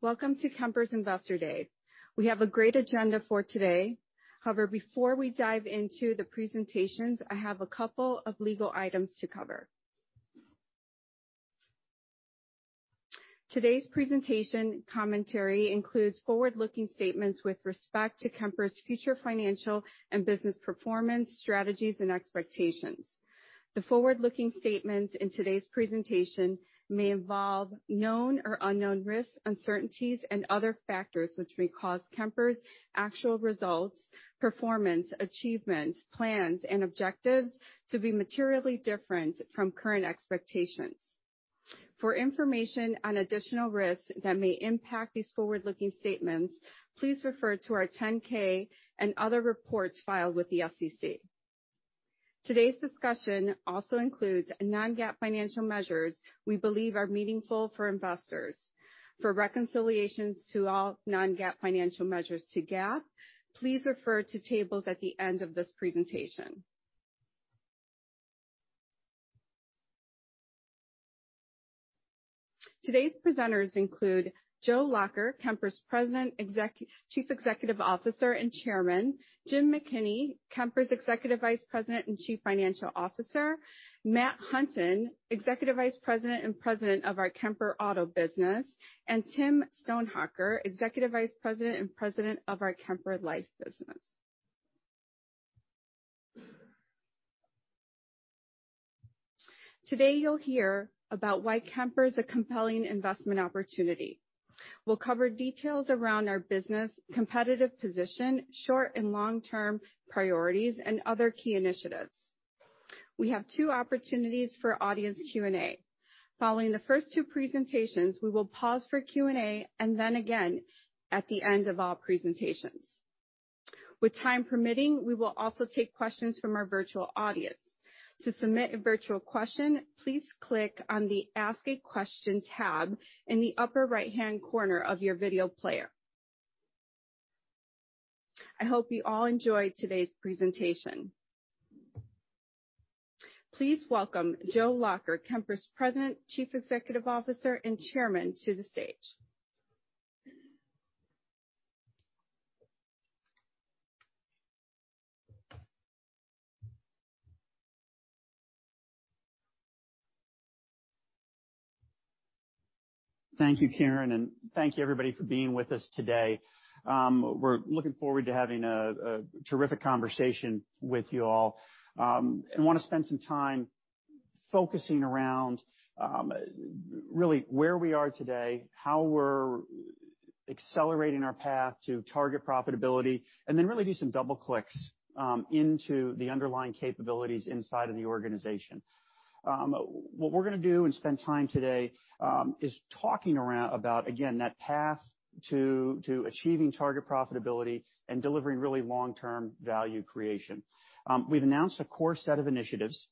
Welcome to Kemper's Investor Day. We have a great agenda for today. However, before we dive into the presentations, I have a couple of legal items to cover. Today's presentation commentary includes forward-looking statements with respect to Kemper's future financial and business performance, strategies, and expectations. The forward-looking statements in today's presentation may involve known or unknown risks, uncertainties, and other factors which may cause Kemper's actual results, performance, achievements, plans, and objectives to be materially different from current expectations. For information on additional risks that may impact these forward-looking statements, please refer to our 10-K and other reports filed with the SEC. Today's discussion also includes non-GAAP financial measures we believe are meaningful for investors. For reconciliations to all non-GAAP financial measures to GAAP, please refer to tables at the end of this presentation. Today's presenters include Joe Lacher, Kemper's President, Chief Executive Officer, and Chairman. Jim McKinney, Kemper's Executive Vice President and Chief Financial Officer. Matt Hunton, Executive Vice President and President of our Kemper Auto business, and Tim Stonehocker, Executive Vice President and President of our Kemper Life business. Today, you'll hear about why Kemper is a compelling investment opportunity. We'll cover details around our business, competitive position, short and long-term priorities, and other key initiatives. We have two opportunities for audience Q&A. Following the first two presentations, we will pause for Q&A and then again at the end of all presentations. With time permitting, we will also take questions from our virtual audience. To submit a virtual question, please click on the Ask a Question tab in the upper right-hand corner of your video player. I hope you all enjoy today's presentation. Please welcome Joe Lacher, Kemper's President, Chief Executive Officer, and Chairman to the stage. Thank you, Karen, and thank you, everybody, for being with us today. We're looking forward to having a terrific conversation with you all, and want to spend some time focusing around really where we are today, how we're accelerating our path to target profitability, and then really do some double clicks into the underlying capabilities inside of the organization. What we're gonna do and spend time today is talking around about, again, that path to achieving target profitability and delivering really long-term value creation. We've announced a core set of initiatives,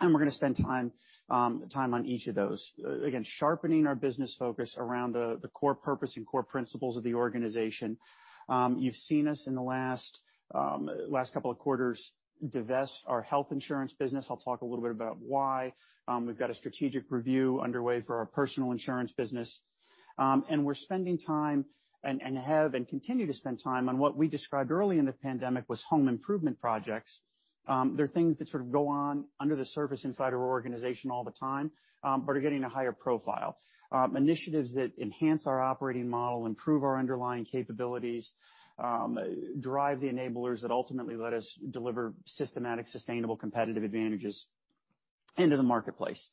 and we're gonna spend time on each of those. Again, sharpening our business focus around the core purpose and core principles of the organization. You've seen us in the last couple of quarters divest our health insurance business. I'll talk a little bit about why. We've got a strategic review underway for our personal insurance business. We're spending time, and have, and continue to spend time on what we described early in the pandemic was home improvement projects. They're things that sort of go on under the surface inside our organization all the time, but are getting a higher profile. Initiatives that enhance our operating model, improve our underlying capabilities, drive the enablers that ultimately let us deliver systematic, sustainable competitive advantages into the marketplace.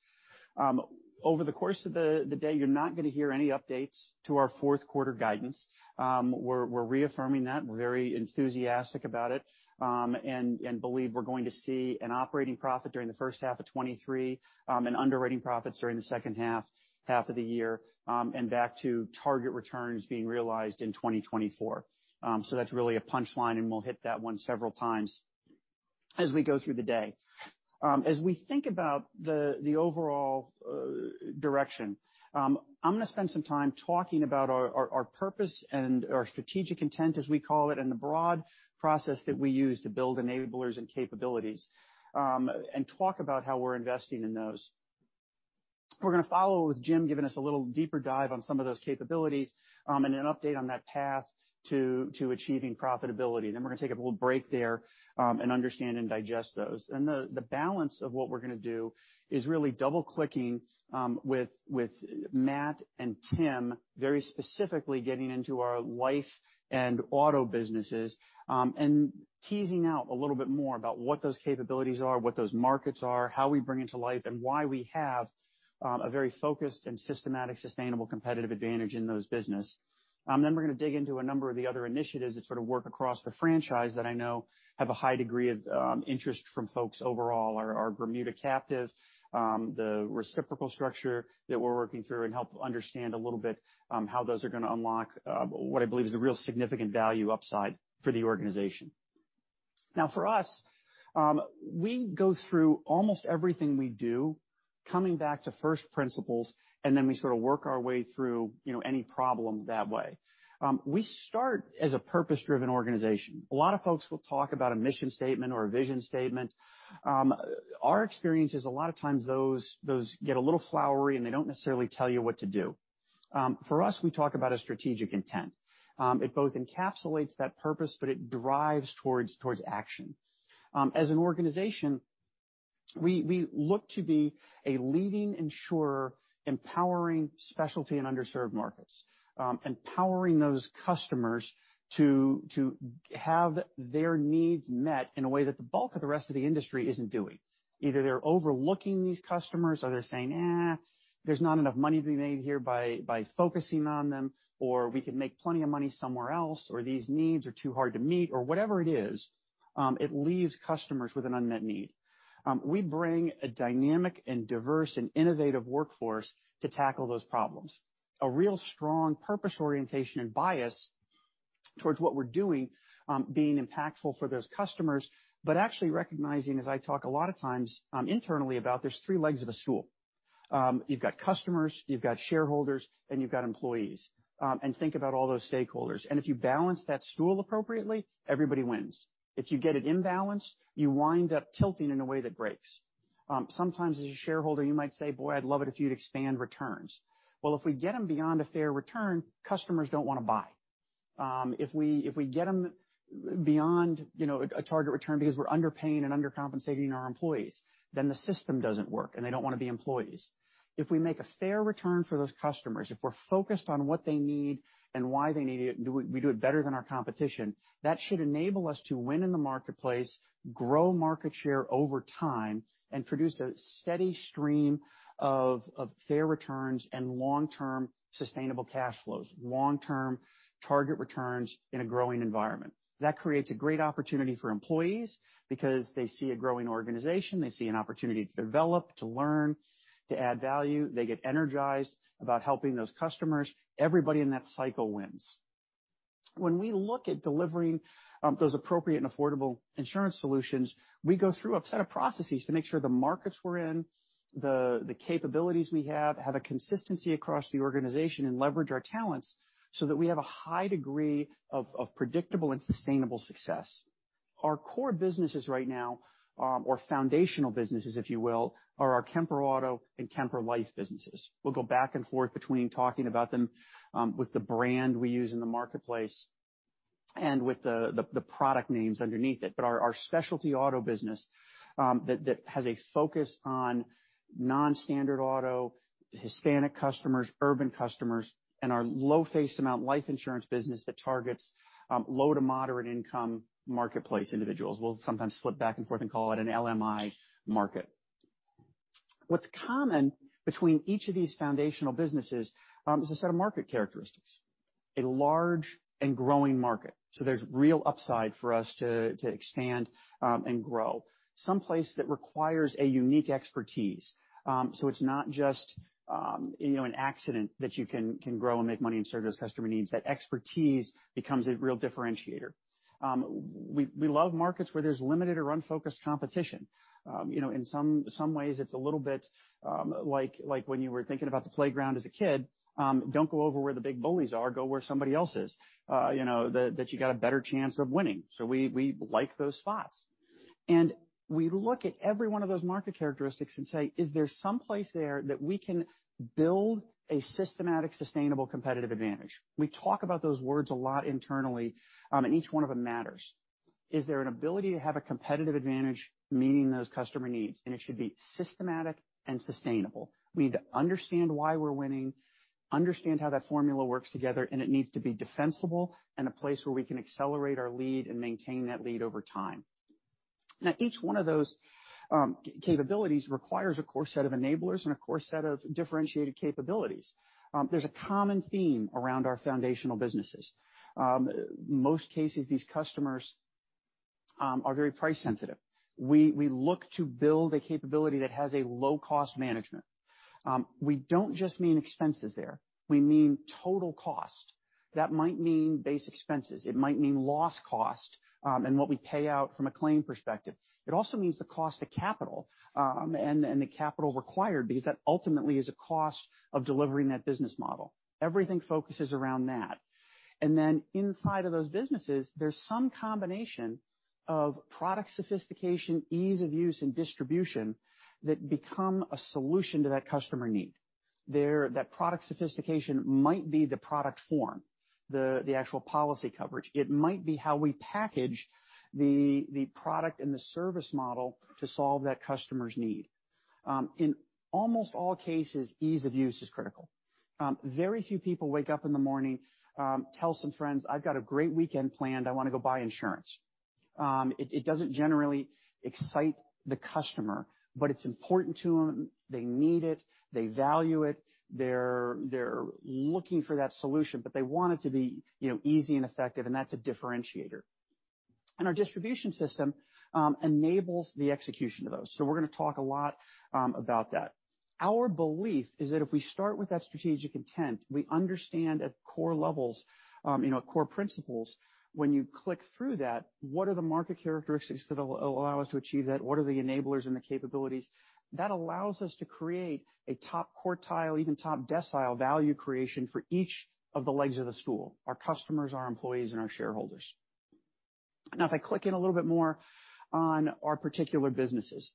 Over the course of the day, you're not gonna hear any updates to our fourth quarter guidance. We're reaffirming that. Very enthusiastic about it, and believe we're going to see an operating profit during the first half of 2023, and underwriting profits during the second half of the year, and back to target returns being realized in 2024. That's really a punchline, and we'll hit that one several times as we go through the day. As we think about the overall direction, I'm gonna spend some time talking about our purpose and our strategic intent, as we call it, and the broad process that we use to build enablers and capabilities, and talk about how we're investing in those. We're gonna follow with Jim giving us a little deeper dive on some of those capabilities, and an update on that path to achieving profitability. We're gonna take a little break there and understand and digest those. The balance of what we're gonna do is really double-clicking with Matt and Tim, very specifically getting into our life and auto businesses and teasing out a little bit more about what those capabilities are, what those markets are, how we bring it to life, and why we have a very focused and systematic, sustainable competitive advantage in those business. We're gonna dig into a number of the other initiatives that sort of work across the franchise that I know have a high degree of interest from folks overall, our Bermuda captive, the reciprocal structure that we're working through and help understand a little bit how those are gonna unlock what I believe is a real significant value upside for the organization. For us, we go through almost everything we do, coming back to first principles, and then we sort of work our way through, you know, any problem that way. We start as a purpose-driven organization. A lot of folks will talk about a mission statement or a vision statement. Our experience is a lot of times those get a little flowery, and they don't necessarily tell you what to do. For us, we talk about a strategic intent. It both encapsulates that purpose, but it drives towards action. As an organization, we look to be a leading insurer, empowering specialty in underserved markets. Empowering those customers to have their needs met in a way that the bulk of the rest of the industry isn't doing. Either they're overlooking these customers, or they're saying, "Eh, there's not enough money to be made here by focusing on them, or we could make plenty of money somewhere else, or these needs are too hard to meet," or whatever it is, it leaves customers with an unmet need. We bring a dynamic and diverse and innovative workforce to tackle those problems. A real strong purpose orientation and bias towards what we're doing, being impactful for those customers, but actually recognizing, as I talk a lot of times, internally about, there's three legs of a stool. You've got customers, you've got shareholders, and you've got employees. Think about all those stakeholders. If you balance that stool appropriately, everybody wins. If you get it imbalanced, you wind up tilting in a way that breaks. Sometimes as a shareholder, you might say, "Boy, I'd love it if you'd expand returns." Well, if we get them beyond a fair return, customers don't wanna buy. If we, if we get them beyond, you know, a target return because we're underpaying and undercompensating our employees, then the system doesn't work, and they don't wanna be employees. If we make a fair return for those customers, if we're focused on what they need and why they need it, we do it better than our competition, that should enable us to win in the marketplace, grow market share over time, and produce a steady stream of fair returns and long-term sustainable cash flows, long-term target returns in a growing environment. That creates a great opportunity for employees because they see a growing organization, they see an opportunity to develop, to learn, to add value. They get energized about helping those customers. Everybody in that cycle wins. When we look at delivering those appropriate and affordable insurance solutions, we go through a set of processes to make sure the markets we're in, the capabilities we have a consistency across the organization and leverage our talents so that we have a high degree of predictable and sustainable success. Our core businesses right now, or foundational businesses, if you will, are our Kemper Auto and Kemper Life businesses. We'll go back and forth between talking about them with the brand we use in the marketplace and with the product names underneath it. Our specialty auto business that has a focus on non-standard auto, Hispanic customers, urban customers, and our low face amount life insurance business that targets low to moderate income marketplace individuals. We'll sometimes slip back and forth and call it an LMI market. What's common between each of these foundational businesses is a set of market characteristics, a large and growing market. There's real upside for us to expand and grow. Some place that requires a unique expertise. It's not just, you know, an accident that you can grow and make money and serve those customer needs. That expertise becomes a real differentiator. We love markets where there's limited or unfocused competition. You know, in some ways, it's a little bit like when you were thinking about the playground as a kid, don't go over where the big bullies are, go where somebody else is. You know, that you got a better chance of winning. We like those spots. We look at every one of those market characteristics and say, "Is there some place there that we can build a systematic, sustainable competitive advantage?" We talk about those words a lot internally, and each one of them matters. Is there an ability to have a competitive advantage meeting those customer needs? It should be systematic and sustainable. We need to understand why we're winning, understand how that formula works together, and it needs to be defensible and a place where we can accelerate our lead and maintain that lead over time. Each one of those capabilities requires a core set of enablers and a core set of differentiated capabilities. There's a common theme around our foundational businesses. Most cases, these customers, are very price sensitive. We look to build a capability that has a low-cost management. We don't just mean expenses there. We mean total cost. That might mean base expenses. It might mean loss cost, and what we pay out from a claim perspective. It also means the cost of capital, and the capital required because that ultimately is a cost of delivering that business model. Everything focuses around that. Then inside of those businesses, there's some combination of product sophistication, ease of use, and distribution that become a solution to that customer need. There, that product sophistication might be the product form, the actual policy coverage. It might be how we package the product and the service model to solve that customer's need. In almost all cases, ease of use is critical. Very few people wake up in the morning, tell some friends, "I've got a great weekend planned. I wanna go buy insurance." It, it doesn't generally excite the customer, but it's important to 'em. They need it. They value it. They're looking for that solution, but they want it to be, you know, easy and effective, and that's a differentiator. Our distribution system enables the execution of those. We're gonna talk a lot about that. Our belief is that if we start with that strategic intent, we understand at core levels, you know, at core principles, when you click through that, what are the market characteristics that'll allow us to achieve that? What are the enablers and the capabilities? That allows us to create a top quartile, even top decile value creation for each of the legs of the stool, our customers, our employees, and our shareholders. If I click in a little bit more on our particular businesses,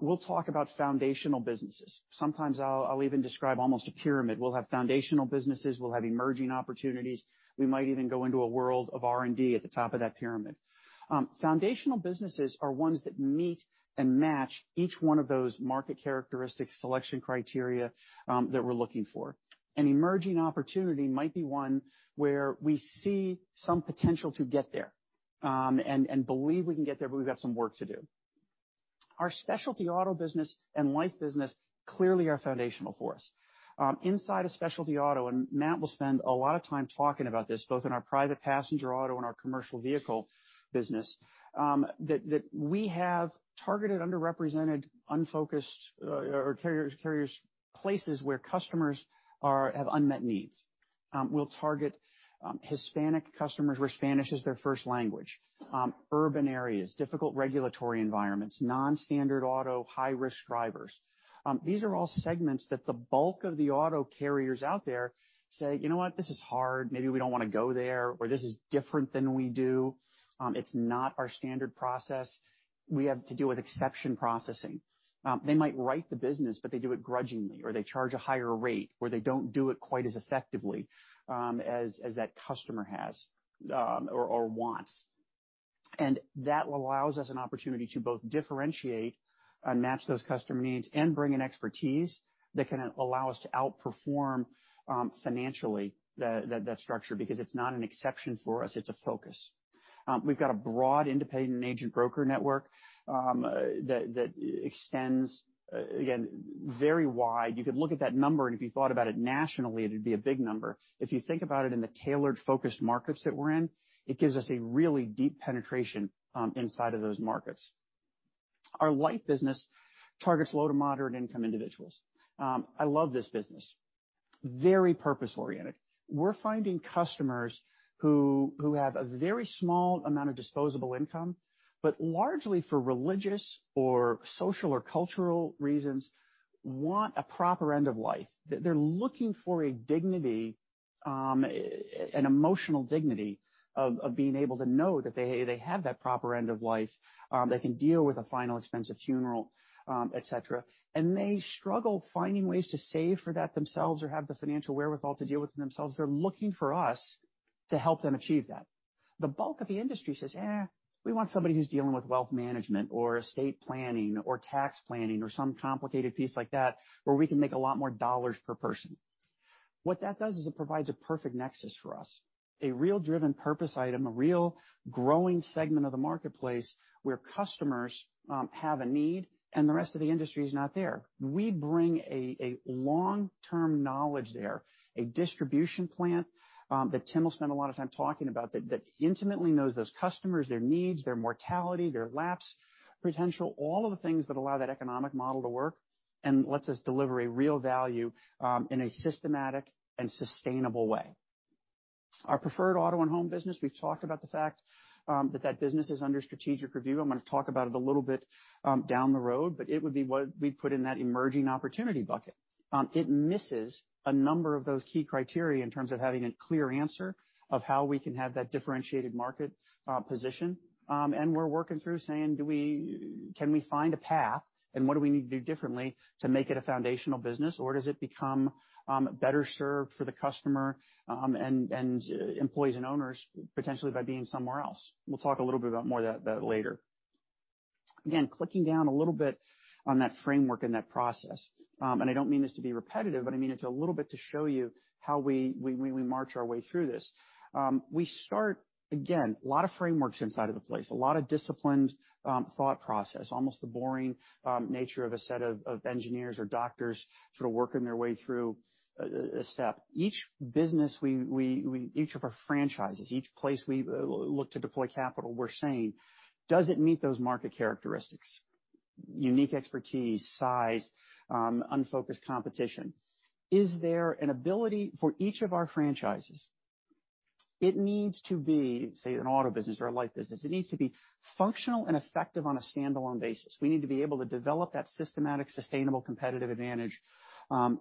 we'll talk about foundational businesses. Sometimes I'll even describe almost a pyramid. We'll have foundational businesses. We'll have emerging opportunities. We might even go into a world of R&D at the top of that pyramid. Foundational businesses are ones that meet and match each one of those market characteristics, selection criteria, that we're looking for. An emerging opportunity might be one where we see some potential to get there, and believe we can get there, but we've got some work to do. Our specialty auto business and life business clearly are foundational for us. Inside of specialty auto, Matt will spend a lot of time talking about this, both in our private passenger auto and our commercial vehicle business, that we have targeted, underrepresented, unfocused, or carriers, places where customers have unmet needs. We'll target Hispanic customers where Spanish is their first language, urban areas, difficult regulatory environments, non-standard auto, high-risk drivers. These are all segments that the bulk of the auto carriers out there say, "You know what? This is hard. Maybe we don't wanna go there" or "This is different than we do. It's not our standard process. We have to deal with exception processing." They might write the business, but they do it grudgingly, or they charge a higher rate, or they don't do it quite as effectively, as that customer has or wants. That allows us an opportunity to both differentiate and match those customer needs and bring in expertise that can allow us to outperform financially the, that structure because it's not an exception for us, it's a focus. We've got a broad independent agent broker network that extends again, very wide. You could look at that number, and if you thought about it nationally, it'd be a big number. If you think about it in the tailored focused markets that we're in, it gives us a really deep penetration inside of those markets. Our life business targets low to moderate income individuals. I love this business. Very purpose-oriented. We're finding customers who have a very small amount of disposable income, but largely for religious or social or cultural reasons, want a proper end of life. They're looking for a dignity, an emotional dignity of being able to know that they have that proper end of life, that can deal with the final expense of funeral, et cetera. They struggle finding ways to save for that themselves or have the financial wherewithal to deal with it themselves. They're looking for us to help them achieve that. The bulk of the industry says, "Eh, we want somebody who's dealing with wealth management or estate planning or tax planning or some complicated piece like that where we can make a lot more dollars per person." What that does is it provides a perfect nexus for us, a real driven purpose item, a real growing segment of the marketplace where customers have a need and the rest of the industry is not there. We bring a long-term knowledge there, a distribution plant that Tim will spend a lot of time talking about that intimately knows those customers, their needs, their mortality, their lapse potential, all of the things that allow that economic model to work and lets us deliver a real value in a systematic and sustainable way. Our preferred auto and home business, we've talked about the fact that business is under strategic review. I'm gonna talk about it a little bit down the road, it would be what we'd put in that emerging opportunity bucket. It misses a number of those key criteria in terms of having a clear answer of how we can have that differentiated market position. We're working through saying, can we find a path, and what do we need to do differently to make it a foundational business? Or does it become better served for the customer, and employees and owners potentially by being somewhere else? We'll talk a little bit about more of that later. Clicking down a little bit on that framework and that process, I don't mean this to be repetitive, but I mean it a little bit to show you how we march our way through this. We start, again, a lot of frameworks inside of the place, a lot of disciplined thought process, almost the boring nature of a set of engineers or doctors sort of working their way through a step. Each business each of our franchises, each place we look to deploy capital, we're saying, does it meet those market characteristics, unique expertise, size, unfocused competition? Is there an ability for each of our franchises? It needs to be, say, an auto business or a life business. It needs to be functional and effective on a standalone basis. We need to be able to develop that systematic, sustainable competitive advantage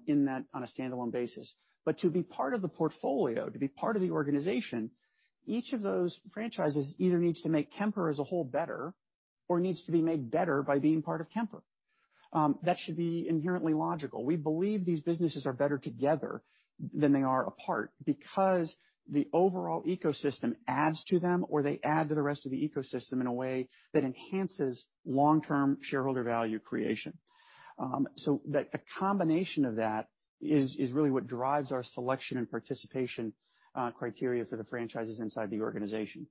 in that on a standalone basis. To be part of the portfolio, to be part of the organization, each of those franchises either needs to make Kemper as a whole better or needs to be made better by being part of Kemper. That should be inherently logical. We believe these businesses are better together than they are apart because the overall ecosystem adds to them or they add to the rest of the ecosystem in a way that enhances long-term shareholder value creation. The combination of that is really what drives our selection and participation criteria for the franchises inside the organization.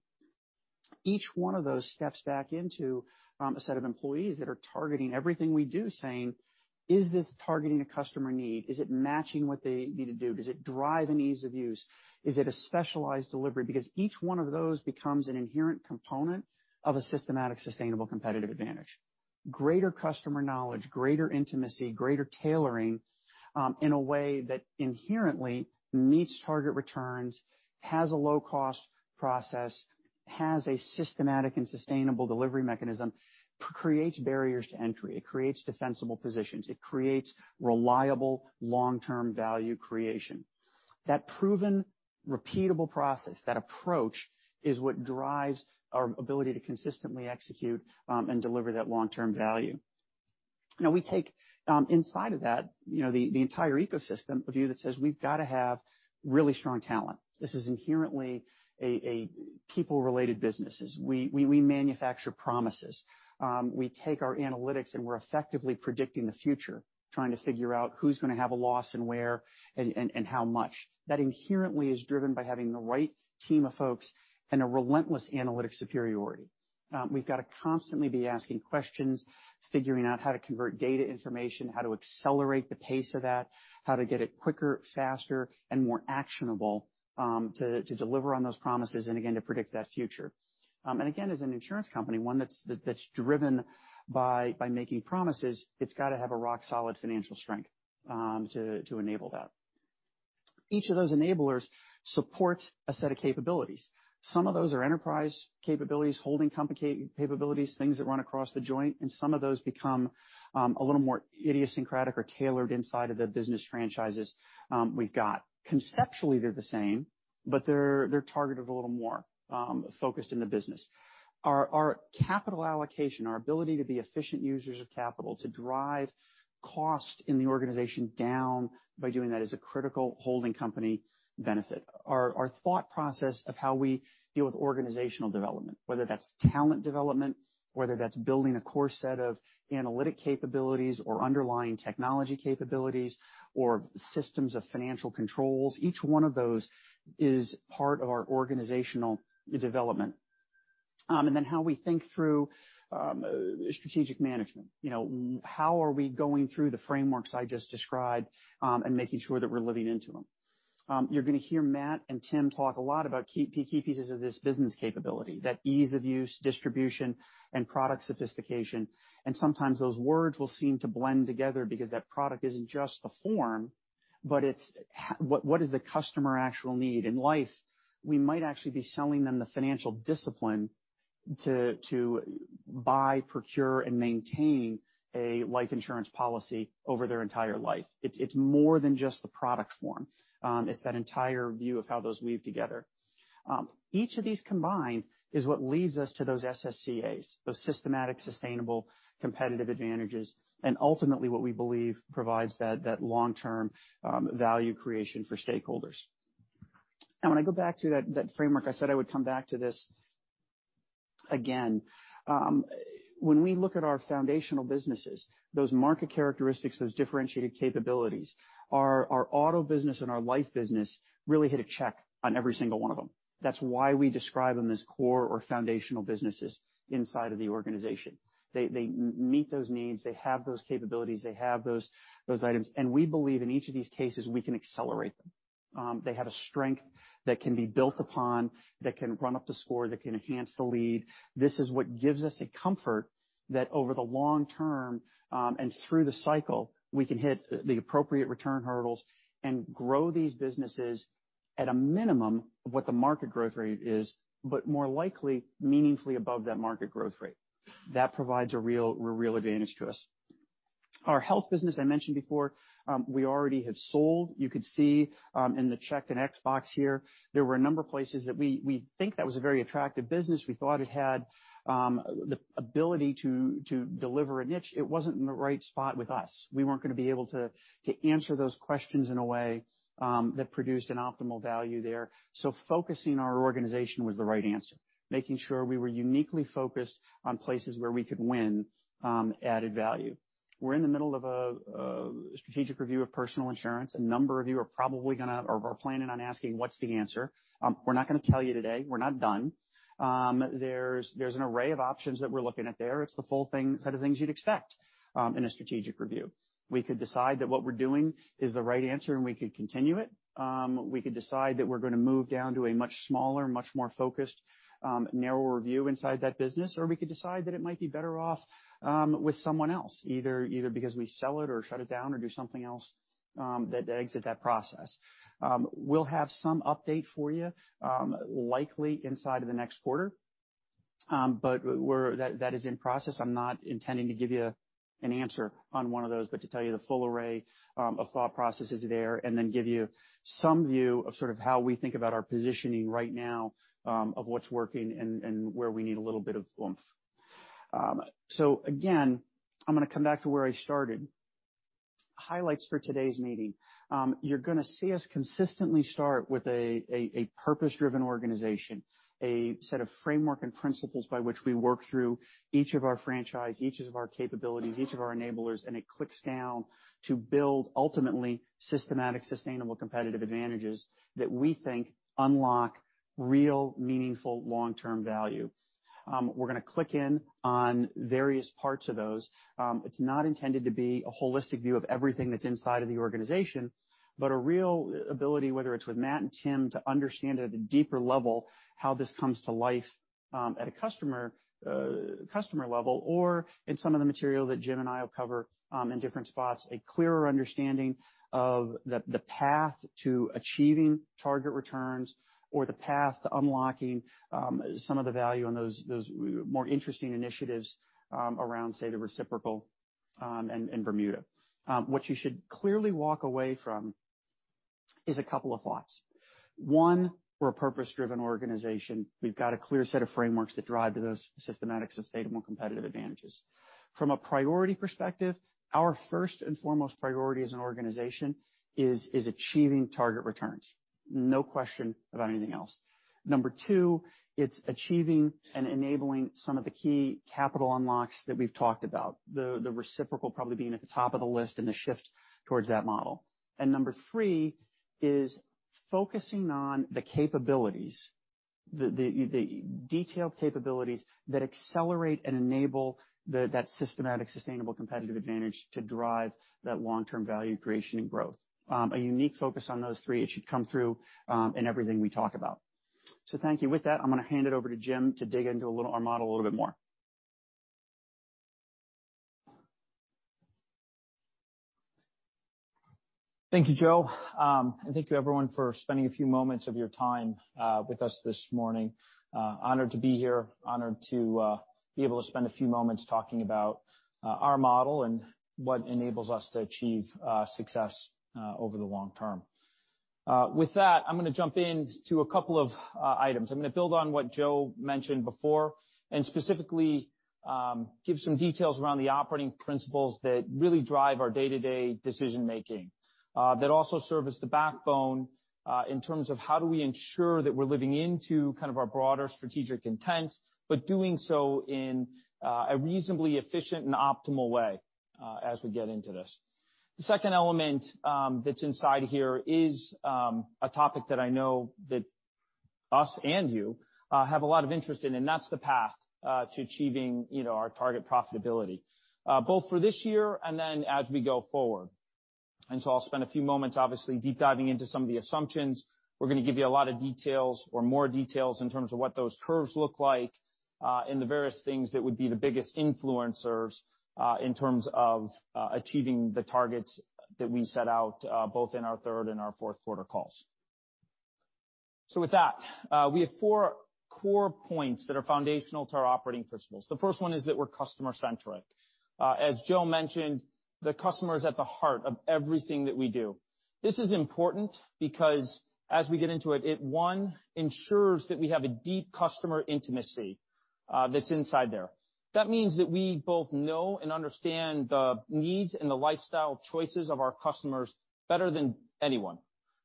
Each one of those steps back into a set of employees that are targeting everything we do, saying, "Is this targeting a customer need? Is it matching what they need to do? Does it drive an ease of use? Is it a specialized delivery?" Each one of those becomes an inherent component of a systematic, sustainable competitive advantage. Greater customer knowledge, greater intimacy, greater tailoring, in a way that inherently meets target returns, has a low-cost process, has a systematic and sustainable delivery mechanism. It creates barriers to entry. It creates defensible positions. It creates reliable long-term value creation. That proven repeatable process, that approach, is what drives our ability to consistently execute, and deliver that long-term value. Now, we take, inside of that, you know, the entire ecosystem of you that says we've gotta have really strong talent. This is inherently a people-related businesses. We manufacture promises. We take our analytics, and we're effectively predicting the future, trying to figure out who's gonna have a loss and where and how much. That inherently is driven by having the right team of folks and a relentless analytic superiority. We've gotta constantly be asking questions, figuring out how to convert data information, how to accelerate the pace of that, how to get it quicker, faster, and more actionable, to deliver on those promises and again to predict that future. Again, as an insurance company, one that's driven by making promises, it's gotta have a rock-solid financial strength, to enable that. Each of those enablers supports a set of capabilities. Some of those are enterprise capabilities, holding company capabilities, things that run across the joint, and some of those become a little more idiosyncratic or tailored inside of the business franchises we've got. Conceptually they're the same, they're targeted a little more focused in the business. Our, our capital allocation, our ability to be efficient users of capital, to drive cost in the organization down by doing that is a critical holding company benefit. Our, our thought process of how we deal with organizational development, whether that's talent development, whether that's building a core set of analytic capabilities or underlying technology capabilities or systems of financial controls, each one of those is part of our organizational development. Then how we think through strategic management. You know, how are we going through the frameworks I just described and making sure that we're living into them? You're gonna hear Matt and Tim talk a lot about key pieces of this business capability, that ease of use, distribution, and product sophistication. Sometimes those words will seem to blend together because that product isn't just a form, but it's what is the customer actual need? In life, we might actually be selling them the financial discipline to buy, procure, and maintain a life insurance policy over their entire life. It's more than just the product form. It's that entire view of how those weave together. Each of these combined is what leads us to those SSCAs, those systematic, sustainable, competitive advantages, and ultimately what we believe provides that long-term value creation for stakeholders. When I go back to that framework, I said I would come back to this again. When we look at our foundational businesses, those market characteristics, those differentiated capabilities, our Auto business and our Life business really hit a check on every single one of them. That's why we describe them as core or foundational businesses inside of the organization. They meet those needs, they have those capabilities, they have those items. We believe in each of these cases, we can accelerate them. They have a strength that can be built upon, that can run up the score, that can enhance the lead. This is what gives us a comfort that over the long term, through the cycle, we can hit the appropriate return hurdles and grow these businesses at a minimum of what the market growth rate is, but more likely meaningfully above that market growth rate. That provides a real advantage to us. Our health business, I mentioned before, we already have sold. You could see, in the check and X box here, there were a number of places that we think that was a very attractive business. We thought it had the ability to deliver a niche. It wasn't in the right spot with us. We weren't gonna be able to answer those questions in a way that produced an optimal value there. Focusing our organization was the right answer, making sure we were uniquely focused on places where we could win, added value. We're in the middle of a strategic review of personal insurance. A number of you are probably gonna or are planning on asking what's the answer. We're not gonna tell you today. We're not done. There's an array of options that we're looking at there. It's the full thing, set of things you'd expect, in a strategic review. We could decide that what we're doing is the right answer, and we could continue it. We could decide that we're gonna move down to a much smaller, much more focused, narrower view inside that business, or we could decide that it might be better off, with someone else, either because we sell it or shut it down or do something else, that exit that process. We'll have some update for you, likely inside of the next quarter. That is in process. I'm not intending to give you an answer on one of those, but to tell you the full array of thought processes there and then give you some view of sort of how we think about our positioning right now of what's working and where we need a little bit of oomph. Again, I'm gonna come back to where I started. Highlights for today's meeting. You're gonna see us consistently start with a purpose-driven organization, a set of framework and principles by which we work through each of our franchise, each of our capabilities, each of our enablers, and it clicks down to build ultimately systematic, sustainable competitive advantages that we think unlock real, meaningful long-term value. We're gonna click in on various parts of those. It's not intended to be a holistic view of everything that's inside of the organization, but a real ability, whether it's with Matt and Tim, to understand at a deeper level how this comes to life, at a customer level or in some of the material that Jim and I will cover, in different spots, a clearer understanding of the path to achieving target returns or the path to unlocking some of the value on those more interesting initiatives, around, say, the reciprocal and Bermuda. What you should clearly walk away from is a couple of thoughts. One, we're a purpose-driven organization. We've got a clear set of frameworks that drive to those systematics sustainable competitive advantages. From a priority perspective, our first and foremost priority as an organization is achieving target returns, no question about anything else. Number two, it's achieving and enabling some of the key capital unlocks that we've talked about, the reciprocal probably being at the top of the list and the shift towards that model. Number three is focusing on the capabilities, the detailed capabilities that accelerate and enable that systematic, sustainable competitive advantage to drive that long-term value creation and growth. A unique focus on those three, it should come through in everything we talk about. Thank you. With that, I'm gonna hand it over to Jim to dig into our model a little bit more. Thank you, Joe. Thank you everyone for spending a few moments of your time with us this morning. Honored to be here. Honored to be able to spend a few moments talking about our model and what enables us to achieve success over the long term. With that, I'm gonna jump in to a couple of items. I'm gonna build on what Joe mentioned before, and specifically, give some details around the operating principles that really drive our day-to-day decision-making, that also serve as the backbone in terms of how do we ensure that we're living into kind of our broader strategic intent, but doing so in a reasonably efficient and optimal way as we get into this. The second element that's inside here is a topic that I know that us and you have a lot of interest in, and that's the path to achieving, you know, our target profitability, both for this year and then as we go forward. I'll spend a few moments obviously deep diving into some of the assumptions. We're gonna give you a lot of details or more details in terms of what those curves look like, and the various things that would be the biggest influencers in terms of achieving the targets that we set out both in our third and our fourth quarter calls. With that, we have four core points that are foundational to our operating principles. The first one is that we're customer centric. As Joe mentioned, the customer is at the heart of everything that we do. This is important because as we get into it, one, ensures that we have a deep customer intimacy that's inside there. That means that we both know and understand the needs and the lifestyle choices of our customers better than anyone,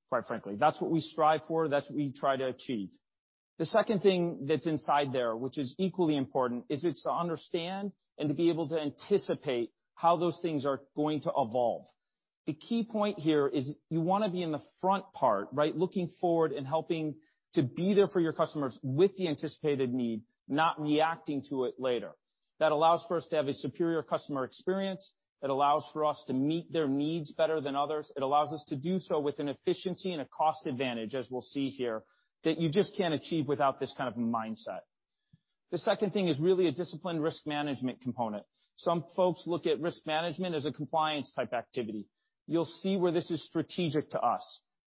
quite frankly. That's what we strive for. That's what we try to achieve. The second thing that's inside there, which is equally important, is it's to understand and to be able to anticipate how those things are going to evolve. The key point here is you wanna be in the front part, right, looking forward and helping to be there for your customers with the anticipated need, not reacting to it later. That allows for us to have a superior customer experience. It allows for us to meet their needs better than others. It allows us to do so with an efficiency and a cost advantage, as we'll see here, that you just can't achieve without this kind of mindset. The second thing is really a disciplined risk management component. Some folks look at risk management as a compliance type activity. You'll see where this is strategic to us.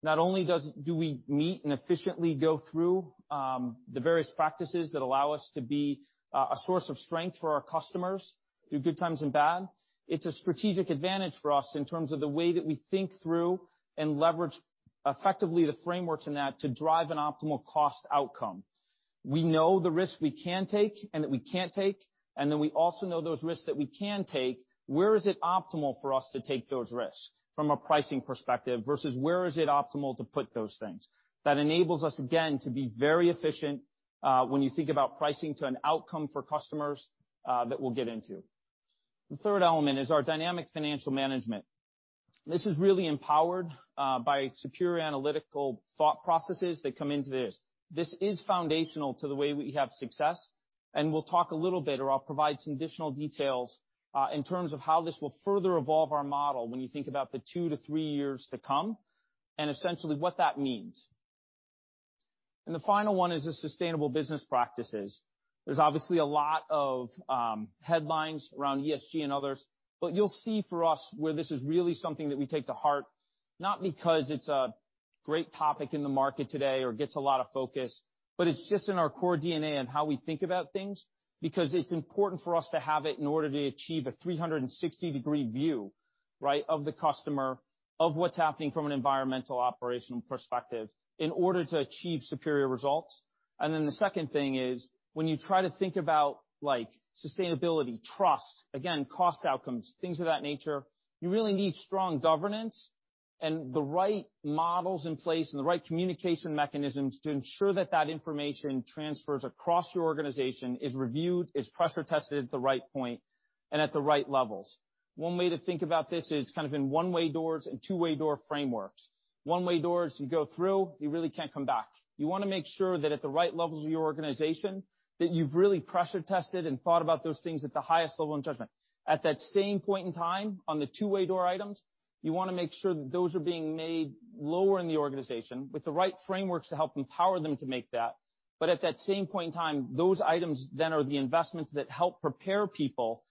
Not only do we meet and efficiently go through the various practices that allow us to be a source of strength for our customers through good times and bad, it's a strategic advantage for us in terms of the way that we think through and leverage effectively the frameworks in that to drive an optimal cost outcome. We know the risks we can take and that we can't take, and then we also know those risks that we can take. Where is it optimal for us to take those risks from a pricing perspective versus where is it optimal to put those things? That enables us, again, to be very efficient, when you think about pricing to an outcome for customers, that we'll get into. The third element is our dynamic financial management. This is really empowered by superior analytical thought processes that come into this. This is foundational to the way we have success, and we'll talk a little or I'll provide some additional details in terms of how this will further evolve our model when you think about the two-three years to come and essentially what that means. The final one is the sustainable business practices. There's obviously a lot of headlines around ESG and others, but you'll see for us where this is really something that we take to heart, not because it's a great topic in the market today or gets a lot of focus, but it's just in our core DNA and how we think about things because it's important for us to have it in order to achieve a 360-degree view, right, of the customer, of what's happening from an environmental operational perspective in order to achieve superior results. The second thing is, when you try to think about, like, sustainability, trust, again, cost outcomes, things of that nature, you really need strong governance and the right models in place and the right communication mechanisms to ensure that that information transfers across your organization is reviewed, is pressure tested at the right point and at the right levels. One way to think about this is kind of in one-way doors and two-way door frameworks. One-way doors, you go through, you really can't come back. You wanna make sure that at the right levels of your organization, that you've really pressure tested and thought about those things at the highest level in judgment. At that same point in time, on the two-way door items, you wanna make sure that those are being made lower in the organization with the right frameworks to help empower them to make that. At that same point in time, those items then are the investments that help prepare people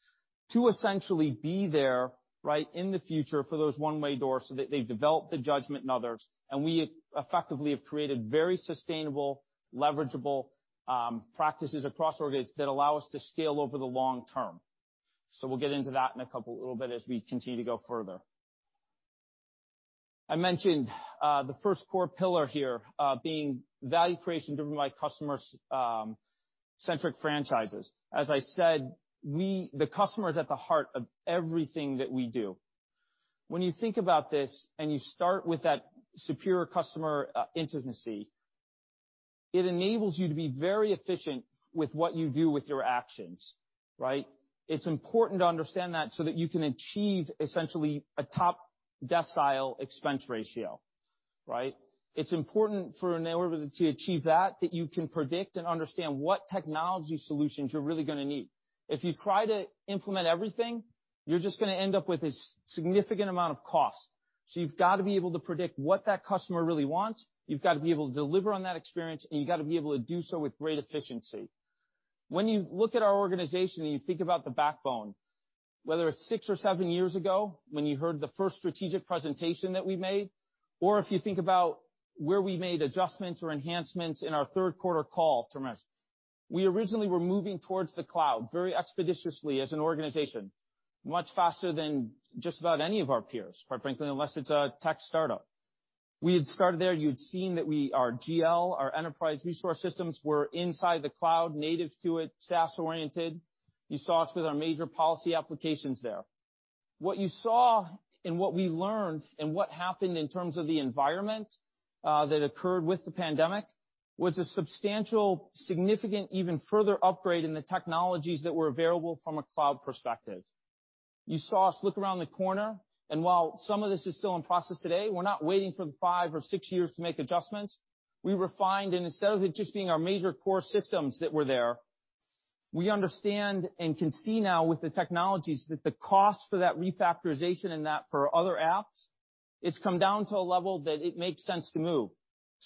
to essentially be there, right, in the future for those one-way doors so that they've developed the judgment in others, and we effectively have created very sustainable, leverageable, practices across organs that allow us to scale over the long term. We'll get into that a little bit as we continue to go further. I mentioned the first core pillar here, being value creation driven by customer centric franchises. As I said, the customer is at the heart of everything that we do. When you think about this and you start with that superior customer intimacy, it enables you to be very efficient with what you do with your actions, right? It's important to understand that so that you can achieve essentially a top decile expense ratio, right? It's important for an organization to achieve that you can predict and understand what technology solutions you're really gonna need. If you try to implement everything, you're just gonna end up with a significant amount of cost. So you've got to be able to predict what that customer really wants, you've got to be able to deliver on that experience, and you've got to be able to do so with great efficiency. When you look at our organization and you think about the backbone, whether it's six or seven years ago, when you heard the first strategic presentation that we made, or if you think about where we made adjustments or enhancements in our third quarter call, tremendous. We originally were moving towards the cloud very expeditiously as an organization, much faster than just about any of our peers, quite frankly, unless it's a tech start-up. We had started there, you had seen that we, our GL, our enterprise resource systems were inside the cloud, native to it, SaaS oriented. You saw us with our major policy applications there. What you saw and what we learned and what happened in terms of the environment, that occurred with the pandemic, was a substantial, significant, even further upgrade in the technologies that were available from a cloud perspective. You saw us look around the corner, and while some of this is still in process today, we're not waiting for the five or six years to make adjustments. We refined, and instead of it just being our major core systems that were there, we understand and can see now with the technologies that the cost for that refactorization and that for other apps, it's come down to a level that it makes sense to move.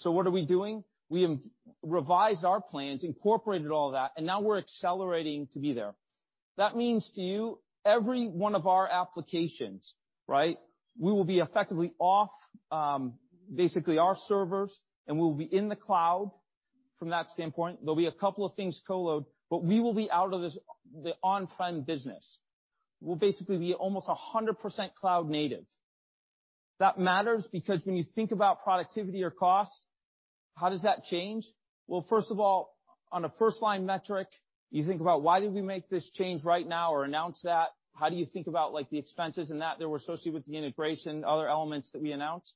What are we doing? We revised our plans, incorporated all that, and now we're accelerating to be there. That means to you, every one of our applications, right, we will be effectively off, basically our servers, and we will be in the cloud from that standpoint. There'll be a couple of things co-load, but we will be out of this, the on-prem business. We'll basically be almost 100% cloud native. That matters because when you think about productivity or cost, how does that change? First of all, on a first line metric, you think about why did we make this change right now or announce that? How do you think about, like, the expenses and that were associated with the integration and other elements that we announced?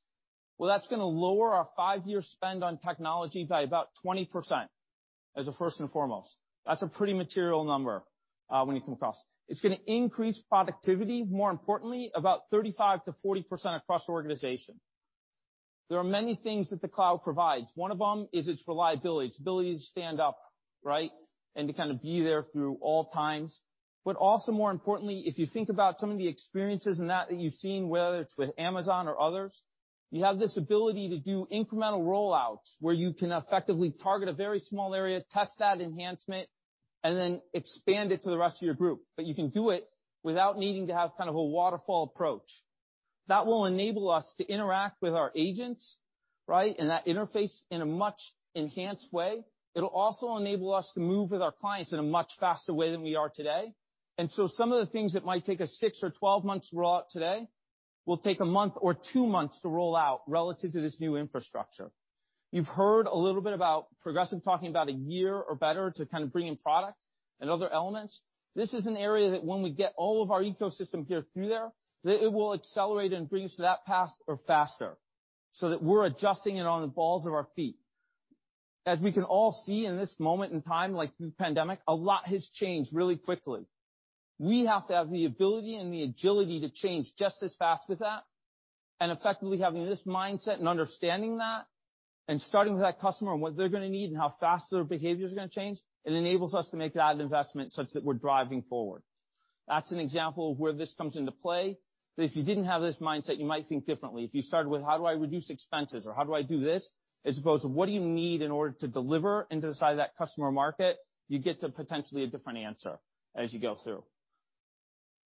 That's gonna lower our five-year spend on technology by about 20% as a first and foremost. That's a pretty material number, when you come across. It's gonna increase productivity, more importantly, about 35%-40% across the organization. There are many things that the cloud provides. One of them is its reliability, its ability to stand up, right, and to kind of be there through all times. Also more importantly, if you think about some of the experiences in that that you've seen, whether it's with Amazon or others, you have this ability to do incremental rollouts where you can effectively target a very small area, test that enhancement, and then expand it to the rest of your group. You can do it without needing to have kind of a waterfall approach. That will enable us to interact with our agents, right, and that interface in a much enhanced way. It'll also enable us to move with our clients in a much faster way than we are today. Some of the things that might take us six or 12 months to roll out today will take one month or two months to roll out relative to this new infrastructure. You've heard a little bit about Progressive talking about a year or better to kind of bring in product and other elements. This is an area that when we get all of our ecosystem here through there, that it will accelerate and bring us to that path or faster so that we're adjusting it on the balls of our feet. As we can all see in this moment in time, like through the pandemic, a lot has changed really quickly. We have to have the ability and the agility to change just as fast as that, and effectively having this mindset and understanding that, and starting with that customer and what they're gonna need and how fast their behaviors are gonna change, it enables us to make that investment such that we're driving forward. That's an example of where this comes into play, that if you didn't have this mindset, you might think differently. If you started with, "How do I reduce expenses?" or "How do I do this?" as opposed to, "What do you need in order to deliver into the side of that customer market?" you get to potentially a different answer as you go through.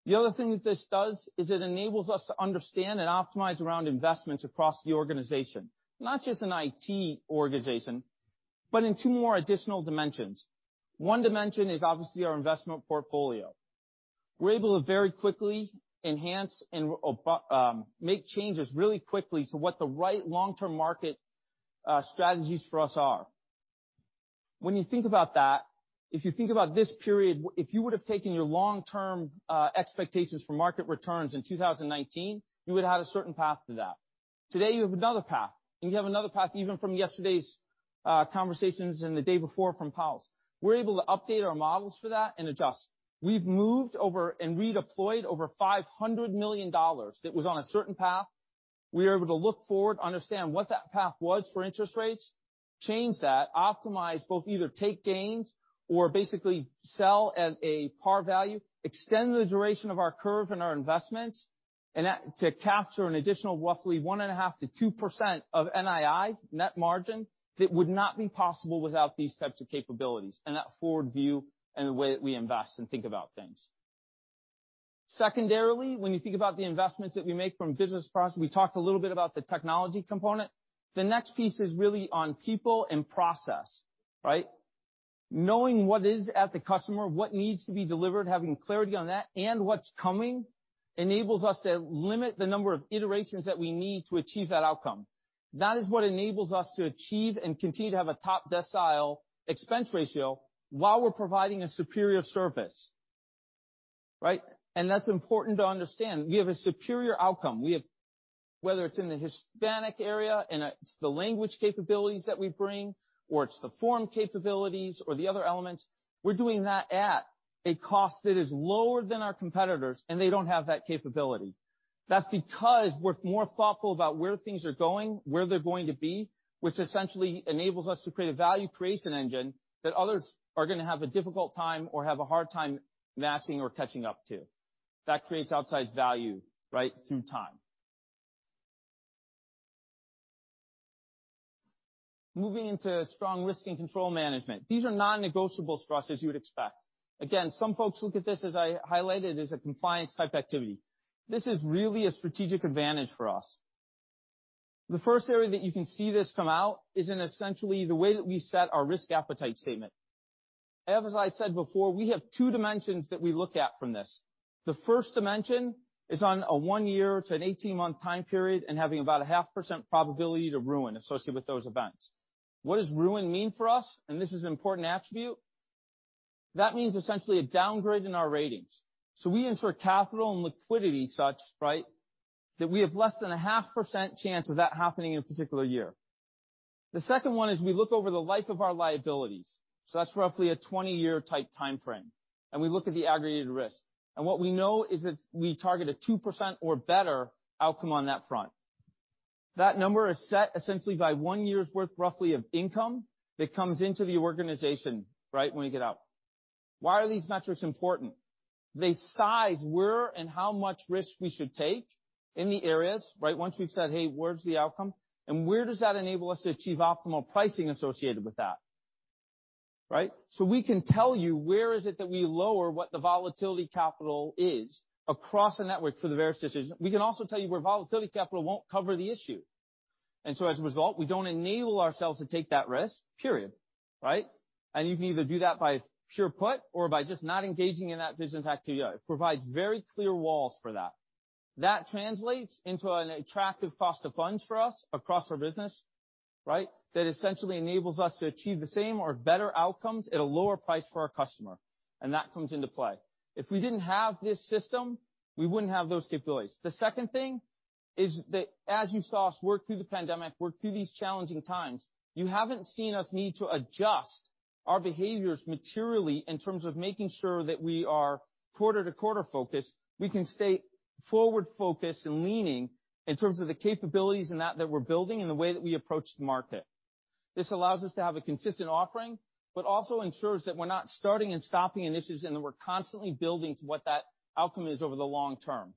The other thing that this does is it enables us to understand and optimize around investments across the organization, not just in IT organization, but in two more additional dimensions. One dimension is obviously our investment portfolio. We're able to very quickly enhance and make changes really quickly to what the right long-term market strategies for us are. When you think about that, if you think about this period, if you would have taken your long-term, expectations for market returns in 2019, you would have a certain path to that. Today, you have another path, and you have another path even from yesterday's, conversations and the day before from Powell's. We're able to update our models for that and adjust. We've moved over and redeployed over $500 million that was on a certain path. We are able to look forward, understand what that path was for interest rates, change that, optimize both either take gains or basically sell at a par value, extend the duration of our curve and our investments, and that to capture an additional roughly 1.5%-2% of NII net margin that would not be possible without these types of capabilities and that forward view and the way that we invest and think about things. Secondarily, when you think about the investments that we make from business process, we talked a little bit about the technology component. The next piece is really on people and process, right? Knowing what is at the customer, what needs to be delivered, having clarity on that and what's coming, enables us to limit the number of iterations that we need to achieve that outcome. That is what enables us to achieve and continue to have a top decile expense ratio while we're providing a superior service, right? That's important to understand. We have a superior outcome. Whether it's in the Hispanic area, and it's the language capabilities that we bring, or it's the form capabilities or the other elements, we're doing that at a cost that is lower than our competitors, and they don't have that capability. That's because we're more thoughtful about where things are going, where they're going to be, which essentially enables us to create a value creation engine that others are gonna have a difficult time or have a hard time matching or catching up to. That creates outsized value, right, through time. Moving into strong risk and control management. These are non-negotiables for us, as you would expect. Some folks look at this, as I highlighted, as a compliance type activity. This is really a strategic advantage for us. The first area that you can see this come out is in essentially the way that we set our risk appetite statement. As I said before, we have two dimensions that we look at from this. The first dimension is on a one-year to an 18-month time period and having about a 0.5% probability to ruin associated with those events. What does ruin mean for us? This is an important attribute. That means essentially a downgrade in our ratings. We insert capital and liquidity such, right, that we have less than a 0.5% chance of that happening in a particular year. The second one is we look over the life of our liabilities, so that's roughly a 20-year type timeframe. We look at the aggregated risk. What we know is if we target a 2% or better outcome on that front. That number is set essentially by one year's worth roughly of income that comes into the organization, right, when we get out. Why are these metrics important? They size where and how much risk we should take in the areas, right? Once we've said, "Hey, where's the outcome?" Where does that enable us to achieve optimal pricing associated with that, right? We can tell you where is it that we lower what the volatility capital is across the network for the various decisions. We can also tell you where volatility capital won't cover the issue. As a result, we don't enable ourselves to take that risk, period, right. You can either do that by pure put or by just not engaging in that business activity. It provides very clear walls for that. That translates into an attractive cost of funds for us across our business, right, that essentially enables us to achieve the same or better outcomes at a lower price for our customer. That comes into play. If we didn't have this system, we wouldn't have those capabilities. The second thing is that as you saw us work through the pandemic, work through these challenging times, you haven't seen us need to adjust our behaviors materially in terms of making sure that we are quarter-to-quarter focused. We can stay forward-focused and leaning in terms of the capabilities in that we're building and the way that we approach the market. This allows us to have a consistent offering, but also ensures that we're not starting and stopping initiatives, and that we're constantly building to what that outcome is over the long term.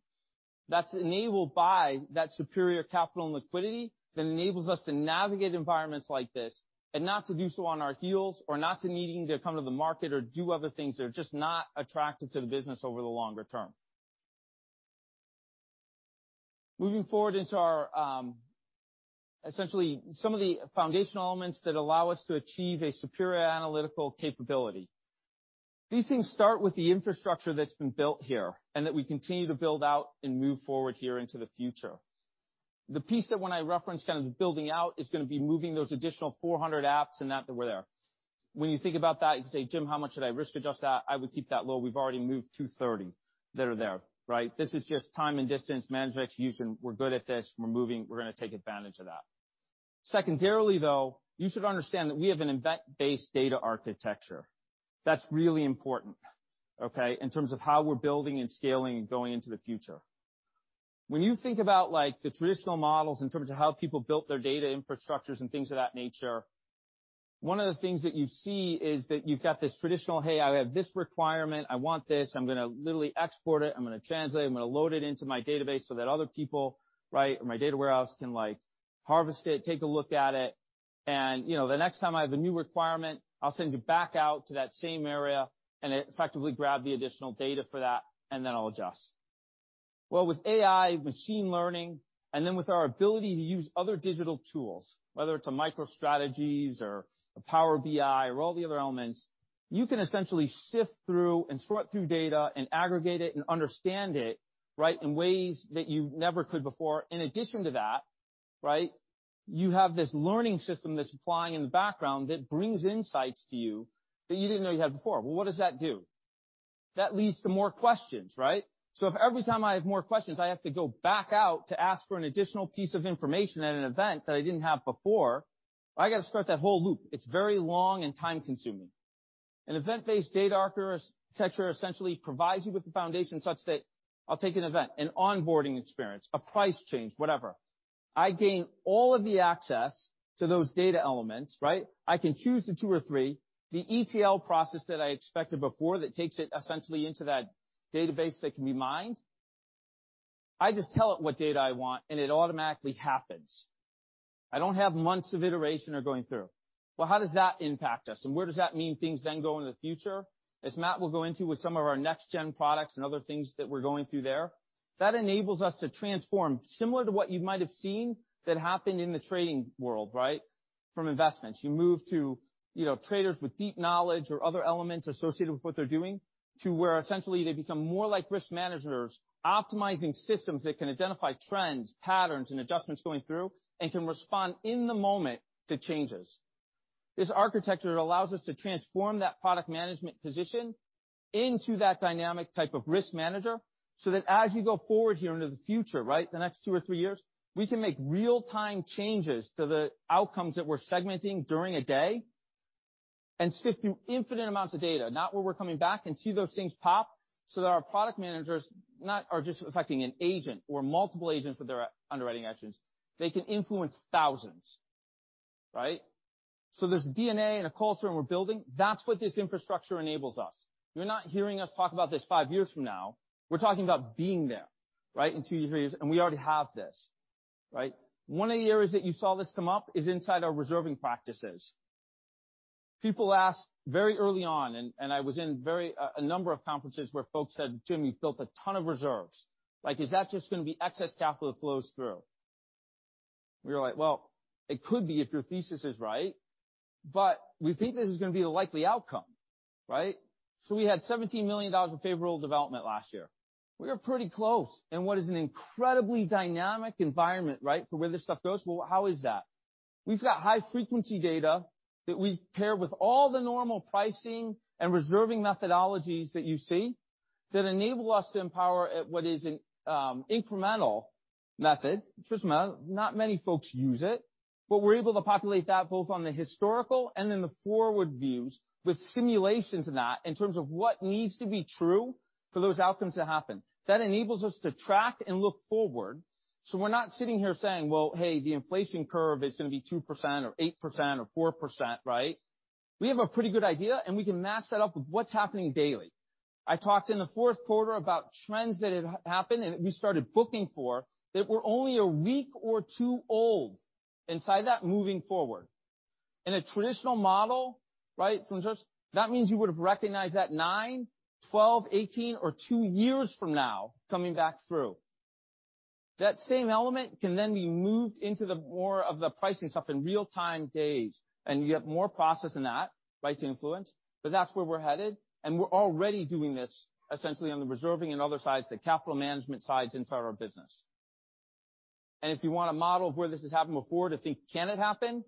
That's enabled by that superior capital and liquidity that enables us to navigate environments like this and not to do so on our heels or not to needing to come to the market or do other things that are just not attractive to the business over the longer term. Moving forward into our essentially some of the foundational elements that allow us to achieve a superior analytical capability. These things start with the infrastructure that's been built here, and that we continue to build out and move forward here into the future. The piece that when I reference kind of the building out is gonna be moving those additional 400 apps and that were there. When you think about that, you say, "Jim, how much should I risk adjust that?" I would keep that low. We've already moved 230 that are there, right? This is just time and distance management execution. We're good at this. We're moving. We're gonna take advantage of that. Secondarily, though, you should understand that we have an event-based data architecture. That's really important, okay, in terms of how we're building and scaling and going into the future. When you think about, like, the traditional models in terms of how people built their data infrastructures and things of that nature, one of the things that you see is that you've got this traditional, "Hey, I have this requirement. I want this. I'm gonna literally export it. I'm gonna translate it. I'm gonna load it into my database so that other people, right, or my data warehouse can, like, harvest it, take a look at it, and, you know, the next time I have a new requirement, I'll send you back out to that same area and effectively grab the additional data for that, and then I'll adjust. Well, with AI machine learning and then with our ability to use other digital tools, whether it's a MicroStrategy or a Power BI or all the other elements, you can essentially sift through and sort through data and aggregate it and understand it, right, in ways that you never could before. In addition to that, right, you have this learning system that's applying in the background that brings insights to you that you didn't know you had before. Well, what does that do? That leads to more questions, right? If every time I have more questions, I have to go back out to ask for an additional piece of information at an event that I didn't have before, I gotta start that whole loop. It's very long and time-consuming. An event-based data architecture essentially provides you with the foundation such that I'll take an event, an onboarding experience, a price change, whatever. I gain all of the access to those data elements, right? I can choose the two or three. The ETL process that I expected before that takes it essentially into that database that can be mined, I just tell it what data I want, and it automatically happens. I don't have months of iteration or going through. How does that impact us? Where does that mean things then go in the future? As Matt will go into with some of our next gen products and other things that we're going through there, that enables us to transform similar to what you might have seen that happened in the trading world, right? From investments. You move to, you know, traders with deep knowledge or other elements associated with what they're doing, to where essentially they become more like risk managers, optimizing systems that can identify trends, patterns, and adjustments going through, and can respond in the moment to changes. This architecture allows us to transform that product management position into that dynamic type of risk manager, so that as you go forward here into the future, right, the next two or three years, we can make real-time changes to the outcomes that we're segmenting during a day and sift through infinite amounts of data, not where we're coming back and see those things pop, so that our product managers are just affecting an agent or multiple agents with their underwriting actions. They can influence thousands, right? There's DNA and a culture and we're building, that's what this infrastructure enables us. You're not hearing us talk about this five years from now. We're talking about being there, right, in two-three years, and we already have this, right? One of the areas that you saw this come up is inside our reserving practices. People ask very early on. I was in a number of conferences where folks said, "Jim, you've built a ton of reserves. Like, is that just gonna be excess capital that flows through?" We were like, "Well, it could be if your thesis is right, but we think this is gonna be the likely outcome," right? We had $17 million in favorable development last year. We are pretty close in what is an incredibly dynamic environment, right, for where this stuff goes. Well, how is that? We've got high frequency data that we pair with all the normal pricing and reserving methodologies that you see that enable us to empower at what is an incremental method. First of all, not many folks use it, but we're able to populate that both on the historical and in the forward views with simulations in that in terms of what needs to be true for those outcomes to happen. That enables us to track and look forward. We're not sitting here saying, "Well, hey, the inflation curve is gonna be 2% or 8% or 4%," right? We have a pretty good idea, and we can match that up with what's happening daily. I talked in the fourth quarter about trends that had happened, and we started booking for, that were only a week or two old inside that moving forward. In a traditional model, right, that means you would have recognized that nine, 12, 18 or two years from now coming back through. That same element can be moved into the more of the pricing stuff in real-time days, you have more process in that, right, to influence. That's where we're headed. We're already doing this essentially on the reserving and other sides, the capital management sides inside our business. If you want a model of where this has happened before to think, can it happen?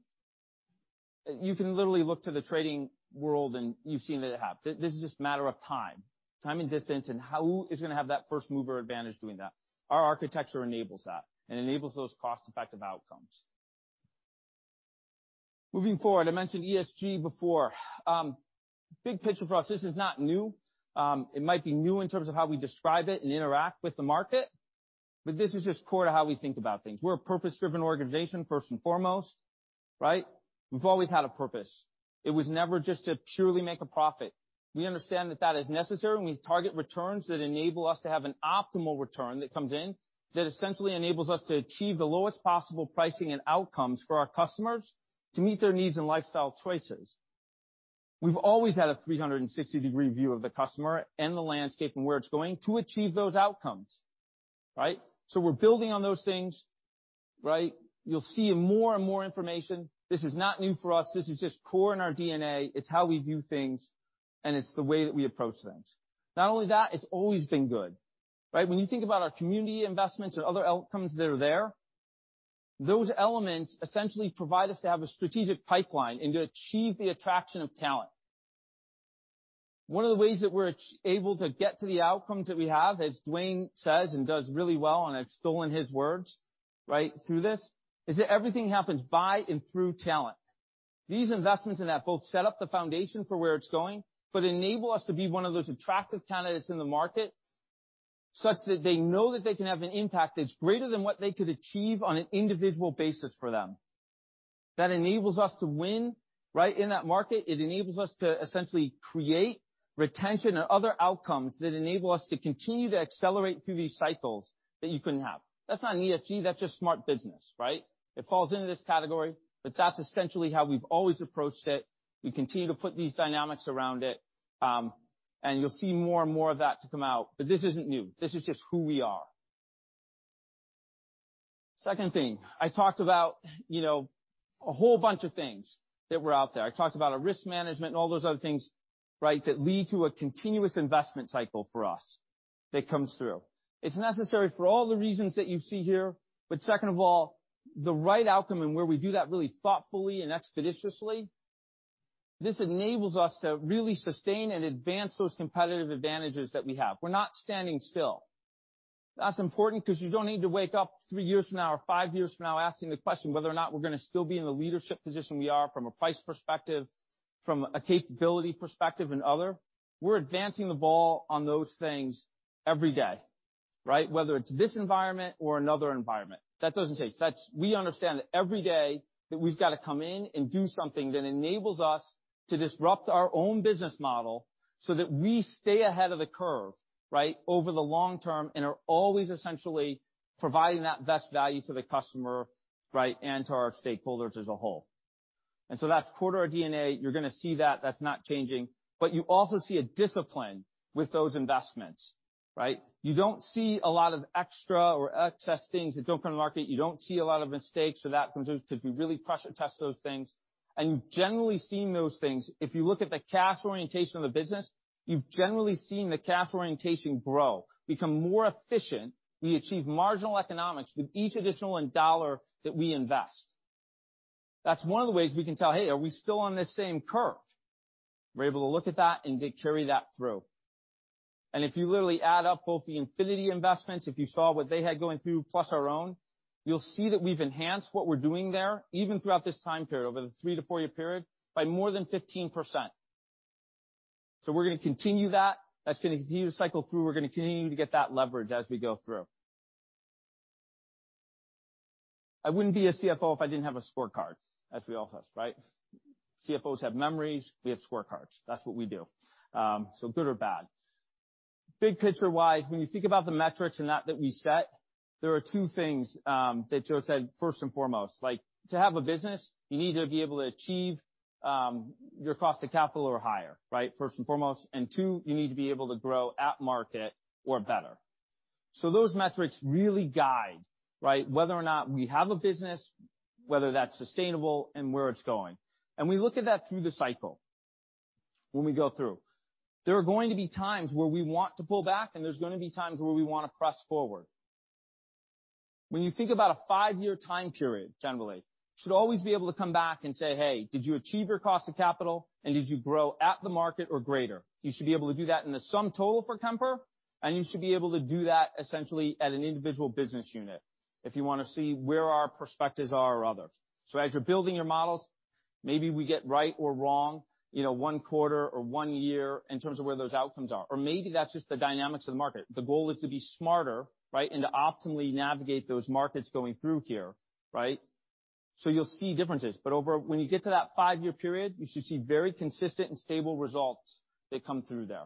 You can literally look to the trading world and you've seen that it happens. This is just a matter of time and distance and who is gonna have that first-mover advantage doing that. Our architecture enables that and enables those cost-effective outcomes. Moving forward, I mentioned ESG before. Big picture for us, this is not new. It might be new in terms of how we describe it and interact with the market, but this is just core to how we think about things. We're a purpose-driven organization, first and foremost, right? We've always had a purpose. It was never just to purely make a profit. We understand that that is necessary, and we target returns that enable us to have an optimal return that comes in that essentially enables us to achieve the lowest possible pricing and outcomes for our customers to meet their needs and lifestyle choices. We've always had a 360 degree view of the customer and the landscape and where it's going to achieve those outcomes, right? We're building on those things, right? You'll see more and more information. This is not new for us. This is just core in our DNA. It's how we view things. It's the way that we approach things. Not only that, it's always been good, right? When you think about our community investments or other outcomes that are there, those elements essentially provide us to have a strategic pipeline and to achieve the attraction of talent. One of the ways that we're able to get to the outcomes that we have, as Dwayne says and does really well, and I've stolen his words, right, through this, is that everything happens by and through talent. These investments in that both set up the foundation for where it's going, but enable us to be one of those attractive candidates in the market such that they know that they can have an impact that's greater than what they could achieve on an individual basis for them. That enables us to win, right, in that market. It enables us to essentially create retention and other outcomes that enable us to continue to accelerate through these cycles that you couldn't have. That's not an ESG, that's just smart business, right? It falls into this category, but that's essentially how we've always approached it. We continue to put these dynamics around it, and you'll see more and more of that to come out. This isn't new. This is just who we are. Second thing, I talked about, you know, a whole bunch of things that were out there. I talked about our risk management and all those other things, right, that lead to a continuous investment cycle for us that comes through. It's necessary for all the reasons that you see here. Second of all, the right outcome and where we do that really thoughtfully and expeditiously, this enables us to really sustain and advance those competitive advantages that we have. We're not standing still. That's important 'cause you don't need to wake up three years from now or five years from now asking the question whether or not we're gonna still be in the leadership position we are from a price perspective, from a capability perspective and other. We're advancing the ball on those things every day, right? Whether it's this environment or another environment. That doesn't change. We understand that every day that we've got to come in and do something that enables us to disrupt our own business model so that we stay ahead of the curve, right, over the long term and are always essentially providing that best value to the customer, right, and to our stakeholders as a whole. That's core to our DNA. You're going to see that. That's not changing. You also see a discipline with those investments, right? You don't see a lot of extra or excess things that don't go to market. You don't see a lot of mistakes or that comes through because we really pressure test those things, and you've generally seen those things. If you look at the cash orientation of the business, you've generally seen the cash orientation grow, become more efficient. We achieve marginal economics with each additional dollar that we invest. That's one of the ways we can tell, hey, are we still on this same curve? We're able to look at that and carry that through. If you literally add up both the Infinity investments, if you saw what they had going through plus our own, you'll see that we've enhanced what we're doing there even throughout this time period, over the three- to-four-year period, by more than 15%. We're gonna continue that. That's gonna continue to cycle through. We're gonna continue to get that leverage as we go through. I wouldn't be a CFO if I didn't have a scorecard, as we all have, right? CFOs have memories. We have scorecards. That's what we do. Good or bad. Big picture-wise, when you think about the metrics and that we set, there are two things that Joe said, first and foremost. Like, to have a business, you need to be able to achieve your cost of capital or higher, right? First and foremost, and two, you need to be able to grow at market or better. Those metrics really guide, right? Whether or not we have a business, whether that's sustainable and where it's going. We look at that through the cycle when we go through. There are going to be times where we want to pull back, and there's gonna be times where we wanna press forward. When you think about a five-year time period, generally, you should always be able to come back and say, "Hey, did you achieve your cost of capital, and did you grow at the market or greater?" You should be able to do that in the sum total for Kemper, and you should be able to do that essentially at an individual business unit if you wanna see where our perspectives are or others. As you're building your models, maybe we get right or wrong, you know, 1 quarter or one year in terms of where those outcomes are, or maybe that's just the dynamics of the market. The goal is to be smarter, right, and to optimally navigate those markets going through here, right? You'll see differences. When you get to that five-year period, you should see very consistent and stable results that come through there.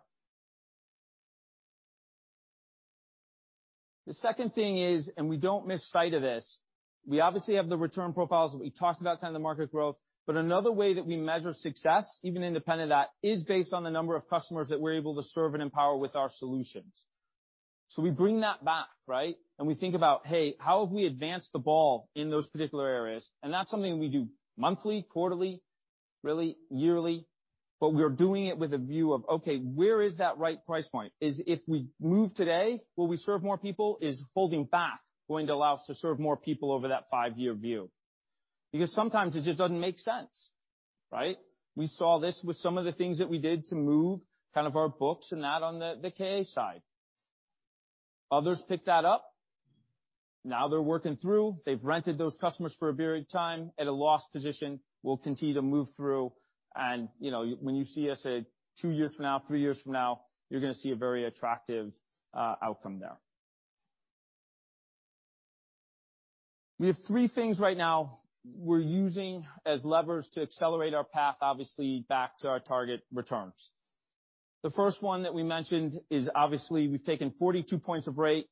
The second thing is, and we don't miss sight of this, we obviously have the return profiles that we talked about, kind of the market growth. Another way that we measure success, even independent of that, is based on the number of customers that we're able to serve and empower with our solutions. We bring that back, right? We think about, hey, how have we advanced the ball in those particular areas? And that's something we do monthly, quarterly, really yearly, but we're doing it with a view of, okay, where is that right price point? If we move today, will we serve more people? Is holding back going to allow us to serve more people over that five-year view? Because sometimes it just doesn't make sense, right? We saw this with some of the things that we did to move kind of our books and that on the KA side. Others picked that up. Now they're working through. They've rented those customers for a period of time at a loss position. We'll continue to move through, and, you know, when you see us, say, two years from now, three years from now, you're gonna see a very attractive outcome there. We have three things right now we're using as levers to accelerate our path, obviously back to our target returns. The first one that we mentioned is obviously we've taken 42 points of rate,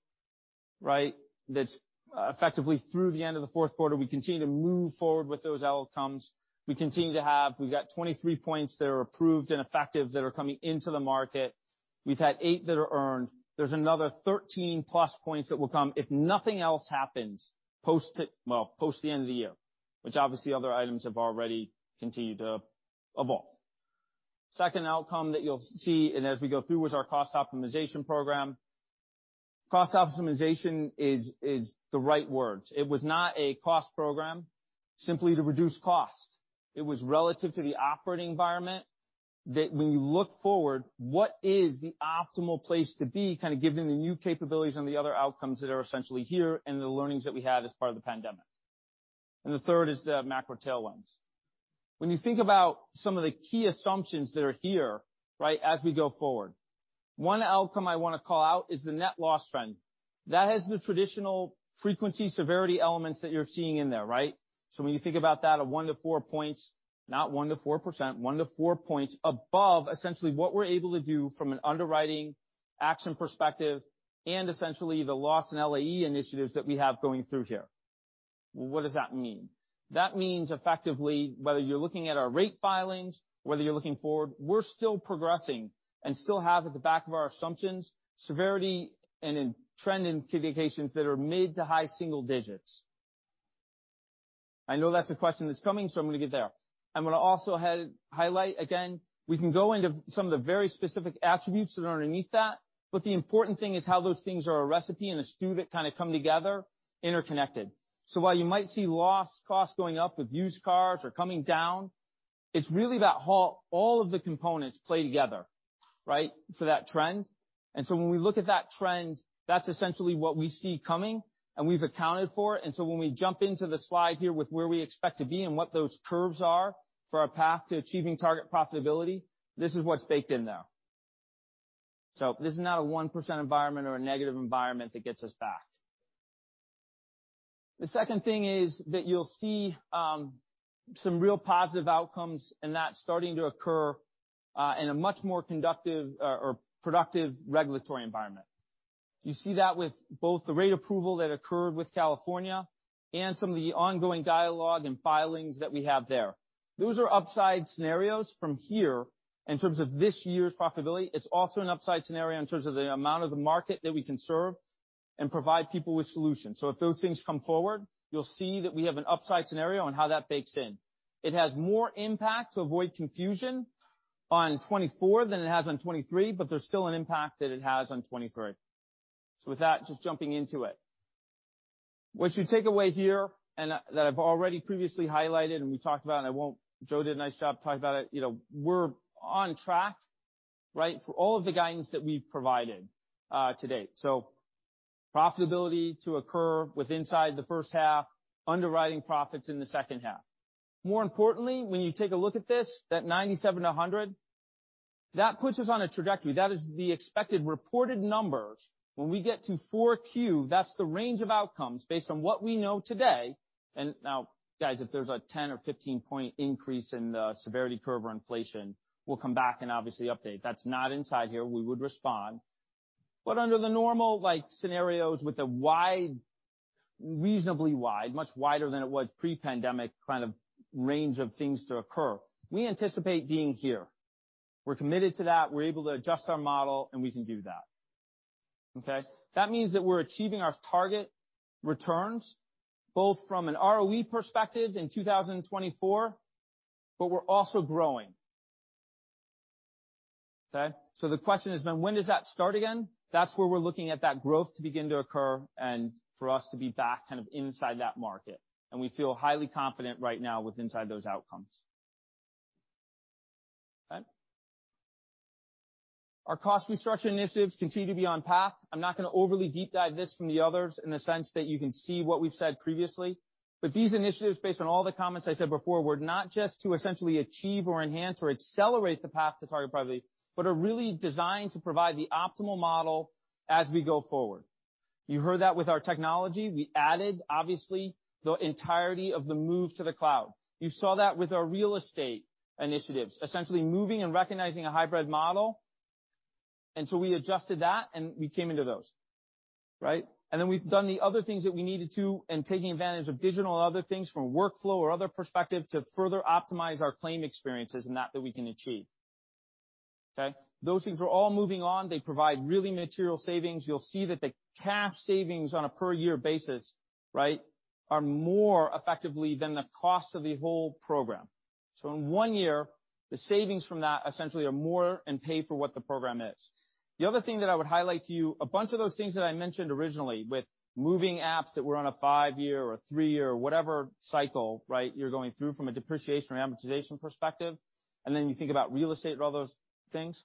right? That's effectively through the end of the fourth quarter. We continue to move forward with those outcomes. We've got 23 points that are approved and effective that are coming into the market. We've had eight that are earned. There's another 13+ points that will come if nothing else happens post, well, post the end of the year, which obviously other items have already continued to evolve. Second outcome that you'll see and as we go through was our cost optimization program. Cost optimization is the right words. It was not a cost program simply to reduce cost. It was relative to the operating environment that when you look forward, what is the optimal place to be, kind of given the new capabilities and the other outcomes that are essentially here and the learnings that we had as part of the pandemic. The third is the macro tailwinds. When you think about some of the key assumptions that are here, right, as we go forward, one outcome I wanna call out is the net loss trend. That has the traditional frequency severity elements that you're seeing in there, right? When you think about that, a one to four points, not 1% to 4%, one to four points above essentially what we're able to do from an underwriting action perspective and essentially the loss in LAE initiatives that we have going through here. What does that mean? That means effectively, whether you're looking at our rate filings, whether you're looking forward, we're still progressing and still have at the back of our assumptions, severity and in trend indications that are mid to high single digits. I know that's a question that's coming, so I'm gonna get there. I'm gonna also highlight again, we can go into some of the very specific attributes that are underneath that, but the important thing is how those things are a recipe and a stew that kind of come together interconnected. While you might see loss costs going up with used cars or coming down, it's really that all of the components play together, right, for that trend. When we look at that trend, that's essentially what we see coming, and we've accounted for it. When we jump into the slide here with where we expect to be and what those curves are for our path to achieving target profitability, this is what's baked in there. This is not a 1% environment or a negative environment that gets us back. The second thing is that you'll see some real positive outcomes and that starting to occur in a much more conductive or productive regulatory environment. You see that with both the rate approval that occurred with California and some of the ongoing dialogue and filings that we have there. Those are upside scenarios from here in terms of this year's profitability. It's also an upside scenario in terms of the amount of the market that we can serve and provide people with solutions. If those things come forward, you'll see that we have an upside scenario on how that bakes in. It has more impact, to avoid confusion, on 2024 than it has on 2023, but there's still an impact that it has on 2023. With that, just jumping into it. What you take away here and that I've already previously highlighted, we talked about and Joe did a nice job talking about it. You know, we're on track, right, for all of the guidance that we've provided to date. Profitability to occur with inside the first half, underwriting profits in the second half. More importantly, when you take a look at this, that 97-100, that puts us on a trajectory. That is the expected reported numbers. When we get to 4Q, that's the range of outcomes based on what we know today. Now guys, if there's a 10 or 15 point increase in the severity curve or inflation, we'll come back and obviously update. That's not inside here. We would respond. Under the normal like scenarios with a wide, reasonably wide, much wider than it was pre-pandemic kind of range of things to occur, we anticipate being here. We're committed to that. We're able to adjust our model, and we can do that, okay? That means that we're achieving our target returns both from an ROE perspective in 2024, but we're also growing, okay? The question has been when does that start again? That's where we're looking at that growth to begin to occur and for us to be back kind of inside that market. We feel highly confident right now with inside those outcomes. Okay. Our cost structure initiatives continue to be on path. I'm not gonna overly deep dive this from the others in the sense that you can see what we've said previously. These initiatives, based on all the comments I said before, were not just to essentially achieve or enhance or accelerate the path to target profitability, but are really designed to provide the optimal model as we go forward. You heard that with our technology. We added, obviously, the entirety of the move to the cloud. You saw that with our real estate initiatives, essentially moving and recognizing a hybrid model. We adjusted that and we came into those, right? We've done the other things that we needed to and taking advantage of digital and other things from workflow or other perspective to further optimize our claim experiences and that we can achieve, okay? Those things are all moving on. They provide really material savings. You'll see that the cash savings on a per year basis, right, are more effectively than the cost of the whole program. In one year, the savings from that essentially are more and pay for what the program is. The other thing that I would highlight to you, a bunch of those things that I mentioned originally with moving apps that were on a five-year or three-year whatever cycle, right, you're going through from a depreciation or amortization perspective, and then you think about real estate and all those things.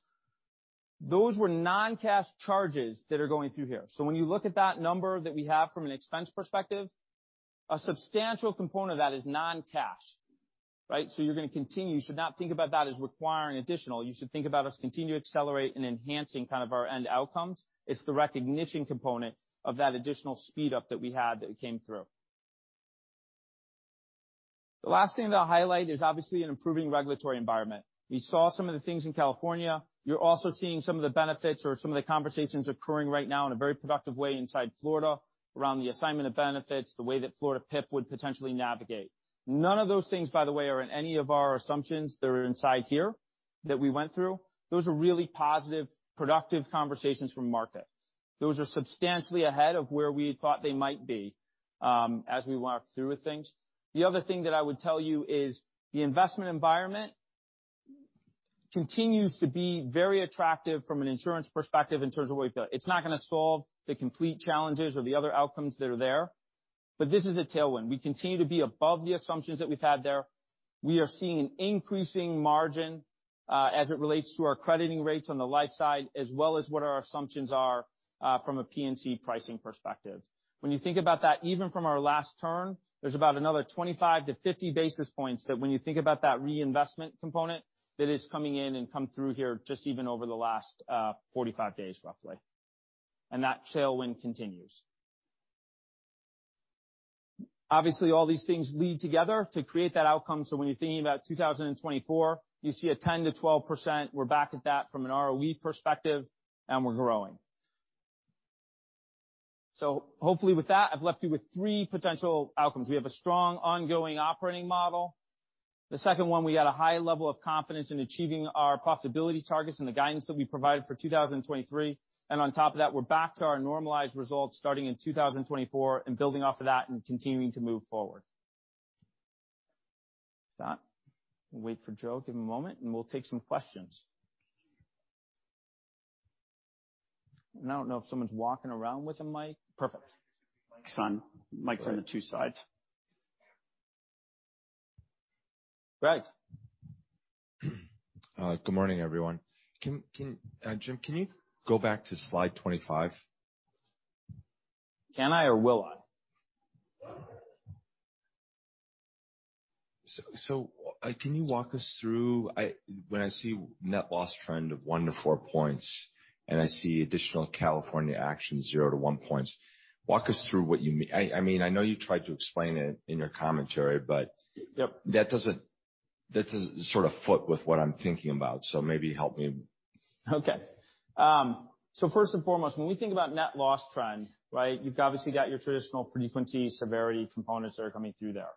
Those were non-cash charges that are going through here. When you look at that number that we have from an expense perspective, a substantial component of that is non-cash, right? You're gonna continue. You should not think about that as requiring additional. You should think about us continue to accelerate in enhancing kind of our end outcomes. It's the recognition component of that additional speed up that we had that came through. The last thing that I'll highlight is obviously an improving regulatory environment. We saw some of the things in California. You're also seeing some of the benefits or some of the conversations occurring right now in a very productive way inside Florida around the assignment of benefits, the way that Florida PIP would potentially navigate. None of those things, by the way, are in any of our assumptions that are inside here that we went through. Those are really positive, productive conversations from market. Those are substantially ahead of where we thought they might be, as we walk through with things. The other thing that I would tell you is the investment environment continues to be very attractive from an insurance perspective in terms of where we feel. It's not gonna solve the complete challenges or the other outcomes that are there, but this is a tailwind. We continue to be above the assumptions that we've had there. We are seeing an increasing margin as it relates to our crediting rates on the life side as well as what our assumptions are from a P&C pricing perspective. When you think about that, even from our last turn, there's about another 25-50 basis points that when you think about that reinvestment component that is coming in and come through here just even over the last 45 days, roughly. That tailwind continues. Obviously, all these things lead together to create that outcome. When you're thinking about 2024, you see a 10%-12%. We're back at that from an ROE perspective, and we're growing. Hopefully with that, I've left you with three potential outcomes. We have a strong ongoing operating model. The second one, we had a high level of confidence in achieving our profitability targets and the guidance that we provided for 2023. On top of that, we're back to our normalized results starting in 2024 and building off of that and continuing to move forward. With that, we'll wait for Joe. Give him a moment, and we'll take some questions. I don't know if someone's walking around with him. Mic. Perfect. Mics on the two sides. Greg. Good morning, everyone. Can Jim, can you go back to slide 25? Can I or will I? Can you walk us through, I, when I see net loss trend of one to four points and I see additional California action zero to one points, walk us through what you, I mean, I know you tried to explain it in your commentary? Yep. That doesn't That's a sort of foot with what I'm thinking about, so maybe help me. Okay. First and foremost, when we think about net loss trend, right? You've obviously got your traditional frequency, severity components that are coming through there.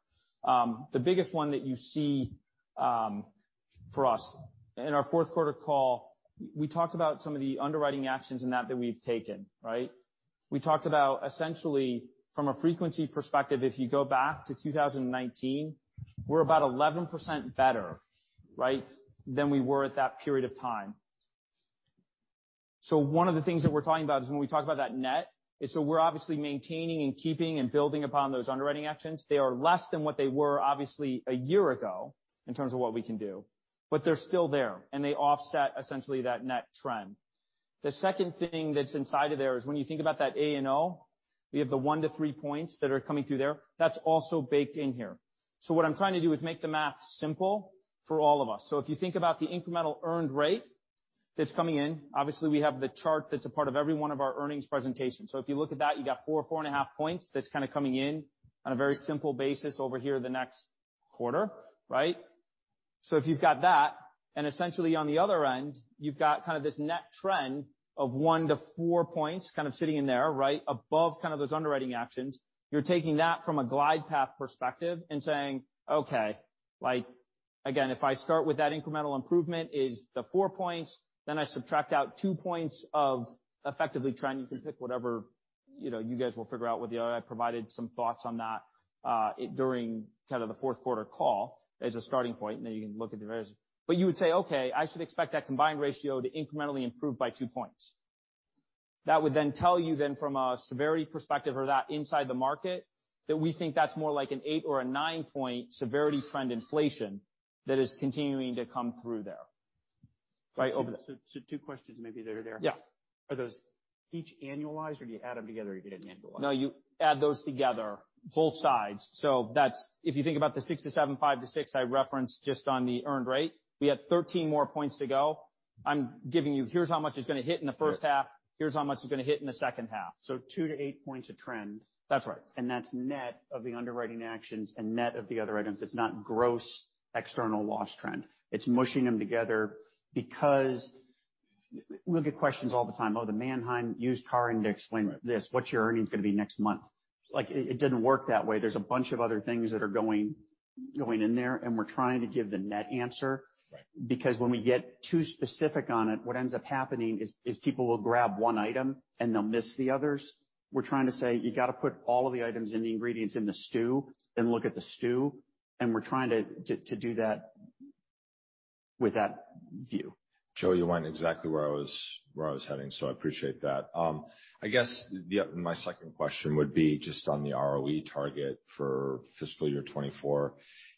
The biggest one that you see, for us in our fourth quarter call, we talked about some of the underwriting actions in that we've taken, right? We talked about essentially from a frequency perspective, if you go back to 2019, we're about 11% better, right, than we were at that period of time. One of the things that we're talking about is when we talk about that net, is so we're obviously maintaining and keeping and building upon those underwriting actions. They are less than what they were obviously a year ago in terms of what we can do, but they're still there, and they offset essentially that net trend. The second thing that's inside of there is when you think about that A&O, we have the one-three points that are coming through there. That's also baked in here. What I'm trying to do is make the math simple for all of us. If you think about the incremental earned rate that's coming in, obviously, we have the chart that's a part of every one of our earnings presentations. If you look at that, you got 4.5 points that's kind of coming in on a very simple basis over here the next quarter, right? If you've got that, and essentially on the other end, you've got kind of this net trend of one-four points kind of sitting in there, right, above kind of those underwriting actions. You're taking that from a glide path perspective and saying, okay, like, again, if I start with that incremental improvement is the four points, then I subtract out two points of effectively trying to pick whatever, you know, you guys will figure out whether I provided some thoughts on that during kind of the fourth quarter call as a starting point, and then you can look at the rest. You would say, okay, I should expect that combined ratio to incrementally improve by two points. That would then tell you then from a severity perspective or that inside the market, that we think that's more like an eight or a nine-point severity trend inflation that is continuing to come through there. Right. Over there. Two questions maybe that are there. Yeah. Are those each annualized or do you add them together and you get annualized? You add those together, both sides. That's if you think about the six-seven, five-six I referenced just on the earned rate, we have 13 more points to go. I'm giving you, here's how much is gonna hit in the first half, here's how much is gonna hit in the second half. two-eight points a trend. That's right. That's net of the underwriting actions and net of the other items. It's not gross external loss trend. It's mushing them together because we'll get questions all the time. Oh, the Manheim Used Car Index, explain this. What's your earnings gonna be next month? Like, it didn't work that way. There's a bunch of other things that are going in there, and we're trying to give the net answer. When we get too specific on it, what ends up happening is people will grab one item and they'll miss the others. We're trying to say, you got to put all of the items and the ingredients in the stew and look at the stew, and we're trying to do that with that view. Joe, you went exactly where I was heading, I appreciate that. I guess my second question would be just on the ROE target for fiscal year 2024.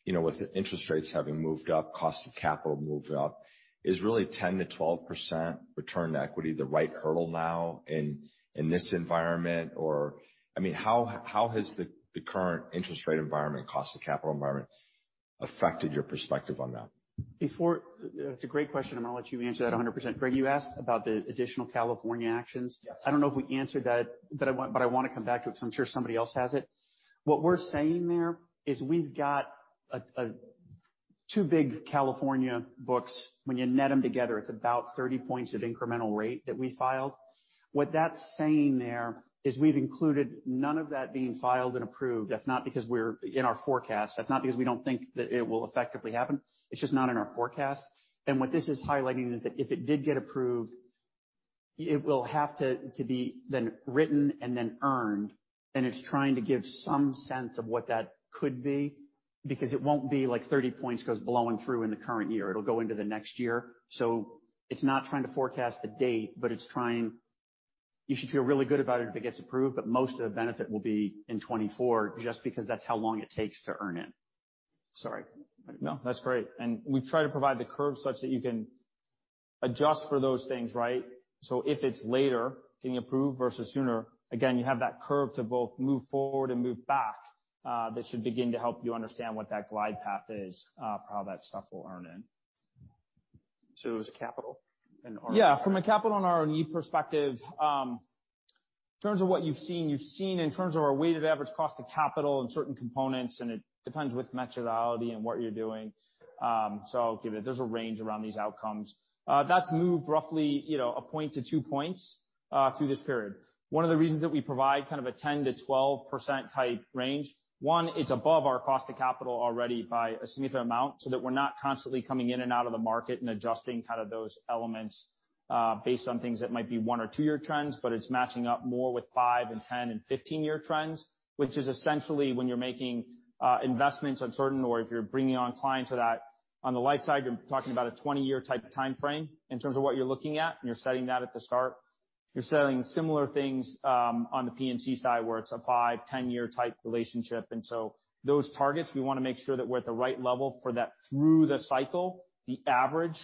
You know, with interest rates having moved up, cost of capital moved up, is really 10%-12% return to equity the right hurdle now in this environment? I mean, how has the current interest rate environment, cost of capital environment affected your perspective on that? Before. That's a great question, and I'll let you answer that 100%. Greg, you asked about the additional California actions. Yes. I don't know if we answered that, but I wanna come back to it 'cause I'm sure somebody else hasn't. What we're saying there is we've got a two big California books. When you net them together, it's about 30 points of incremental rate that we filed. What that's saying there is we've included none of that being filed and approved. That's not because we're in our forecast. That's not because we don't think that it will effectively happen. It's just not in our forecast. What this is highlighting is that if it did get approved, it will have to be then written and then earned, and it's trying to give some sense of what that could be, because it won't be like 30 points 'cause blowing through in the current year. It'll go into the next year. It's not trying to forecast the date. You should feel really good about it if it gets approved, but most of the benefit will be in 2024 just because that's how long it takes to earn in. Sorry. No,. That's great. We've tried to provide the curve such that you can adjust for those things, right? If it's later getting approved versus sooner, again, you have that curve to both move forward and move back, that should begin to help you understand what that glide path is, for how that stuff will earn in. It was capital and ROE. From a capital and ROE perspective, in terms of what you've seen in terms of our weighted average cost of capital and certain components, and it depends with materiality and what you're doing. I'll give it, there's a range around these outcomes. That's moved roughly, you know, one point to two points through this period. One of the reasons that we provide kind of a 10%-12% type range, one, it's above our cost of capital already by a significant amount so that we're not constantly coming in and out of the market and adjusting kind of those elements, based on things that might be one- or two-year trends, but it's matching up more with five-, 10-, and 15-year trends. Essentially when you're making investments on certain or if you're bringing on clients to that. On the light side, you're talking about a 20-year type timeframe in terms of what you're looking at, and you're setting that at the start. You're selling similar things on the P&C side, where it's a 5-10-year type relationship. Those targets, we wanna make sure that we're at the right level for that through the cycle, the average,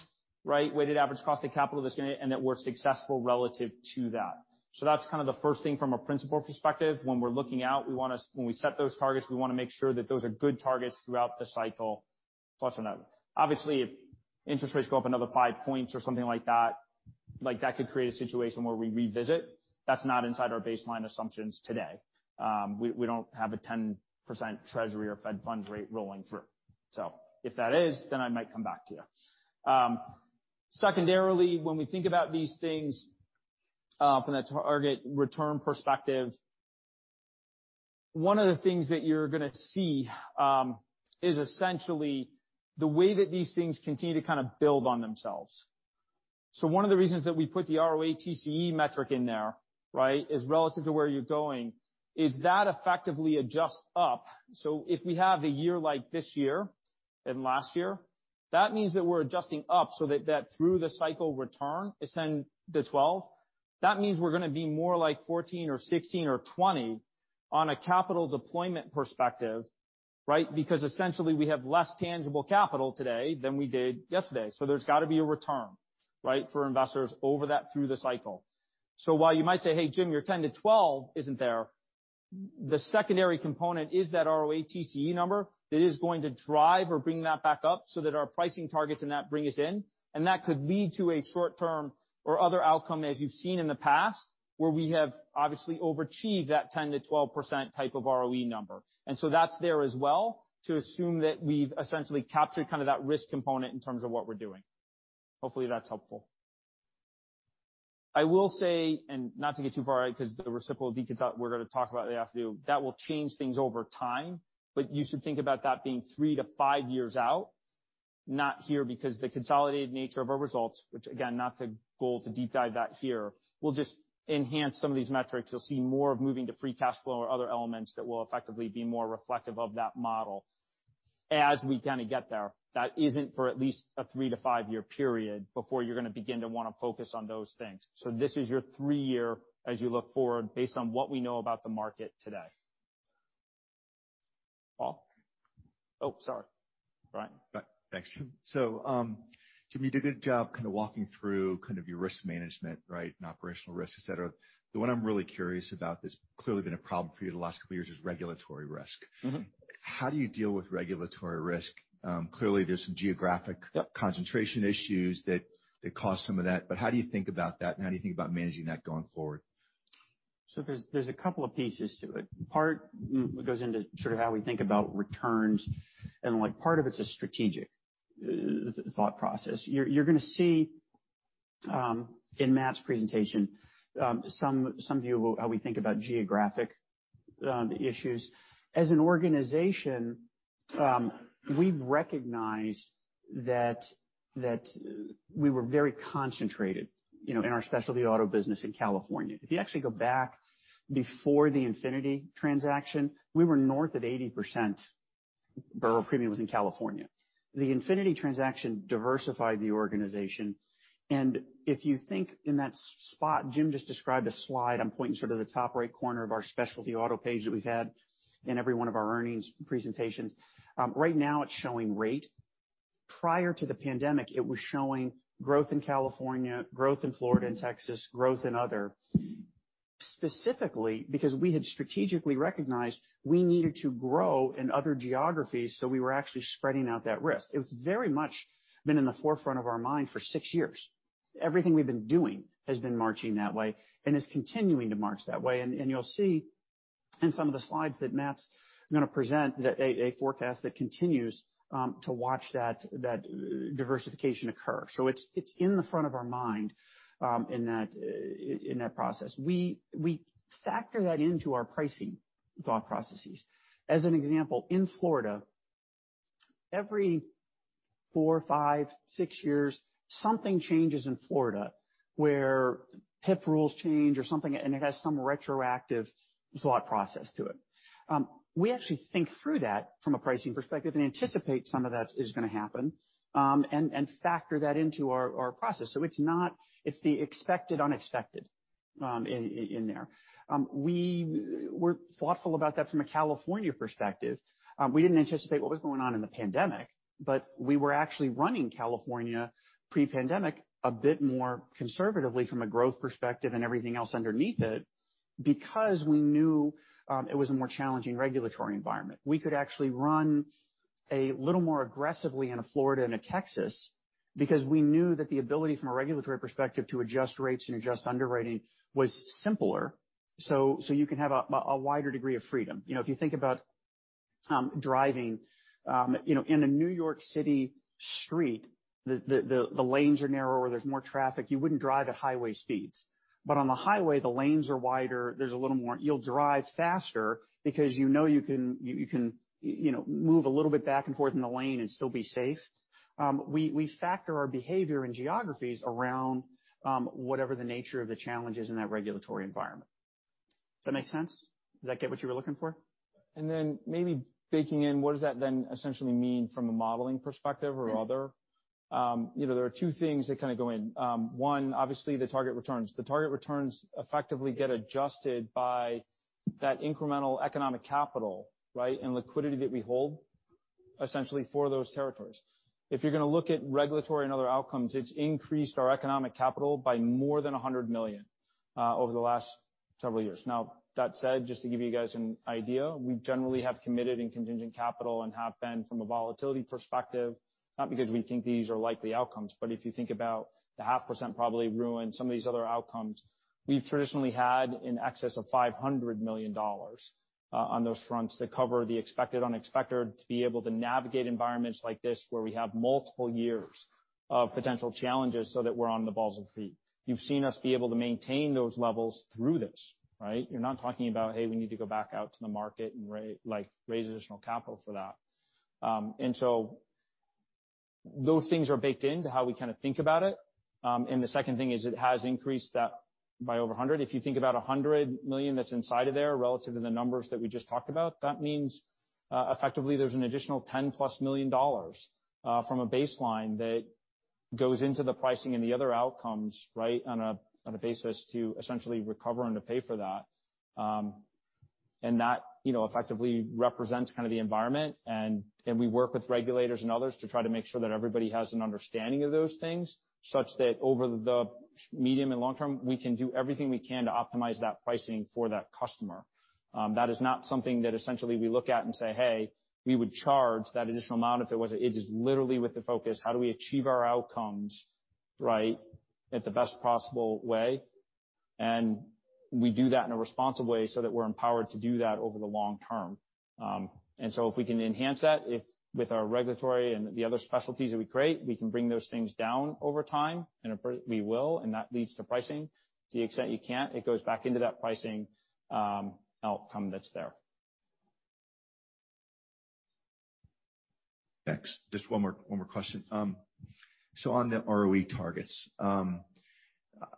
right? Weighted average cost of capital that's and that we're successful relative to that. That's kind of the first thing from a principal perspective. When we're looking out, we wanna When we set those targets, we wanna make sure that those are good targets throughout the cycle, plus or not. Obviously, if interest rates go up another 5 points or something like that. That could create a situation where we revisit. That's not inside our baseline assumptions today. We, we don't have a 10% Treasury or Fed funds rate rolling through. If that is, then I might come back to you. Secondarily, when we think about these things, from a target return perspective, one of the things that you're gonna see, is essentially the way that these things continue to kind of build on themselves. One of the reasons that we put the ROATCE metric in there, right, is relative to where you're going, is that effectively adjusts up. If we have a year like this year and last year, that means that we're adjusting up so that through the cycle return is 10%-12%. That means we're gonna be more like 14 or 16 or 20 on a capital deployment perspective, right? Essentially we have less tangible capital today than we did yesterday. There's got to be a return, right, for investors over that through the cycle. While you might say, "Hey Jim, your 10 to 12 isn't there," the secondary component is that ROATCE number that is going to drive or bring that back up so that our pricing targets in that bring us in, and that could lead to a short-term or other outcome as you've seen in the past, where we have obviously overachieved that 10% to 12% type of ROE number. That's there as well to assume that we've essentially captured kind of that risk component in terms of what we're doing. Hopefully, that's helpful. I will say, not to get too far out, cause the Reciprocal Deca talk we're gonna talk about the afternoon, that will change things over time. You should think about that being three-five years out, not here because the consolidated nature of our results, which again, not the goal to deep dive that here. We'll just enhance some of these metrics. You'll see more of moving to free cash flow or other elements that will effectively be more reflective of that model as we kinda get there. That isn't for at least a three-five-year period before you're gonna begin to wanna focus on those things. This is your three year as you look forward based on what we know about the market today. Paul? Oh, sorry. Greg. Thanks, Jim. Jim, you did a good job kinda walking through kind of your risk management, right, and operational risks, et cetera. The one I'm really curious about that's clearly been a problem for you the last couple years is regulatory risk. Mm-hmm. How do you deal with regulatory risk? clearly, there's some geographic- Yep. Concentration issues that cause some of that. How do you think about that and how do you think about managing that going forward? There's a couple of pieces to it. Part goes into sort of how we think about returns and like, part of it is strategic thought process. You're gonna see in Matt's presentation some view how we think about geographic issues. As an organization, we've recognized that we were very concentrated, you know, in our specialty auto business in California. If you actually go back before the Infinity transaction, we were north of 80% bureau premium was in California. The Infinity transaction diversified the organization. If you think in that spot Jim just described a slide, I'm pointing sort of the top right corner of our specialty auto page that we've had in every one of our earnings presentations. Right now it's showing rate. Prior to the pandemic, it was showing growth in California, growth in Florida and Texas, growth in other. Specifically because we had strategically recognized we needed to grow in other geographies, so we were actually spreading out that risk. It's very much been in the forefront of our mind for six years. Everything we've been doing has been marching that way and is continuing to march that way. You'll see in some of the slides that Matt's gonna present that a forecast that continues to watch that diversification occur. It's, it's in the front of our mind in that in that process. We factor that into our pricing thought processes. As an example, in Florida, every four, five, six years, something changes in Florida where PIP rules change or something, and it has some retroactive thought process to it. We actually think through that from a pricing perspective and anticipate some of that is gonna happen, and factor that into our process. It's the expected unexpected in there. We were thoughtful about that from a California perspective. We didn't anticipate what was going on in the pandemic, but we were actually running California pre-pandemic a bit more conservatively from a growth perspective and everything else underneath it because we knew it was a more challenging regulatory environment. We could actually run a little more aggressively in a Florida and a Texas because we knew that the ability from a regulatory perspective to adjust rates and adjust underwriting was simpler. You can have a wider degree of freedom. You know, if you think about, driving, you know, in a New York City street, the lanes are narrower, there's more traffic, you wouldn't drive at highway speeds. On the highway, the lanes are wider, there's a little more you'll drive faster because you know you can, you know, move a little bit back and forth in the lane and still be safe. We factor our behavior and geographies around whatever the nature of the challenge is in that regulatory environment. Does that make sense? Does that get what you were looking for? Yeah. Maybe baking in, what does that then essentially mean from a modeling perspective or other? You know, there are two things that kinda go in. One, obviously the target returns. The target returns effectively get adjusted by that incremental economic capital, right, and liquidity that we hold essentially for those territories. If you're gonna look at regulatory and other outcomes, it's increased our economic capital by more than $100 million. Over the last several years. That said, just to give you guys an idea, we generally have committed in contingent capital and have been from a volatility perspective, not because we think these are likely outcomes, but if you think about the 0.5% probably ruined some of these other outcomes. We've traditionally had in excess of $500 million, on those fronts to cover the expected unexpected, to be able to navigate environments like this where we have multiple years of potential challenges so that we're on the balls of feet. You've seen us be able to maintain those levels through this, right? You're not talking about, hey, we need to go back out to the market and raise additional capital for that. Those things are baked into how we kind of think about it. The second thing is it has increased that by over $100. If you think about $100 million that's inside of there relative to the numbers that we just talked about, that means, effectively there's an additional $10+ million from a baseline that goes into the pricing and the other outcomes, right, on a basis to essentially recover and to pay for that. That, you know, effectively represents kind of the environment. We work with regulators and others to try to make sure that everybody has an understanding of those things, such that over the medium and long term, we can do everything we can to optimize that pricing for that customer. That is not something that essentially we look at and say, "Hey, we would charge that additional amount if it wasn't." It is literally with the focus, how do we achieve our outcomes, right, at the best possible way. We do that in a responsible way so that we're empowered to do that over the long term. If we can enhance that, if with our regulatory and the other specialties that we create, we can bring those things down over time, of course we will, and that leads to pricing. To the extent you can't, it goes back into that pricing outcome that's there. Thanks. Just one more question. On the ROE targets,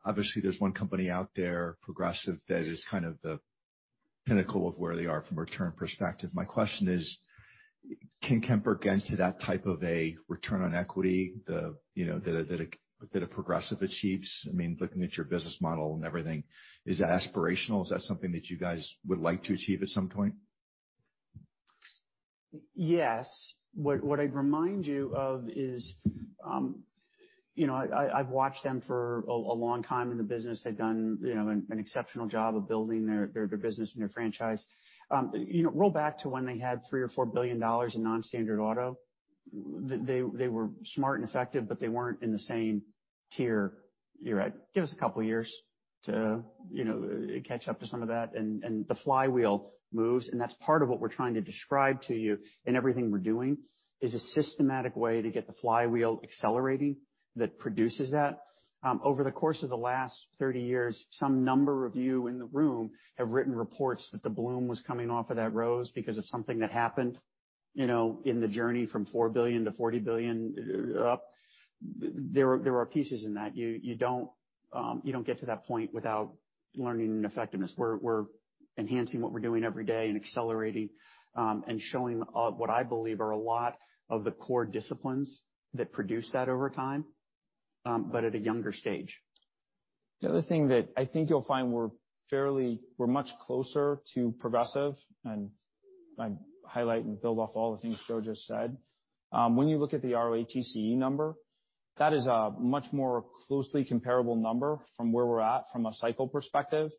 obviously there's one company out there, Progressive, that is kind of the pinnacle of where they are from a return perspective. My question is can Kemper get to that type of a return on equity, the, you know, that a Progressive achieves? I mean, looking at your business model and everything, is that aspirational? Is that something that you guys would like to achieve at some point? Yes. What I'd remind you of is, you know, I've watched them for a long time in the business. They've done, you know, an exceptional job of building their business and their franchise. You know, roll back to when they had $3 billion or $4 billion in non-standard auto. They were smart and effective, but they weren't in the same tier you're at. Give us a couple years to, you know, catch up to some of that and the flywheel moves, and that's part of what we're trying to describe to you in everything we're doing, is a systematic way to get the flywheel accelerating that produces that. Over the course of the last 30 years, some number of you in the room have written reports that the bloom was coming off of that rose because of something that happened, you know, in the journey from $4 billion to $40 billion up. There are pieces in that. You don't get to that point without learning and effectiveness. We're enhancing what we're doing every day and accelerating and showing what I believe are a lot of the core disciplines that produce that over time, but at a younger stage. The other thing that I think you'll find we're much closer to Progressive, I highlight and build off all the things Joe just said. When you look at the ROATCE number, that is a much more closely comparable number from where we're at from a cycle perspective.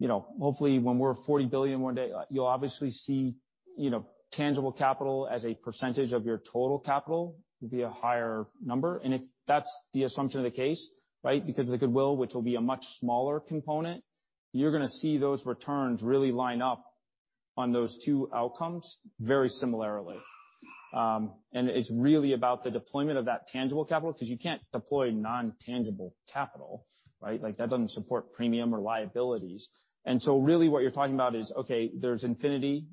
You know, hopefully when we're $40 billion one day, you'll obviously see, you know, tangible capital as a % of your total capital will be a higher number. If that's the assumption of the case, right, because of the goodwill, which will be a much smaller component, you're gonna see those returns really line up on those two outcomes very similarly. It's really about the deployment of that tangible capital 'cause you can't deploy non-tangible capital, right? Like, that doesn't support premium or liabilities. Really what you're talking about is, okay, there's Infinity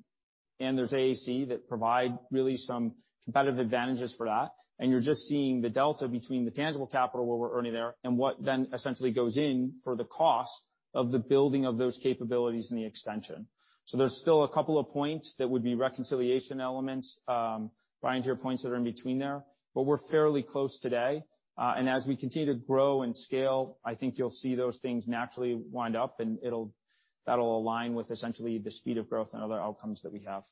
and there's AAC that provide really some competitive advantages for that. You're just seeing the delta between the tangible capital, what we're earning there, and what then essentially goes in for the cost of the building of those capabilities and the extension. There's still a couple of points that would be reconciliation elements, Greg, to your points that are in between there, but we're fairly close today. As we continue to grow and scale, I think you'll see those things naturally wind up, and that'll align with essentially the speed of growth and other outcomes that we have.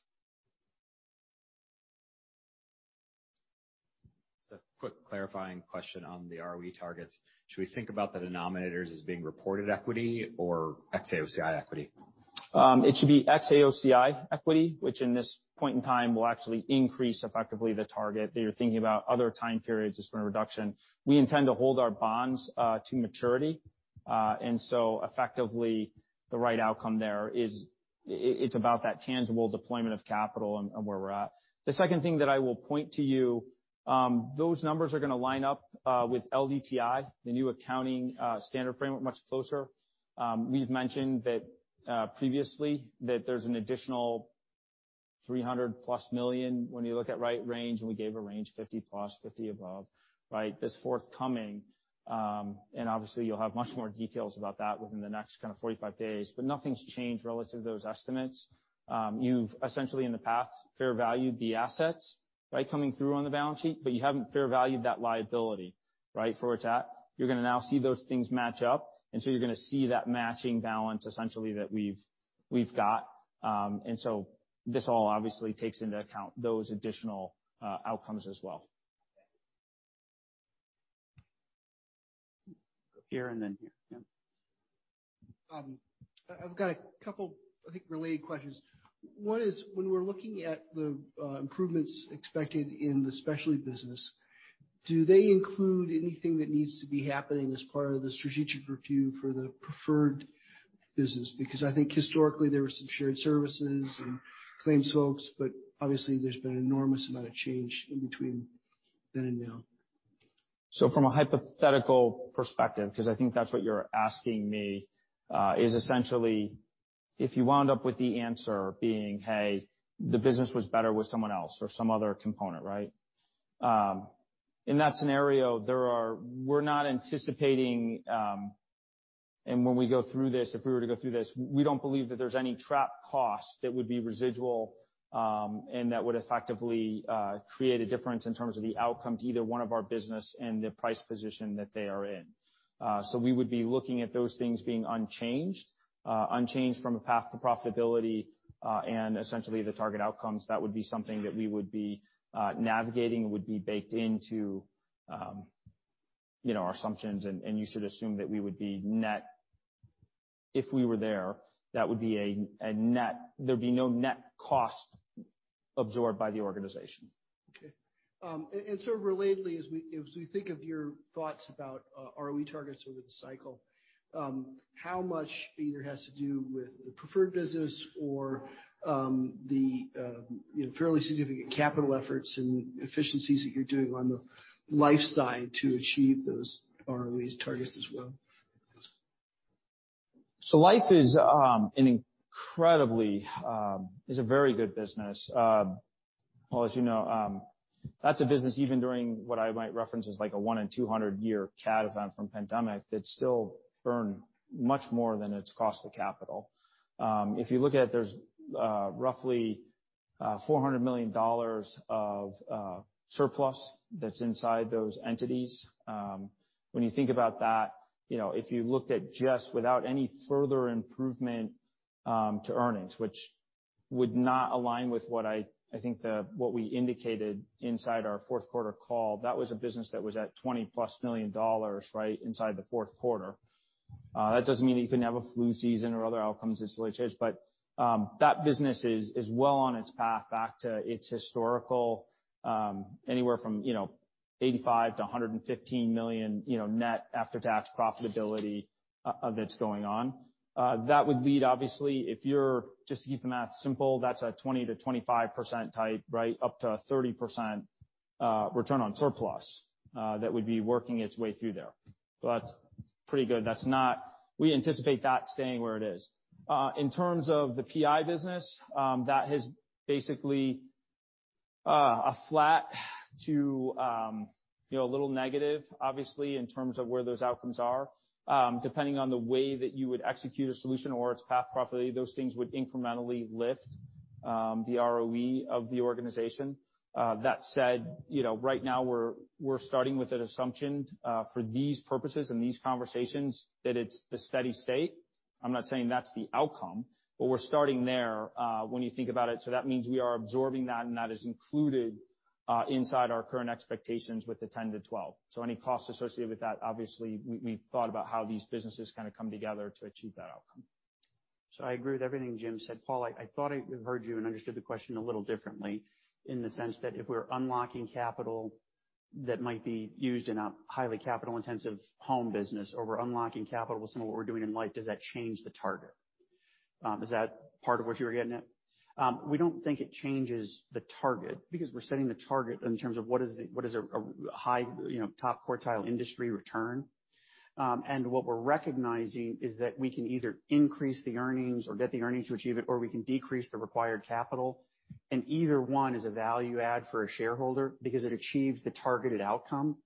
A quick clarifying question on the ROE targets. Should we think about the denominators as being reported equity or xAOCI equity? It should be xAOCI equity, which in this point in time will actually increase effectively the target that you're thinking about other time periods just for a reduction. We intend to hold our bonds to maturity. Effectively, the right outcome there is it's about that tangible deployment of capital and where we're at. The second thing that I will point to you, those numbers are gonna line up with LDTI, the new accounting standard framework, much closer. We've mentioned that previously that there's an additional $300+ million when you look at right range, and we gave a range $50+, 50 above, right? This forthcoming, obviously you'll have much more details about that within the next kind of 45 days, nothing's changed relative to those estimates. You've essentially in the past fair valued the assets, right, coming through on the balance sheet, but you haven't fair valued that liability, right, for where it's at. You're gonna now see those things match up. You're gonna see that matching balance essentially that we've got. This all obviously takes into account those additional outcomes as well. Here and then here. Yeah. I've got a couple, I think, related questions. One is, when we're looking at the improvements expected in the specialty business, do they include anything that needs to be happening as part of the strategic review for the preferred business? I think historically there were some shared services and claims folks, but obviously there's been an enormous amount of change in between then and now. From a hypothetical perspective, 'cause I think that's what you're asking me, is essentially if you wound up with the answer being, hey, the business was better with someone else or some other component, right? In that scenario, we're not anticipating, and when we go through this, if we were to go through this, we don't believe that there's any trapped costs that would be residual, and that would effectively create a difference in terms of the outcome to either one of our business and the price position that they are in. We would be looking at those things being unchanged. Unchanged from a path to profitability, and essentially the target outcomes. That would be something that we would be navigating, would be baked into, you know, our assumptions, and you should assume that if we were there'd be no net cost absorbed by the organization. Okay. Relatedly, as we think of your thoughts about ROE targets over the cycle, how much either has to do with the preferred business or, you know, fairly significant capital efforts and efficiencies that you're doing on the life side to achieve those ROEs targets as well? Life is an incredibly good business. Paul, as you know, that's a business even during what I might reference as like a one in 200 year cat event from pandemic that still earn much more than its cost of capital. If you look at it, there's roughly $400 million of surplus that's inside those entities. When you think about that, you know, if you looked at just without any further improvement to earnings, which would not align with what I think the, what we indicated inside our fourth quarter call, that was a business that was at $20-plus million, right, inside the fourth quarter. That doesn't mean you couldn't have a flu season or other outcomes instantly change, but that business is well on its path back to its historical, anywhere from, you know, $85 million-$115 million, you know, net after-tax profitability, that's going on. That would lead, obviously, if you're, just to keep the math simple, that's a 20%-25% type, right, up to a 30%, return on surplus, that would be working its way through there. Pretty good. That's not-- We anticipate that staying where it is. In terms of the PI business, that is basically a flat to, you know, a little negative, obviously, in terms of where those outcomes are. Depending on the way that you would execute a solution or its path to profitability, those things would incrementally lift the ROE of the organization. That said, you know, right now we're starting with an assumption for these purposes and these conversations that it's the steady state. I'm not saying that's the outcome, but we're starting there when you think about it. That means we are absorbing that, and that is included inside our current expectations with the 10-12. Any costs associated with that, obviously, we thought about how these businesses kinda come together to achieve that outcome. I agree with everything Jim said. Paul, I thought I heard you and understood the question a little differently in the sense that if we're unlocking capital that might be used in a highly capital-intensive home business, or we're unlocking capital with some of what we're doing in life, does that change the target? Is that part of what you were getting at? We don't think it changes the target because we're setting the target in terms of what is a high, you know, top quartile industry return. What we're recognizing is that we can either increase the earnings or get the earnings to achieve it, or we can decrease the required capital. Either one is a value add for a shareholder because it achieves the targeted outcome.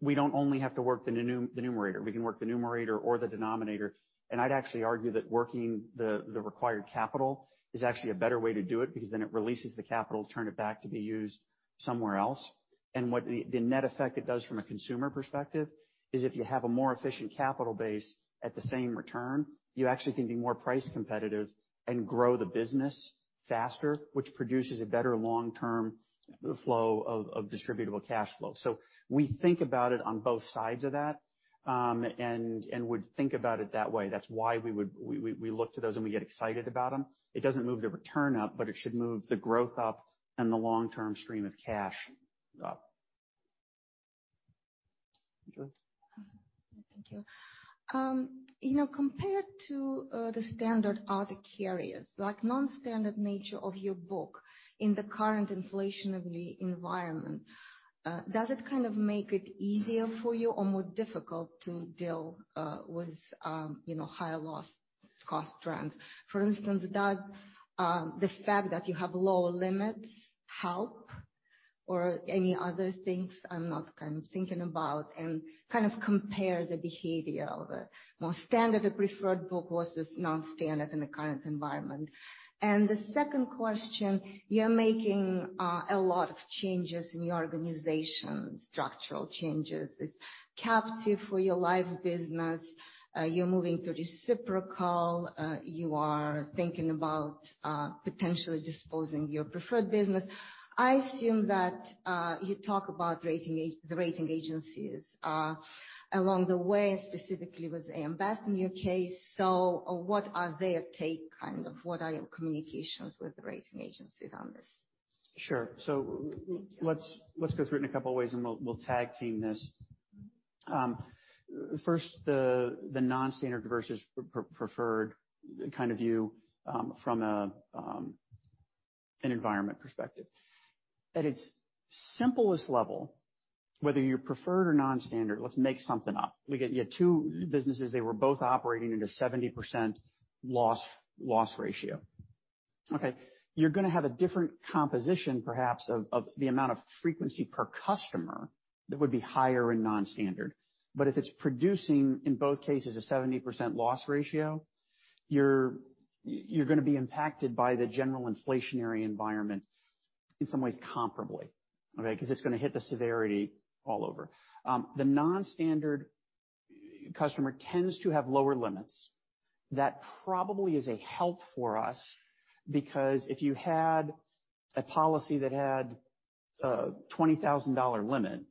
We don't only have to work the numerator. We can work the numerator or the denominator. I'd actually argue that working the required capital is actually a better way to do it because then it releases the capital to turn it back to be used somewhere else. What the net effect it does from a consumer perspective is if you have a more efficient capital base at the same return, you actually can be more price competitive and grow the business faster, which produces a better long-term flow of distributable cash flow. We think about it on both sides of that and would think about it that way. That's why we would look to those and we get excited about them. It doesn't move the return up, but it should move the growth up and the long-term stream of cash up. Andrea? Thank you. You know, compared to the standard other carriers, like non-standard nature of your book in the current inflationary environment, does it kind of make it easier for you or more difficult to deal with, you know, higher loss cost trends? For instance, does the fact that you have lower limits help or any other things I'm not kind of thinking about? Kind of compare the behavior of a more standard preferred book versus non-standard in the current environment. The second question, you're making a lot of changes in your organization, structural changes. It's captive for your life business. You're moving to reciprocal. You are thinking about potentially disposing your preferred business. I assume that you talk about the rating agencies along the way, specifically with AM Best in your case. What are their take, kind of? What are your communications with the rating agencies on this? Sure. let's go through it in a couple ways, and we'll tag team this. First, the non-standard versus preferred kind of view, from an environment perspective. At its simplest level, whether you're preferred or non-standard, let's make something up. You had two businesses. They were both operating at a 70% loss ratio. Okay. You're gonna have a different composition, perhaps of the amount of frequency per customer that would be higher in non-standard. If it's producing, in both cases, a 70% loss ratio, you're gonna be impacted by the general inflationary environment in some ways comparably, okay? 'Cause it's gonna hit the severity all over. The non-standard customer tends to have lower limits. That probably is a help for us because if you had a policy that had a $20,000 limit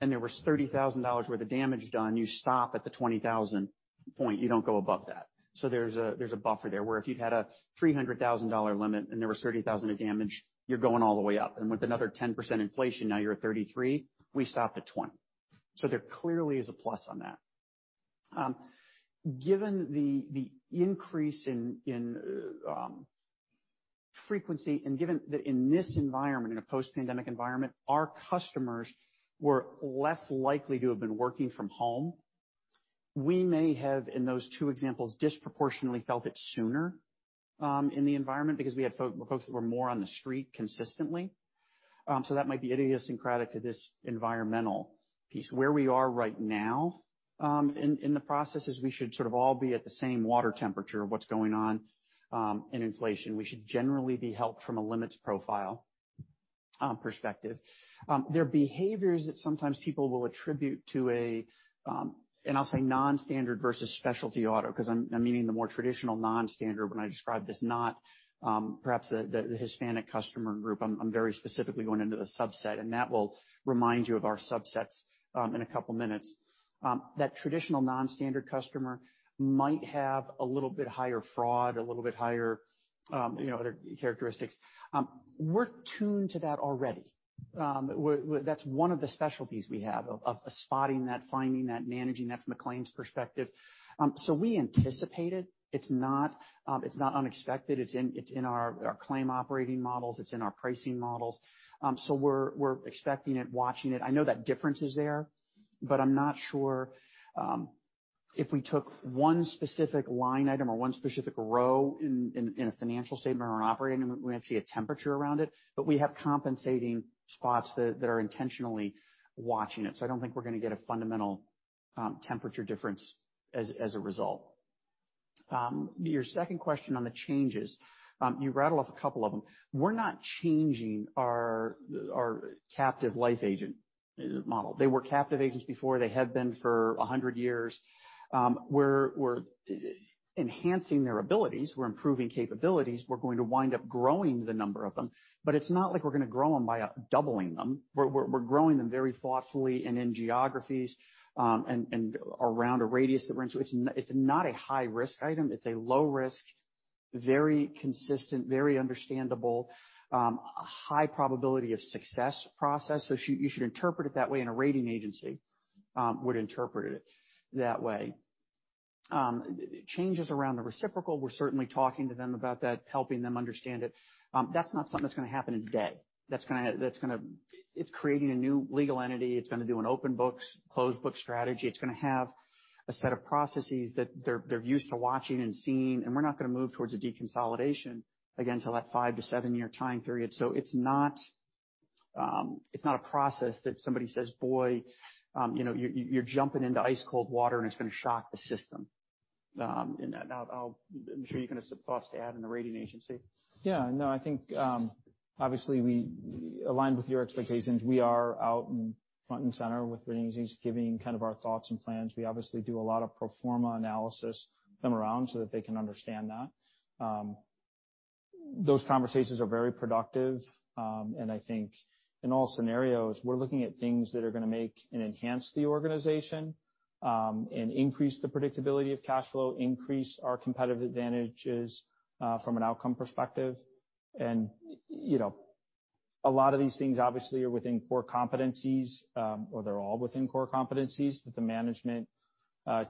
and there was $30,000 worth of damage done, you stop at the $20,000 point, you don't go above that. There's a buffer there, where if you'd had a $300,000 limit and there was $30,000 of damage, you're going all the way up. With another 10% inflation, now you're at $33,000, we stop at $20,000. There clearly is a plus on that. Given the increase in frequency and given that in this environment, in a post-pandemic environment, our customers were less likely to have been working from home, we may have, in those two examples, disproportionately felt it sooner in the environment because we had folks that were more on the street consistently. That might be idiosyncratic to this environmental piece. Where we are right now in the process is we should sort of all be at the same water temperature of what's going on in inflation. We should generally be helped from a limits profile perspective. There are behaviors that sometimes people will attribute to a, and I'll say non-standard versus specialty auto, 'cause I'm meaning the more traditional non-standard when I describe this, not perhaps the Hispanic customer group. I'm very specifically going into the subset, that will remind you of our subsets in a couple minutes. That traditional non-standard customer might have a little bit higher fraud, a little bit higher, you know, other characteristics. We're tuned to that already. we-- that's one of the specialties we have of spotting that, finding that, managing that from a claims perspective. We anticipate it. It's not, it's not unexpected. It's in our claim operating models. It's in our pricing models. We're expecting it, watching it. I know that difference is there, I'm not sure if we took one specific line item or one specific row in a financial statement or an operating, we might see a temperature around it. We have compensating spots that are intentionally watching it, so I don't think we're gonna get a fundamental temperature difference as a result. Your second question on the changes, you rattled off a couple of them. We're not changing our captive life agent model. They were captive agents before. They have been for 100 years. We're enhancing their abilities. We're improving capabilities. We're going to wind up growing the number of them. It's not like we're gonna grow them by doubling them. We're growing them very thoughtfully and in geographies and around a radius that we're in. It's not a high risk item. It's a low risk, very consistent, very understandable, high probability of success process. You should interpret it that way, and a rating agency would interpret it that way. Changes around the reciprocal, we're certainly talking to them about that, helping them understand it. That's not something that's gonna happen today. It's creating a new legal entity. It's gonna do an open books, closed book strategy. It's gonna have a set of processes that they're used to watching and seeing, and we're not gonna move towards a deconsolidation, again, till that five-seven year time period. It's not, it's not a process that somebody says, "Boy, you know, you're jumping into ice-cold water, and it's gonna shock the system." And I'm sure you can have some thoughts to add in the rating agency. Yeah, no, I think, obviously, we aligned with your expectations. We are out in front and center with ratings giving kind of our thoughts and plans. We obviously do a lot of pro forma analysis with them around so that they can understand that. Those conversations are very productive. I think in all scenarios, we're looking at things that are gonna make and enhance the organization, and increase the predictability of cash flow, increase our competitive advantages, from an outcome perspective. You know, a lot of these things obviously are within core competencies, or they're all within core competencies that the management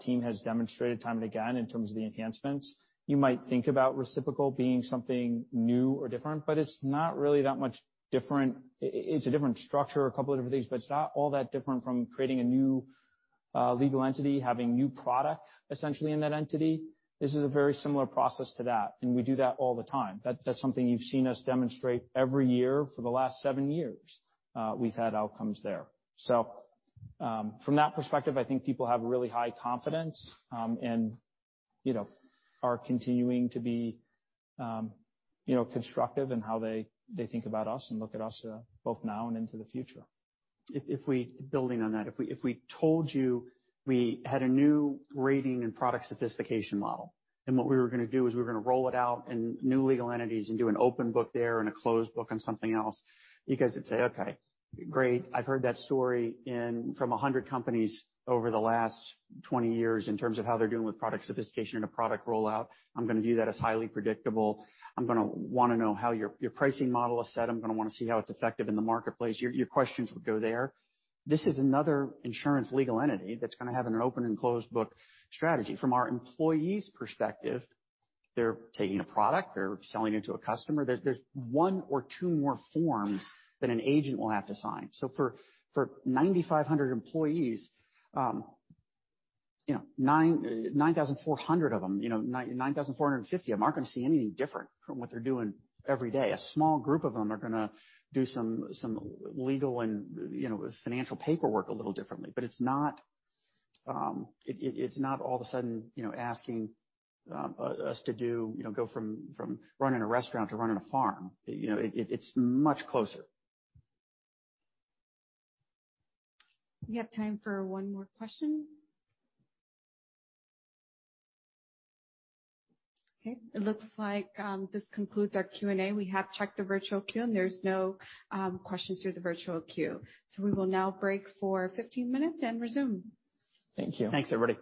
team has demonstrated time and again in terms of the enhancements. You might think about reciprocal being something new or different, but it's not really that much different. It's a different structure, a couple of different things, but it's not all that different from creating a new legal entity, having new product essentially in that entity. This is a very similar process to that, and we do that all the time. That's something you've seen us demonstrate every year for the last seven years. We've had outcomes there. From that perspective, I think people have really high confidence, and you know, are continuing to be, you know, constructive in how they think about us and look at us, both now and into the future. Building on that. If we told you we had a new rating and product sophistication model, and what we were gonna do is we were gonna roll it out in new legal entities and do an open book there and a closed book on something else, you guys would say, "Okay. Great. I've heard that story from 100 companies over the last 20 years in terms of how they're doing with product sophistication and a product rollout. I'm gonna view that as highly predictable. I'm gonna wanna know how your pricing model is set. I'm gonna wanna see how it's effective in the marketplace. Your questions would go there. This is another insurance legal entity that's gonna have an open and closed book strategy. From our employees' perspective, they're taking a product, they're selling it to a customer. There's one or two more forms that an agent will have to sign. For 9,500 employees, you know, 9,400 of them, you know, 9,450 of them aren't gonna see anything different from what they're doing every day. A small group of them are gonna do some legal and, you know, financial paperwork a little differently. It's not all of a sudden, you know, asking us to do, you know, go from running a restaurant to running a farm. You know, it's much closer. We have time for one more question. Okay. It looks like this concludes our Q&A. We have checked the virtual queue. There's no questions through the virtual queue. We will now break for 15 minutes and resume. Thank you. Thanks, everybody.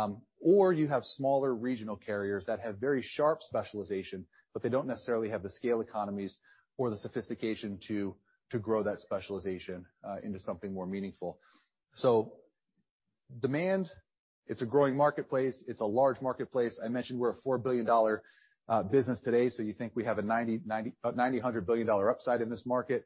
You have smaller regional carriers that have very sharp specialization, but they don't necessarily have the scale economies or the sophistication to grow that specialization into something more meaningful. Demand, it's a growing marketplace. It's a large marketplace. I mentioned we're a $4 billion business today, you think we have a $90 billion-$100 billion upside in this market.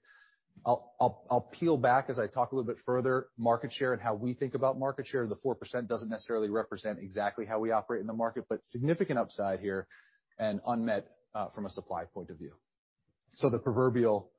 I'll peel back as I talk a little bit further. Market share and how we think about market share. The 4% doesn't necessarily represent exactly how we operate in the market, significant upside here and unmet from a supply point of view. The proverbial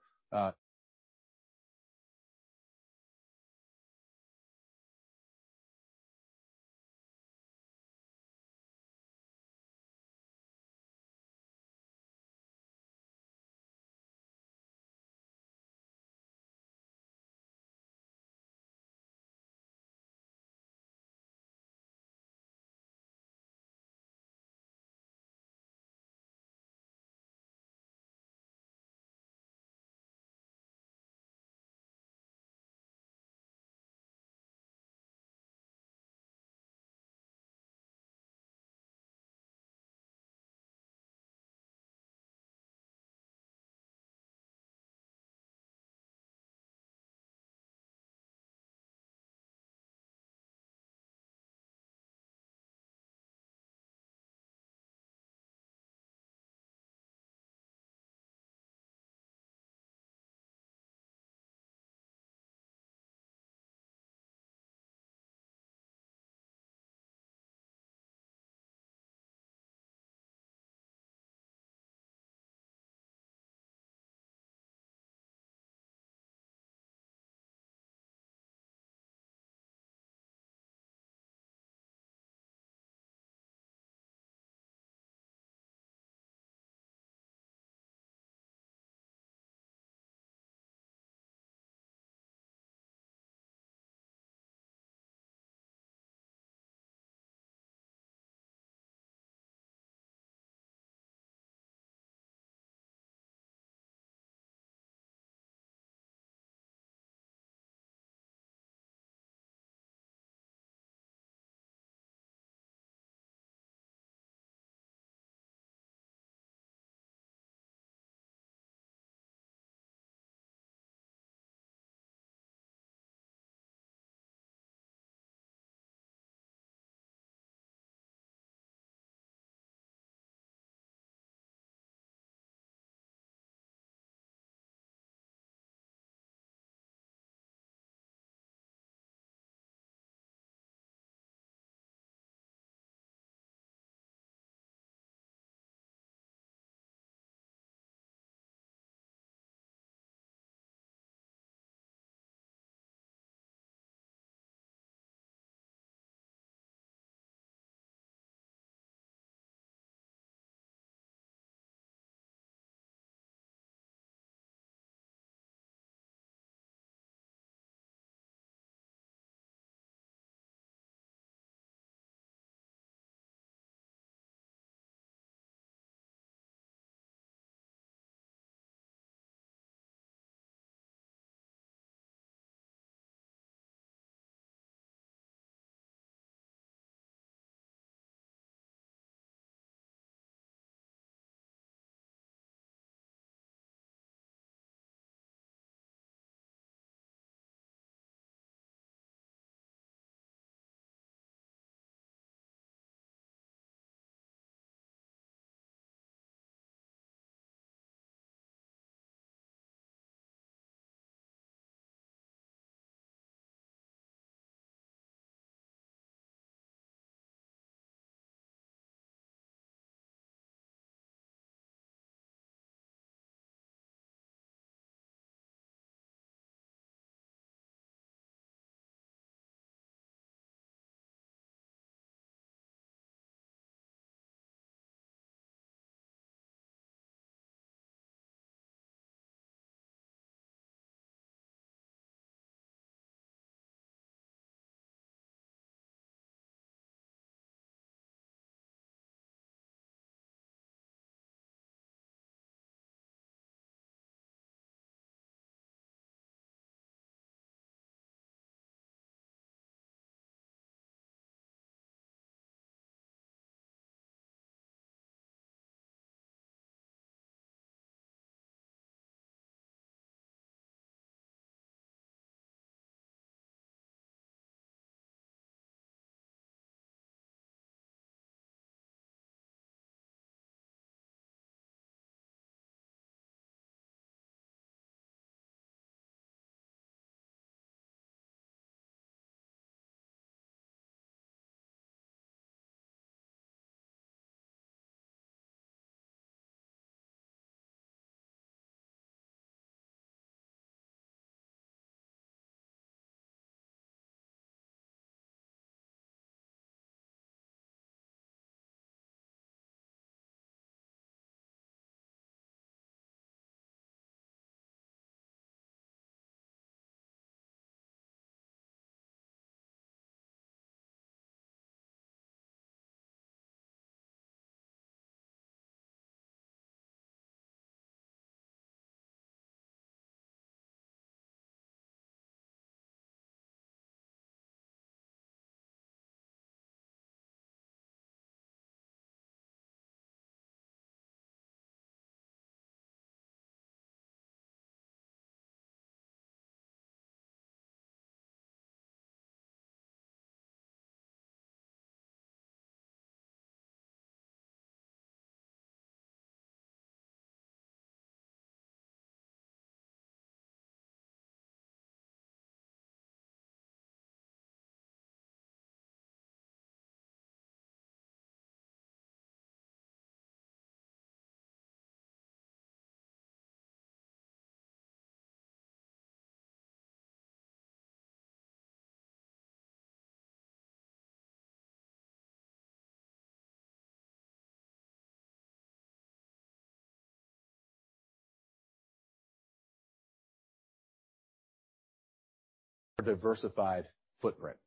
Diversified footprint.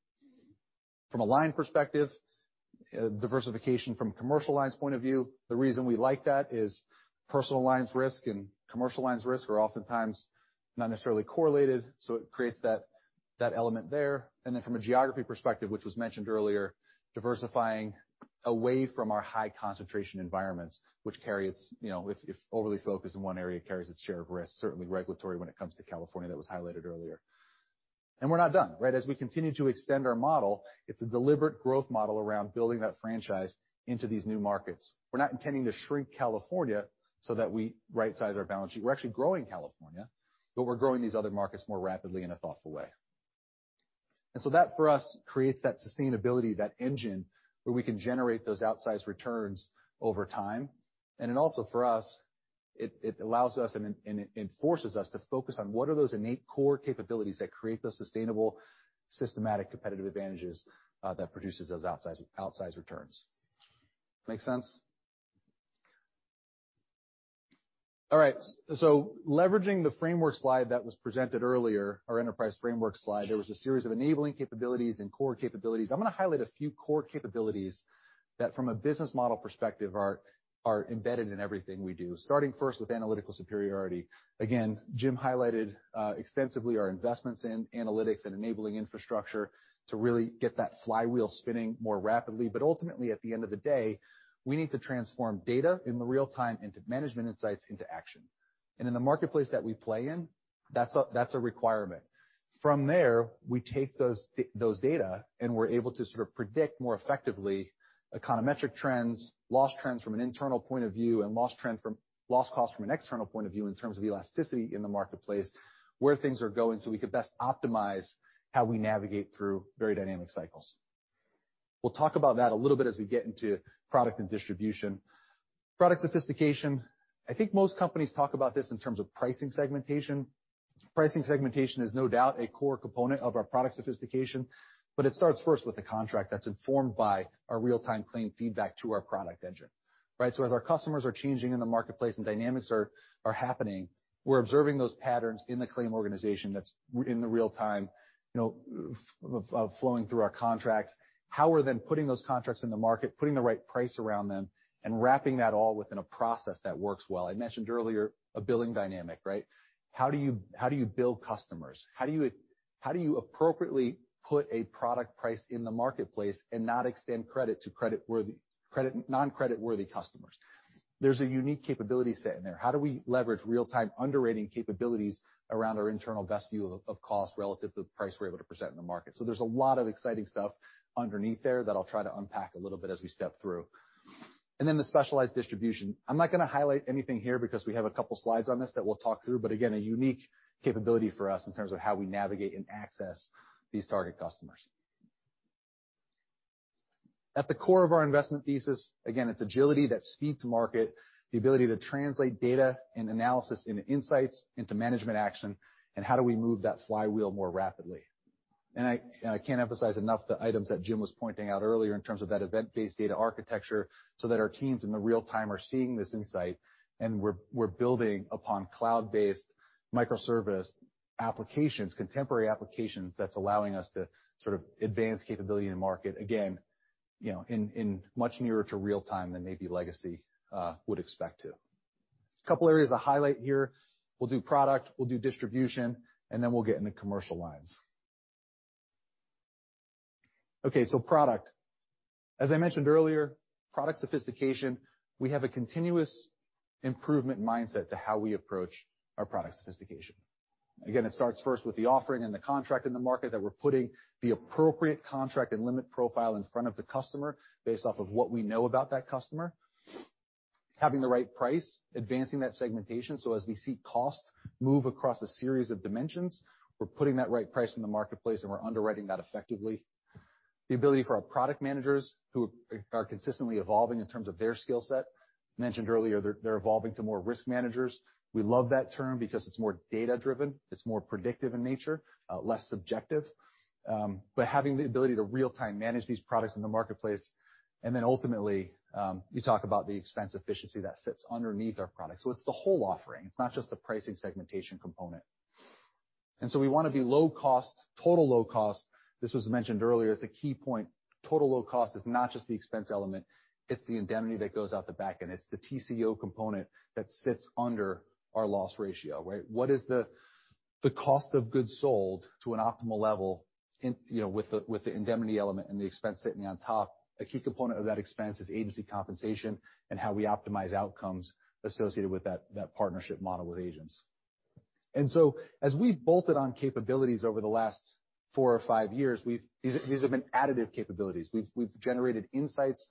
From a line perspective, diversification from commercial lines point of view, the reason we like that is personal lines risk and commercial lines risk are oftentimes not necessarily correlated, so it creates that element there. From a geography perspective, which was mentioned earlier, diversifying away from our high concentration environments, which carry its, you know, if overly focused in one area, carries its share of risk, certainly regulatory when it comes to California, that was highlighted earlier. We're not done, right? As we continue to extend our model, it's a deliberate growth model around building that franchise into these new markets. We're not intending to shrink California so that we right-size our balance sheet. We're actually growing California, but we're growing these other markets more rapidly in a thoughtful way. That for us creates that sustainability, that engine where we can generate those outsized returns over time. It also, for us, it allows us and forces us to focus on what are those innate core capabilities that create those sustainable, systematic competitive advantages that produces those outsized returns. Make sense? All right. Leveraging the framework slide that was presented earlier, our enterprise framework slide, there was a series of enabling capabilities and core capabilities. I'm gonna highlight a few core capabilities that from a business model perspective are embedded in everything we do, starting first with analytical superiority. Again, Jim highlighted extensively our investments in analytics and enabling infrastructure to really get that flywheel spinning more rapidly. Ultimately, at the end of the day, we need to transform data in the real-time into management insights into action. In the marketplace that we play in, that's a requirement. From there, we take those data and we're able to sort of predict more effectively econometric trends, loss trends from an internal point of view and loss cost from an external point of view in terms of elasticity in the marketplace, where things are going, We could best optimize how we navigate through very dynamic cycles. We'll talk about that a little bit as we get into product and distribution. Product sophistication, I think most companies talk about this in terms of pricing segmentation. Pricing segmentation is no doubt a core component of our product sophistication, but it starts first with the contract that's informed by our real-time claim feedback to our product engine, right? As our customers are changing in the marketplace and dynamics are happening, we're observing those patterns in the claim organization that's in the real-time, you know, of flowing through our contracts, how we're then putting those contracts in the market, putting the right price around them, and wrapping that all within a process that works well. I mentioned earlier a billing dynamic, right? How do you bill customers? How do you appropriately put a product price in the marketplace and not extend credit to non-credit worthy customers? There's a unique capability set in there. How do we leverage real-time underwriting capabilities around our internal best view of cost relative to the price we're able to present in the market? There's a lot of exciting stuff underneath there that I'll try to unpack a little bit as we step through. Then the specialized distribution. I'm not gonna highlight anything here because we have a couple slides on this that we'll talk through, but again, a unique capability for us in terms of how we navigate and access these target customers. At the core of our investment thesis, again, it's agility, that speed to market, the ability to translate data and analysis into insights, into management action, and how do we move that flywheel more rapidly. I can't emphasize enough the items that Jim was pointing out earlier in terms of that event-based data architecture, so that our teams in the real-time are seeing this insight and we're building upon cloud-based microservice applications, contemporary applications that's allowing us to sort of advance capability in market, again, you know, in much nearer to real-time than maybe legacy would expect to. A couple areas I'll highlight here. We'll do product, we'll do distribution, and then we'll get into commercial lines. Product. As I mentioned earlier, product sophistication, we have a continuous improvement mindset to how we approach our product sophistication. It starts first with the offering and the contract in the market that we're putting the appropriate contract and limit profile in front of the customer based off of what we know about that customer. Having the right price, advancing that segmentation, as we see cost move across a series of dimensions, we're putting that right price in the marketplace, and we're underwriting that effectively. The ability for our product managers who are consistently evolving in terms of their skill set. Mentioned earlier, they're evolving to more risk managers. We love that term because it's more data-driven, it's more predictive in nature, less subjective. But having the ability to real-time manage these products in the marketplace, and then ultimately, you talk about the expense efficiency that sits underneath our product. It's the whole offering. It's not just the pricing segmentation component. We want to be low cost, total low cost. This was mentioned earlier as a key point. Total low cost is not just the expense element, it's the indemnity that goes out the back, and it's the TCO component that sits under our loss ratio, right? What is the cost of goods sold to an optimal level in, you know, with the indemnity element and the expense sitting on top. A key component of that expense is agency compensation and how we optimize outcomes associated with that partnership model with agents. As we've bolted on capabilities over the last four or five years, these have been additive capabilities. We've generated insights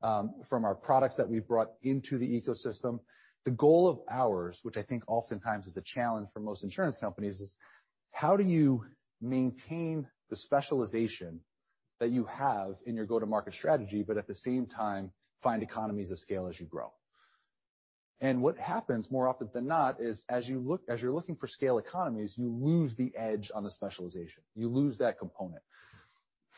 from our products that we've brought into the ecosystem. The goal of ours, which I think oftentimes is a challenge for most insurance companies, is how do you maintain the specialization that you have in your go-to-market strategy, but at the same time find economies of scale as you grow? What happens, more often than not, is as you're looking for scale economies, you lose the edge on the specialization. You lose that component.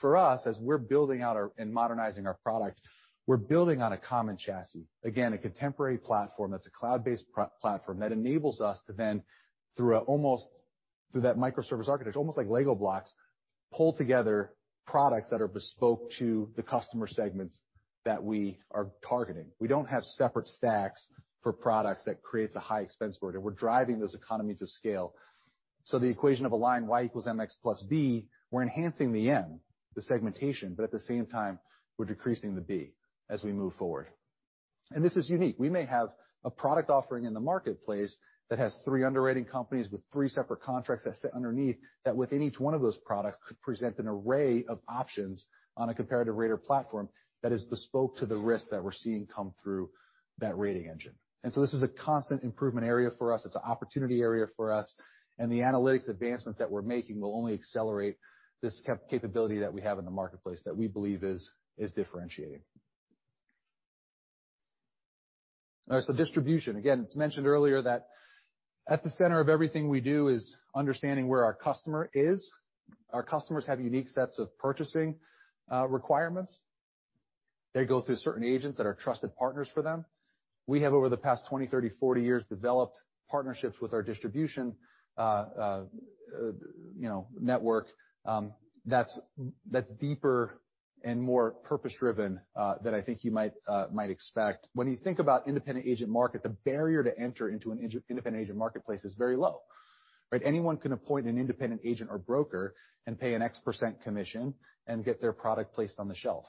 For us, as we're building out our and modernizing our product, we're building on a common chassis. Again, a contemporary platform that's a cloud-based platform that enables us to then through almost through that microservice architecture, almost like LEGO blocks, pull together products that are bespoke to the customer segments that we are targeting. We don't have separate stacks for products that creates a high expense for it. We're driving those economies of scale. The equation of a line y = mx + b, we're enhancing the M, the segmentation, but at the same time, we're decreasing the B as we move forward. This is unique. We may have a product offering in the marketplace that has three underwriting companies with three separate contracts that sit underneath that within each one of those products could present an array of options on a comparative rater platform that is bespoke to the risk that we're seeing come through that rating engine. This is a constant improvement area for us. It's an opportunity area for us. The analytics advancements that we're making will only accelerate this capability that we have in the marketplace that we believe is differentiating. All right. Distribution. Again, it's mentioned earlier that at the center of everything we do is understanding where our customer is. Our customers have unique sets of purchasing requirements. They go through certain agents that are trusted partners for them. We have, over the past 20, 30, 40 years, developed partnerships with our distribution, you know, network, that's deeper and more purpose-driven than I think you might expect. When you think about independent agent market, the barrier to enter into an independent agent marketplace is very low, right? Anyone can appoint an independent agent or broker and pay an X% commission and get their product placed on the shelf.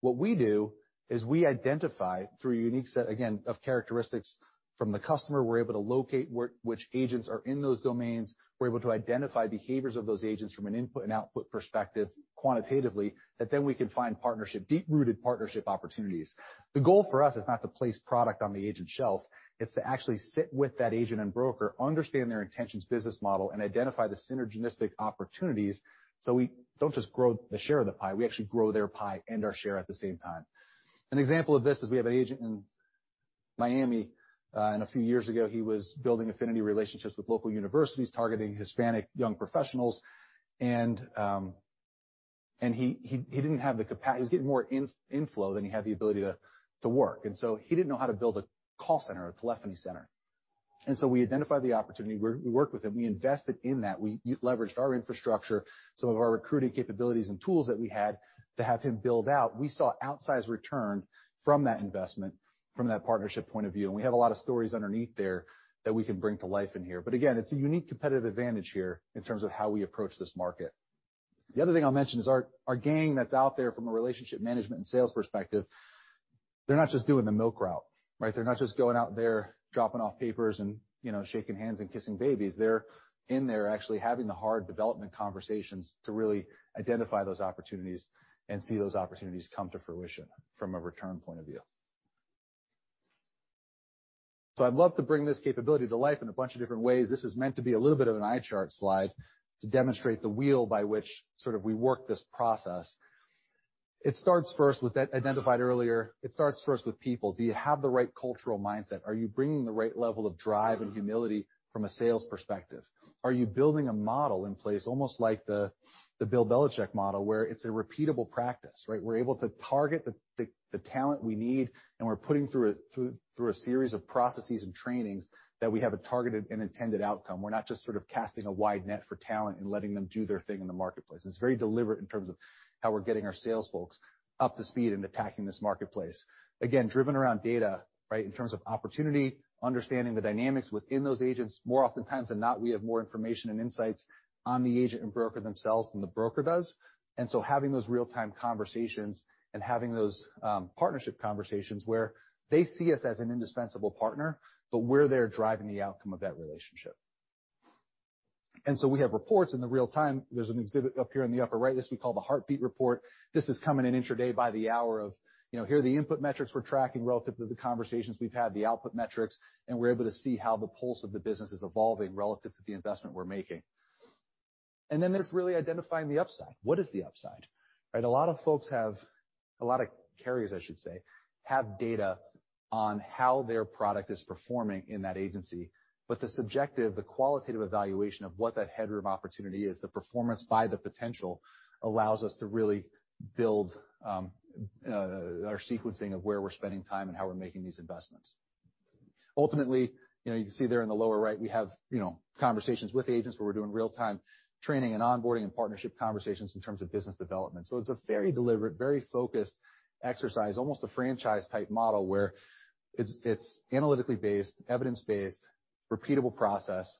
What we do is we identify through a unique set, again, of characteristics from the customer, we're able to locate which agents are in those domains. We're able to identify behaviors of those agents from an input and output perspective quantitatively, that then we can find partnership, deep-rooted partnership opportunities. The goal for us is not to place product on the agent shelf, it's to actually sit with that agent and broker, understand their intentions, business model, and identify the synergistic opportunities, so we don't just grow the share of the pie, we actually grow their pie and our share at the same time. An example of this is we have an agent in Miami, a few years ago, he was building affinity relationships with local universities targeting Hispanic young professionals. He was getting more inflow than he had the ability to work. He didn't know how to build a call center, a telephony center. We identified the opportunity. We worked with him. We invested in that. We leveraged our infrastructure, some of our recruiting capabilities and tools that we had to have him build out. We saw outsized return from that investment, from that partnership point of view. We have a lot of stories underneath there that we can bring to life in here. Again, it's a unique competitive advantage here in terms of how we approach this market. The other thing I'll mention is our gang that's out there from a relationship management and sales perspective, they're not just doing the milk route, right? They're not just going out there dropping off papers and, you know, shaking hands and kissing babies. They're in there actually having the hard development conversations to really identify those opportunities and see those opportunities come to fruition from a return point of view. I'd love to bring this capability to life in a bunch of different ways. This is meant to be a little bit of an eye chart slide to demonstrate the wheel by which sort of we work this process. It starts first with identified earlier. It starts first with people. Do you have the right cultural mindset? Are you bringing the right level of drive and humility from a sales perspective? Are you building a model in place, almost like the Bill Belichick model, where it's a repeatable practice, right? We're able to target the talent we need, and we're putting through a series of processes and trainings that we have a targeted and intended outcome. We're not just sort of casting a wide net for talent and letting them do their thing in the marketplace. It's very deliberate in terms of how we're getting our sales folks up to speed and attacking this marketplace. Again, driven around data, right? In terms of opportunity, understanding the dynamics within those agents. More oftentimes than not, we have more information and insights on the agent and broker themselves than the broker does. Having those real-time conversations and having those partnership conversations where they see us as an indispensable partner, but we're there driving the outcome of that relationship. We have reports in the real-time. There's an exhibit up here in the upper right. This we call the heartbeat report. This is coming in intraday by the hour of, you know, here are the input metrics we're tracking relative to the conversations we've had, the output metrics, and we're able to see how the pulse of the business is evolving relative to the investment we're making. There's really identifying the upside. What is the upside, right? A lot of folks, a lot of carriers, I should say, have data on how their product is performing in that agency. The subjective, the qualitative evaluation of what that headroom opportunity is, the performance by the potential allows us to really build our sequencing of where we're spending time and how we're making these investments. Ultimately, you know, you can see there in the lower right, we have, you know, conversations with agents where we're doing real-time training and onboarding and partnership conversations in terms of business development. It's a very deliberate, very focused exercise, almost a franchise-type model, where it's analytically based, evidence-based, repeatable process.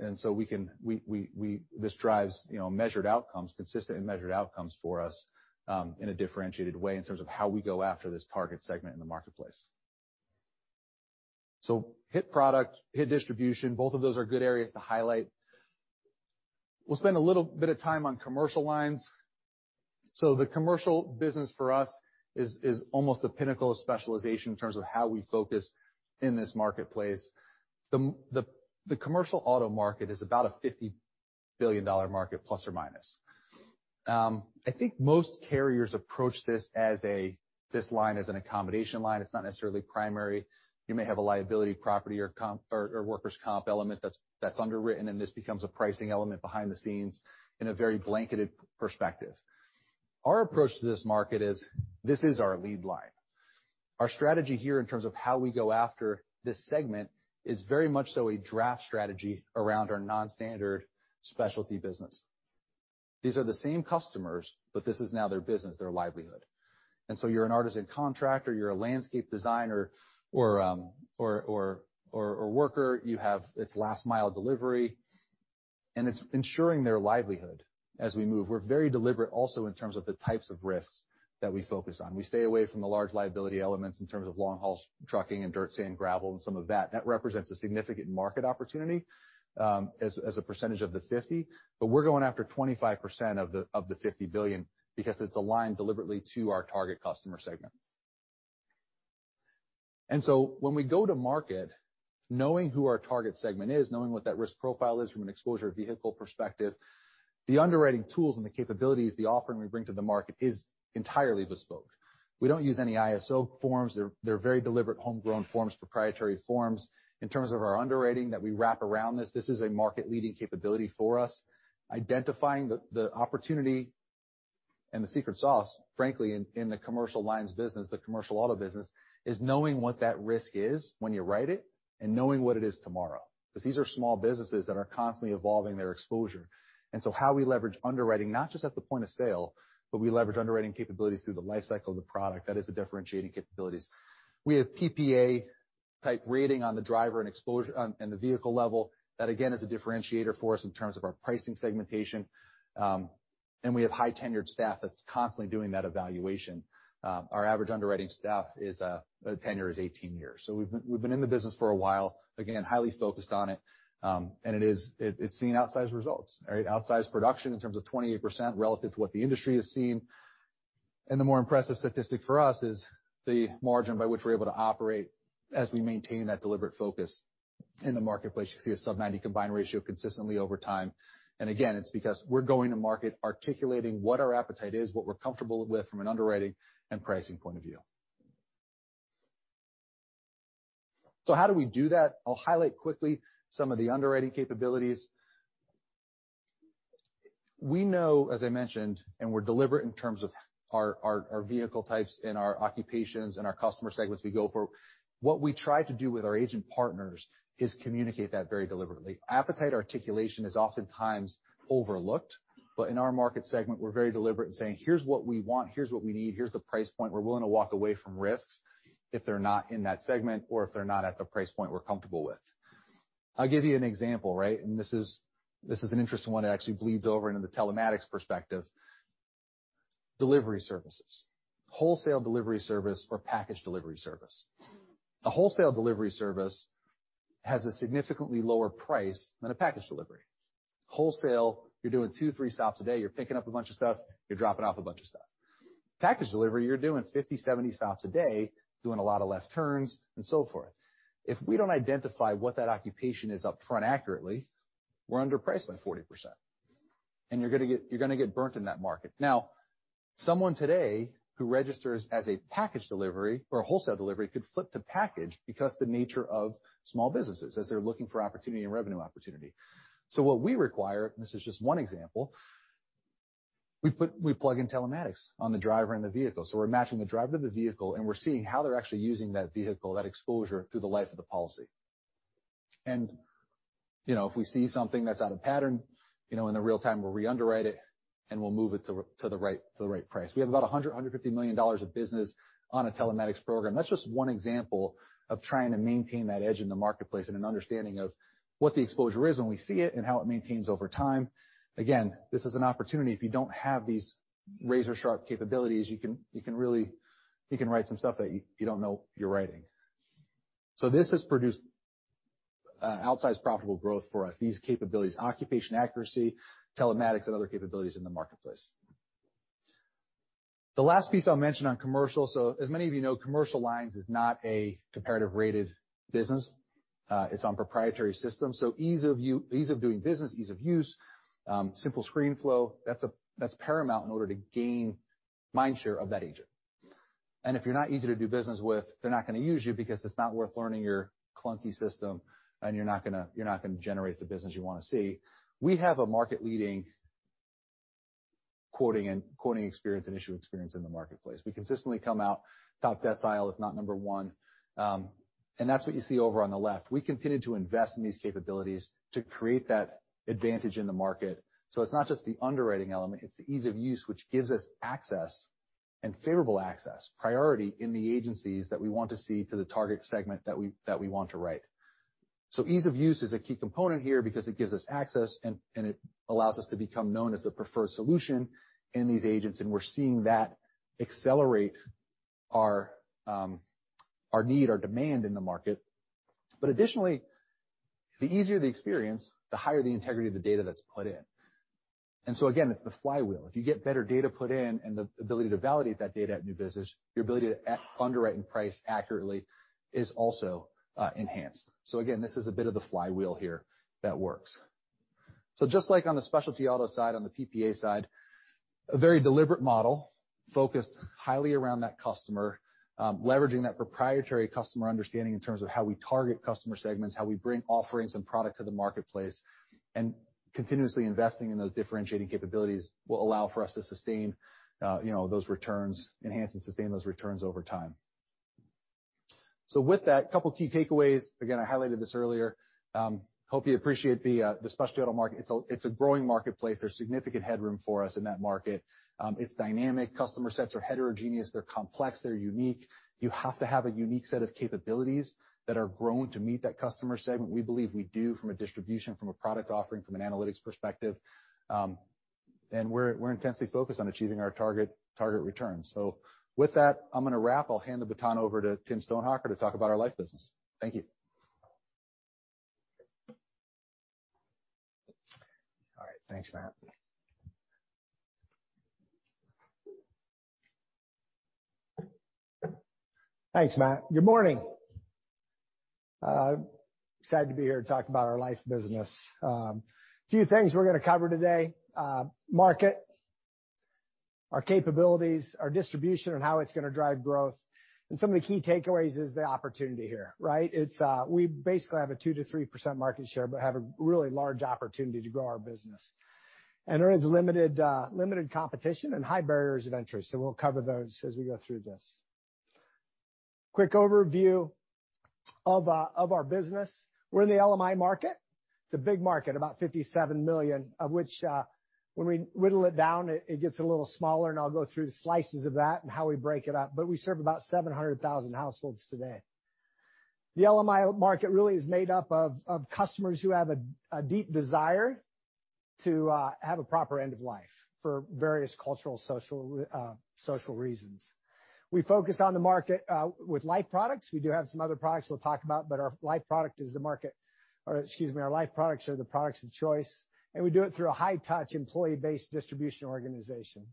This drives, you know, measured outcomes, consistent and measured outcomes for us, in a differentiated way in terms of how we go after this target segment in the marketplace. Hit product, hit distribution, both of those are good areas to highlight. We'll spend a little bit of time on commercial lines. The commercial business for us is almost the pinnacle of specialization in terms of how we focus in this marketplace. The commercial auto market is about a $50 billion market, ±. I think most carriers approach this line as an accommodation line. It's not necessarily primary. You may have a liability property or comp or workers' comp element that's underwritten, and this becomes a pricing element behind the scenes in a very blanketed perspective. Our approach to this market is, this is our lead line. Our strategy here in terms of how we go after this segment is very much so a draft strategy around our non-standard specialty business. These are the same customers, but this is now their business, their livelihood. You're an artisan contractor, you're a landscape designer or worker. You have its last mile delivery, and it's ensuring their livelihood as we move. We're very deliberate also in terms of the types of risks that we focus on. We stay away from the large liability elements in terms of long-haul trucking and dirt, sand, gravel, and some of that. That represents a significant market opportunity, as a percentage of the 50. We're going after 25% of the $50 billion because it's aligned deliberately to our target customer segment. When we go to market, knowing who our target segment is, knowing what that risk profile is from an exposure vehicle perspective, the underwriting tools and the capabilities, the offering we bring to the market is entirely bespoke. We don't use any ISO forms. They're very deliberate homegrown forms, proprietary forms. In terms of our underwriting that we wrap around this is a market-leading capability for us. Identifying the opportunity and the secret sauce, frankly, in the commercial lines business, the commercial auto business, is knowing what that risk is when you write it and knowing what it is tomorrow. 'Cause these are small businesses that are constantly evolving their exposure. How we leverage underwriting, not just at the point of sale, but we leverage underwriting capabilities through the life cycle of the product, that is a differentiating capabilities. We have PPA-type rating on the driver and exposure on the vehicle level that again, is a differentiator for us in terms of our pricing segmentation. We have high-tenured staff that's constantly doing that evaluation. Our average underwriting staff is, the tenure is 18 years. We've been in the business for a while, again, highly focused on it. It is, it's seeing outsized results, right. Outsized production in terms of 28% relative to what the industry is seeing. The more impressive statistic for us is the margin by which we're able to operate as we maintain that deliberate focus in the marketplace. You see a sub-90 combined ratio consistently over time. Again, it's because we're going to market articulating what our appetite is, what we're comfortable with from an underwriting and pricing point of view. How do we do that? I'll highlight quickly some of the underwriting capabilities. We know, as I mentioned, and we're deliberate in terms of our vehicle types and our occupations and our customer segments we go for. What we try to do with our agent partners is communicate that very deliberately. Appetite articulation is oftentimes overlooked, but in our market segment, we're very deliberate in saying, "Here's what we want, here's what we need, here's the price point." We're willing to walk away from risks if they're not in that segment or if they're not at the price point we're comfortable with. I'll give you an example, right? This is an interesting one. It actually bleeds over into the telematics perspective. Delivery services. Wholesale delivery service or package delivery service. A wholesale delivery service has a significantly lower price than a package delivery. Wholesale, you're doing two, three stops a day, you're picking up a bunch of stuff, you're dropping off a bunch of stuff. Package delivery, you're doing 50-70 stops a day, doing a lot of left turns and so forth. If we don't identify what that occupation is up front accurately, we're underpriced by 40%, and you're gonna get burnt in that market. Now, someone today who registers as a package delivery or a wholesale delivery could flip to package because the nature of small businesses as they're looking for opportunity and revenue opportunity. What we require, and this is just one example, we plug in telematics on the driver and the vehicle. We're matching the driver to the vehicle, and we're seeing how they're actually using that vehicle, that exposure through the life of the policy. You know, if we see something that's out of pattern, you know, in the real-time, we'll re-underwrite it, and we'll move it to the right price. We have about $100 million-$150 million of business on a telematics program. That's just one example of trying to maintain that edge in the marketplace and an understanding of what the exposure is when we see it and how it maintains over time. Again, this is an opportunity. If you don't have these razor-sharp capabilities, you can really write some stuff that you don't know you're writing. This has produced outsized profitable growth for us, these capabilities, occupation accuracy, telematics and other capabilities in the marketplace. The last piece I'll mention on commercial. As many of you know, Commercial Lines is not a comparative rated business. It's on proprietary system, so ease of doing business, ease of use, simple screen flow, that's paramount in order to gain mind share of that agent. If you're not easy to do business with, they're not gonna use you because it's not worth learning your clunky system, and you're not gonna generate the business you wanna see. We have a market-leading quoting experience and issue experience in the marketplace. We consistently come out top decile, if not number one. That's what you see over on the left. We continue to invest in these capabilities to create that advantage in the market. It's not just the underwriting element, it's the ease of use which gives us access, and favorable access, priority in the agencies that we want to see to the target segment that we want to write. Ease of use is a key component here because it gives us access and it allows us to become known as the preferred solution in these agents, and we're seeing that accelerate our need, our demand in the market. Additionally, the easier the experience, the higher the integrity of the data that's put in. Again, it's the flywheel. If you get better data put in and the ability to validate that data at new business, your ability to underwrite and price accurately is also enhanced. Again, this is a bit of the flywheel here that works. Just like on the specialty auto side, on the PPA side, a very deliberate model focused highly around that customer, leveraging that proprietary customer understanding in terms of how we target customer segments, how we bring offerings and product to the marketplace, and continuously investing in those differentiating capabilities will allow for us to sustain, you know, those returns, enhance and sustain those returns over time. With that, couple key takeaways. Again, I highlighted this earlier. Hope you appreciate the specialty auto market. It's a growing marketplace. There's significant headroom for us in that market. It's dynamic. Customer sets are heterogeneous, they're complex, they're unique. You have to have a unique set of capabilities that are grown to meet that customer segment. We believe we do from a distribution, from a product offering, from an analytics perspective. We're intensely focused on achieving our target returns. With that, I'm gonna wrap. I'll hand the baton over to Tim Stonehocker to talk about our life business. Thank you. All right. Thanks, Matt. Thanks, Matt. Good morning. Excited to be here to talk about our life business. Few things we're gonna cover today. Market, our capabilities, our distribution, and how it's gonna drive growth. Some of the key takeaways is the opportunity here, right? It's, we basically have a 2%-3% market share, but have a really large opportunity to grow our business. There is limited competition and high barriers of entry, so we'll cover those as we go through this. Quick overview of our business. We're in the LMI market. It's a big market, about $57 million, of which, when we whittle it down, it gets a little smaller, and I'll go through slices of that and how we break it up. We serve about 700,000 households today. The LMI market really is made up of customers who have a deep desire to have a proper end of life for various cultural, social reasons. We focus on the market with life products. We do have some other products we'll talk about. Our life product is the market. Excuse me, our life products are the products of choice. We do it through a high-touch employee-based distribution organization.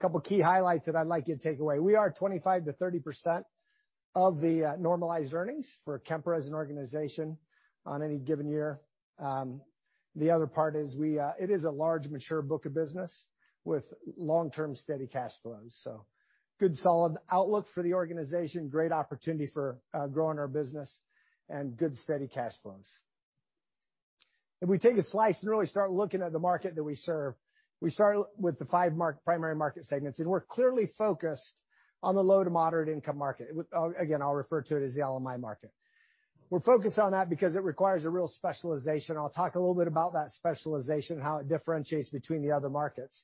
Couple key highlights that I'd like you to take away. We are 25%-30% of the normalized earnings for Kemper as an organization on any given year. The other part is we, it is a large, mature book of business with long-term steady cash flows. Good solid outlook for the organization, great opportunity for growing our business, and good, steady cash flows. If we take a slice and really start looking at the market that we serve, we start with the 5 primary market segments. We're clearly focused on the low to moderate income market. Again, I'll refer to it as the LMI market. We're focused on that because it requires a real specialization. I'll talk a little bit about that specialization, how it differentiates between the other markets.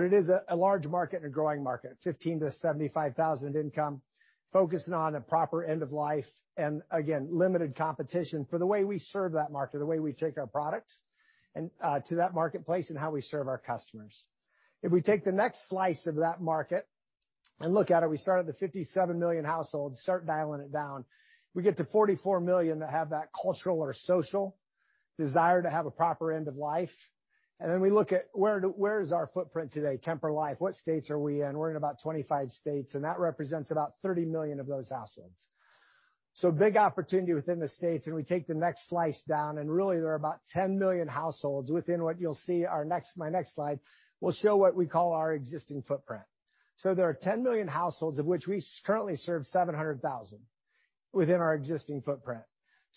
It is a large market and a growing market, $15,000-$75,000 income, focusing on a proper end of life. Again, limited competition for the way we serve that market, the way we take our products to that marketplace and how we serve our customers. If we take the next slice of that market and look at it, we start at the 57 million households, start dialing it down. We get to 44 million that have that cultural or social desire to have a proper end of life. We look at where is our footprint today, Kemper Life, what states are we in? We're in about 25 states, that represents about 30 million of those households. Big opportunity within the states, we take the next slice down and really there are about 10 million households within what you'll see our next, my next slide will show what we call our existing footprint. There are 10 million households of which we currently serve 700,000 within our existing footprint.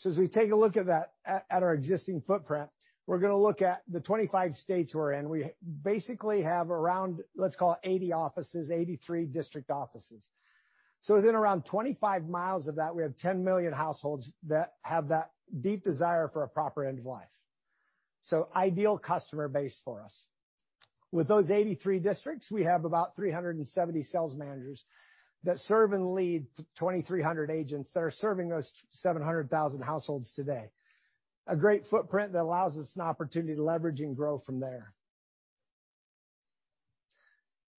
As we take a look at that, at our existing footprint, we're gonna look at the 25 states we're in. We basically have around, let's call it 80 offices, 83 district offices. Within around 25 miles of that, we have 10 million households that have that deep desire for a proper end of life. Ideal customer base for us. With those 83 districts, we have about 370 sales managers that serve and lead 2,300 agents that are serving those 700,000 households today. A great footprint that allows us an opportunity to leverage and grow from there.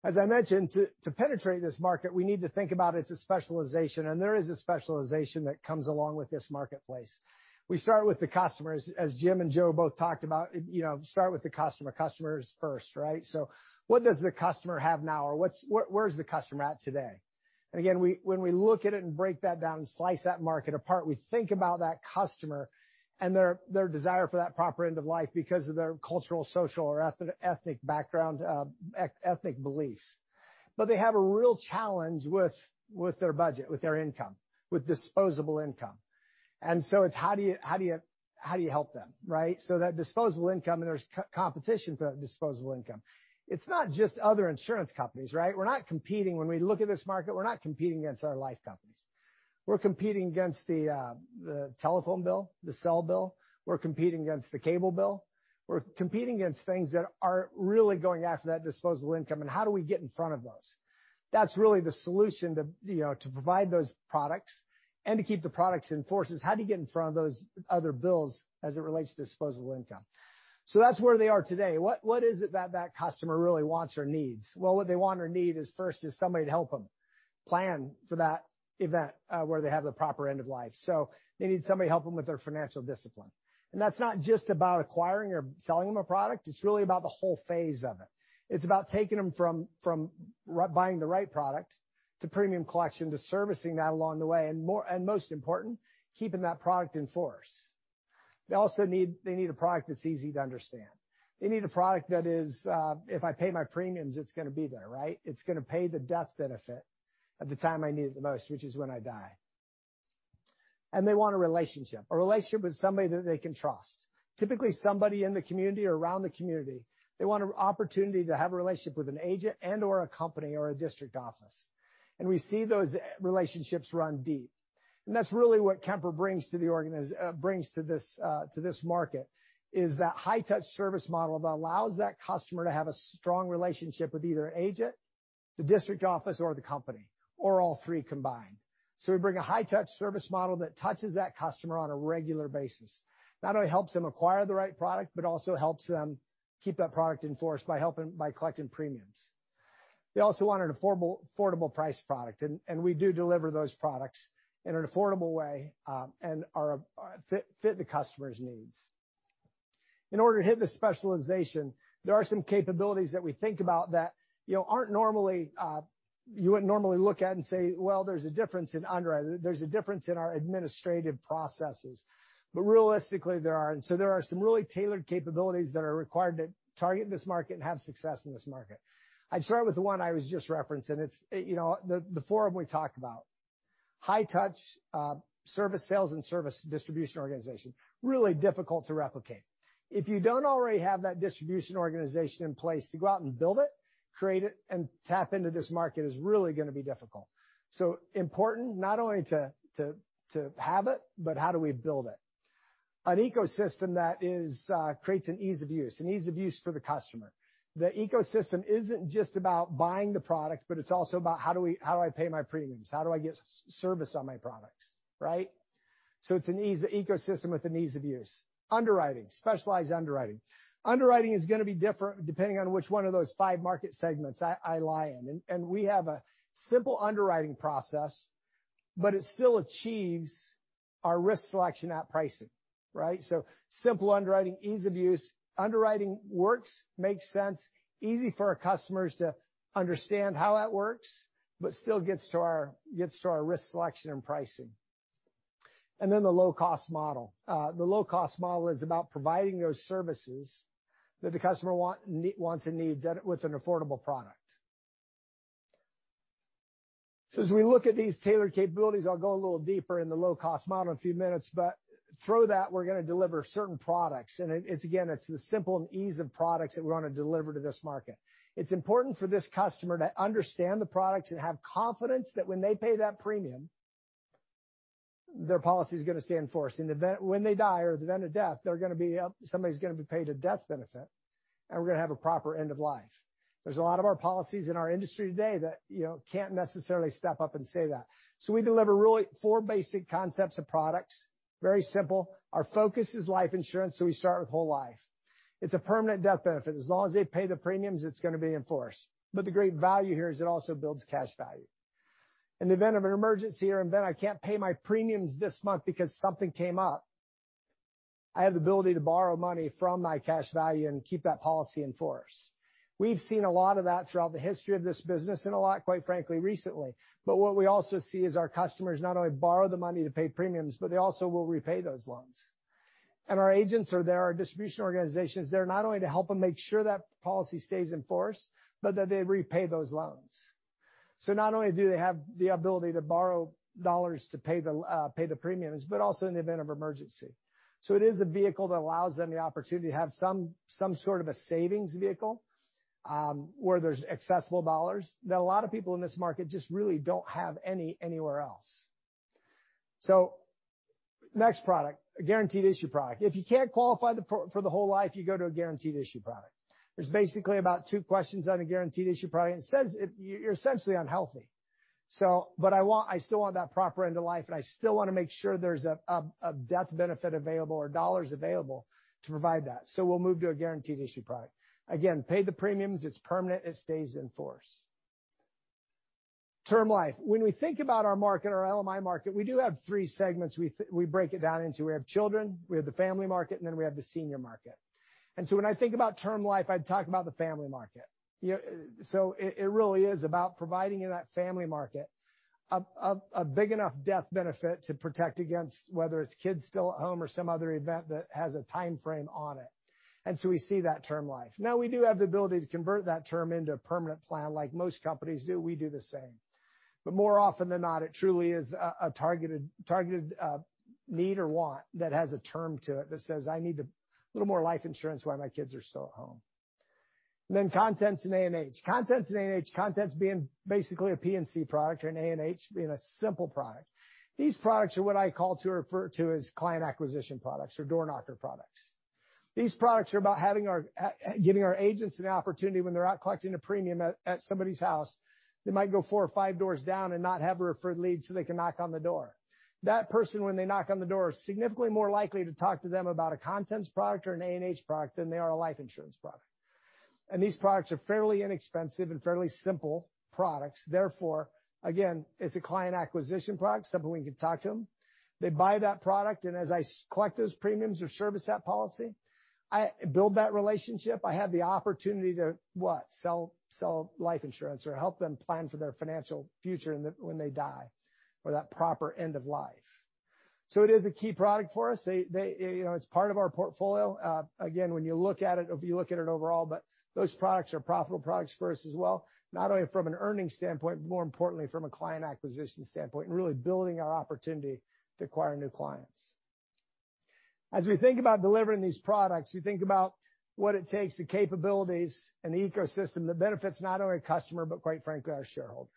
As I mentioned, to penetrate this market, we need to think about it as a specialization, and there is a specialization that comes along with this marketplace. We start with the customers. As Jim and Joe both talked about, you know, start with the customer. Customer is first, right? What does the customer have now? Where is the customer at today? Again, when we look at it and break that down and slice that market apart, we think about that customer and their desire for that proper end of life because of their cultural, social, or ethnic background, ethnic beliefs. They have a real challenge with their budget, with their income, with disposable income. It's how do you help them, right? That disposable income, and there's co-competition for that disposable income. It's not just other insurance companies, right? We're not competing when we look at this market, we're not competing against our life companies. We're competing against the telephone bill, the cell bill. We're competing against the cable bill. We're competing against things that are really going after that disposable income, how do we get in front of those? That's really the solution to, you know, to provide those products and to keep the products in force, is how do you get in front of those other bills as it relates to disposable income. That's where they are today. What is it that customer really wants or needs? Well, what they want or need is first is somebody to help them plan for that event, where they have the proper end of life. They need somebody to help them with their financial discipline. That's not just about acquiring or selling them a product, it's really about the whole phase of it. It's about taking them from buying the right product to premium collection, to servicing that along the way, and more-- and most important, keeping that product in force. They also need, they need a product that's easy to understand. They need a product that is, if I pay my premiums, it's gonna be there, right? It's gonna pay the death benefit at the time I need it the most, which is when I die. They want a relationship, a relationship with somebody that they can trust. Typically somebody in the community or around the community. They want an opportunity to have a relationship with an agent and/or a company or a district office. We see those relationships run deep. That's really what Kemper brings to this market, is that high touch service model that allows that customer to have a strong relationship with either agent, the district office or the company, or all three combined. We bring a high touch service model that touches that customer on a regular basis. Not only helps them acquire the right product, but also helps them keep that product in force by collecting premiums. They also want an affordable priced product and we do deliver those products in an affordable way and are fit the customer's needs. In order to hit this specialization, there are some capabilities that we think about that, you know, aren't normally, you wouldn't normally look at and say, "Well, there's a difference in our administrative processes." Realistically, there aren't. There are some really tailored capabilities that are required to target this market and have success in this market. I'd start with the one I was just referencing. It's, you know, the four of them we talked about. High touch service, sales and service distribution organization. Really difficult to replicate. If you don't already have that distribution organization in place to go out and build it, create it and tap into this market is really gonna be difficult. Important not only to have it, but how do we build it. An ecosystem that is, creates an ease of use for the customer. The ecosystem isn't just about buying the product, but it's also about how do I pay my premiums, how do I get service on my products, right? It's an ecosystem with an ease of use. Underwriting, specialized underwriting. Underwriting is gonna be different depending on which one of those five market segments I lie in. We have a simple underwriting process, but it still achieves our risk selection at pricing, right? Simple underwriting, ease of use. Underwriting works, makes sense, easy for our customers to understand how that works, but still gets to our risk selection and pricing. The low-cost model. The low-cost model is about providing those services that the customer wants and needs with an affordable product. As we look at these tailored capabilities, I'll go a little deeper in the low-cost model in a few minutes, but through that, we're gonna deliver certain products. It's again, it's the simple and ease of products that we wanna deliver to this market. It's important for this customer to understand the products and have confidence that when they pay that premium, their policy is gonna stay in force. When they die or the event of death, they're gonna be somebody's gonna be paid a death benefit, and we're gonna have a proper end of life. There's a lot of our policies in our industry today that, you know, can't necessarily step up and say that. We deliver really four basic concepts of products, very simple. Our focus is life insurance, we start with whole life. It's a permanent death benefit. As long as they pay the premiums, it's gonna be in force. The great value here is it also builds cash value. In the event of an emergency or event I can't pay my premiums this month because something came up, I have the ability to borrow money from my cash value and keep that policy in force. We've seen a lot of that throughout the history of this business and a lot, quite frankly, recently. What we also see is our customers not only borrow the money to pay premiums, but they also will repay those loans. Our agents are there, our distribution organizations, they're not only to help them make sure that policy stays in force, but that they repay those loans. Not only do they have the ability to borrow dollars to pay the premiums, but also in the event of emergency. It is a vehicle that allows them the opportunity to have some sort of a savings vehicle, where there's accessible dollars that a lot of people in this market just really don't have anywhere else. Next product, a guaranteed issue product. If you can't qualify for the whole life, you go to a guaranteed issue product. There's basically about two questions on a guaranteed issue product, and it says you're essentially unhealthy. I want, I still want that proper end of life, and I still wanna make sure there's a death benefit available or dollars available to provide that. We'll move to a guaranteed issue product. Again, pay the premiums, it's permanent, it stays in force. Term life. When we think about our market, our LMI market, we do have three segments we break it down into. We have children, we have the family market, and then we have the senior market. When I think about term life, I'd talk about the family market. It, it really is about providing in that family market a big enough death benefit to protect against whether it's kids still at home or some other event that has a timeframe on it. We see that term life. We do have the ability to convert that term into a permanent plan like most companies do, we do the same. More often than not, it truly is a targeted need or want that has a term to it that says, "I need a little more life insurance while my kids are still at home." Contents and A&H. Contents and A&H, contents being basically a P&C product and A&H being a simple product. These products are what I call to or refer to as client acquisition products or door knocker products. These products are about having our giving our agents an opportunity when they're out collecting a premium at somebody's house, they might go four or five doors down and not have a referred lead they can knock on the door. That person when they knock on the door is significantly more likely to talk to them about a contents product or an A&H product than they are a life insurance product. These products are fairly inexpensive and fairly simple products. Therefore, again, it's a client acquisition product, someone we can talk to them. They buy that product, and as I collect those premiums or service that policy, I build that relationship. I have the opportunity to, what? Sell life insurance or help them plan for their financial future and when they die or that proper end of life. It is a key product for us. They, you know, it's part of our portfolio. Again, when you look at it, if you look at it overall, those products are profitable products for us as well, not only from an earnings standpoint, but more importantly from a client acquisition standpoint and really building our opportunity to acquire new clients. As we think about delivering these products, we think about what it takes, the capabilities and the ecosystem that benefits not only our customer, but quite frankly, our shareholders.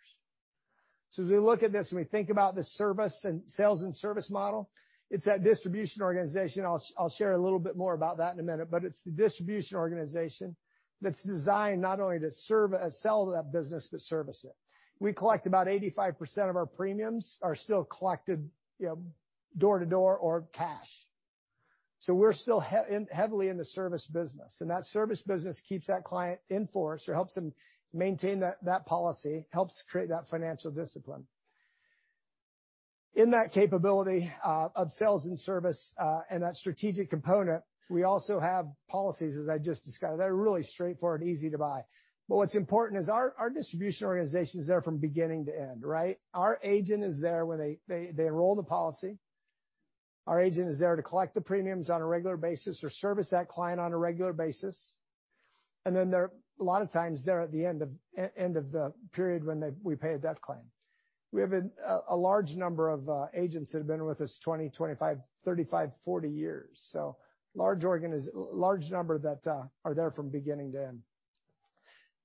As we look at this and we think about the service and sales and service model, it's that distribution organization. I'll share a little bit more about that in a minute, but it's the distribution organization that's designed not only to serve, sell that business, but service it. We collect about 85% of our premiums are still collected, you know, door to door or cash. We're still heavily in the service business, and that service business keeps that client in force or helps them maintain that policy, helps create that financial discipline. In that capability of sales and service, and that strategic component, we also have policies, as I just described, that are really straightforward, easy to buy. What's important is our distribution organization is there from beginning to end, right? Our agent is there when they enroll the policy. Our agent is there to collect the premiums on a regular basis or service that client on a regular basis. They're, a lot of times they're at the end of the period when we pay a death claim. We have a large number of agents that have been with us 20, 25, 35, 40 years. large number that are there from beginning to end.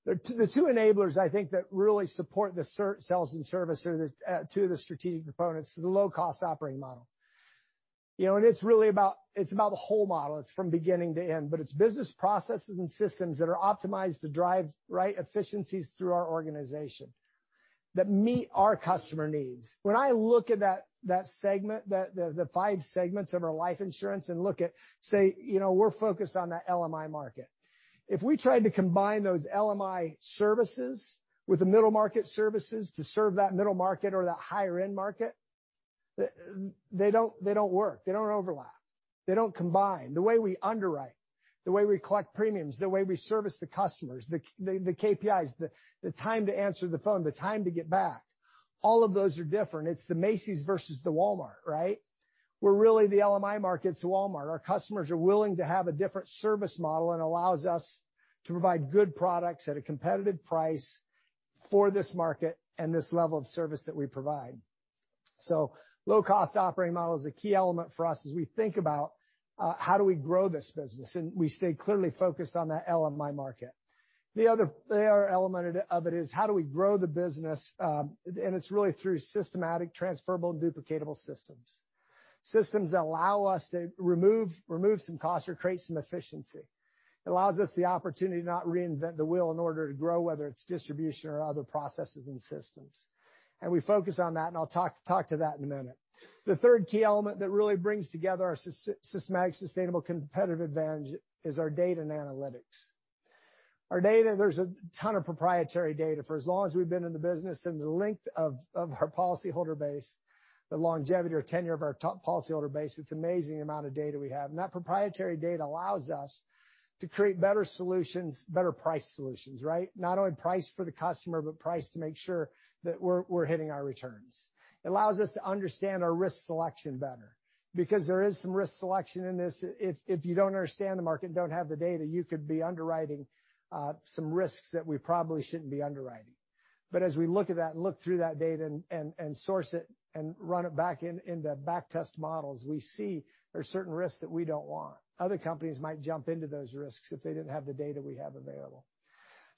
The two enablers I think that really support the sales and service are the two of the strategic components is the low cost operating model. You know, and it's really about, it's about the whole model. It's from beginning to end. It's business processes and systems that are optimized to drive, right, efficiencies through our organization that meet our customer needs. When I look at that segment, the five segments of our life insurance and look at, say, you know, we're focused on that LMI market. If we tried to combine those LMI services with the middle market services to serve that middle market or that higher end market, they don't work, they don't overlap, they don't combine. The way we underwrite, the way we collect premiums, the way we service the customers, the KPIs, the time to answer the phone, the time to get back, all of those are different. It's the Macy's versus the Walmart, right? Where really the LMI market's Walmart. Our customers are willing to have a different service model and allows us to provide good products at a competitive price for this market and this level of service that we provide. Low cost operating model is a key element for us as we think about how do we grow this business, and we stay clearly focused on that LMI market. The other element of it is how do we grow the business? It's really through systematic, transferable, duplicatable systems. Systems that allow us to remove some costs or create some efficiency. It allows us the opportunity to not reinvent the wheel in order to grow, whether it's distribution or other processes and systems. We focus on that, and I'll talk to that in a minute. The third key element that really brings together our systemic sustainable competitive advantage is our data and analytics. Our data, there's a ton of proprietary data. For as long as we've been in the business and the length of our policy holder base, the longevity or tenure of our top policy holder base, it's amazing the amount of data we have. That proprietary data allows us to create better solutions, better price solutions, right? Not only price for the customer, but price to make sure that we're hitting our returns. It allows us to understand our risk selection better because there is some risk selection in this. If you don't understand the market and don't have the data, you could be underwriting, some risks that we probably shouldn't be underwriting. As we look at that and look through that data and source it and run it back in the back test models, we see there's certain risks that we don't want. Other companies might jump into those risks if they didn't have the data we have available.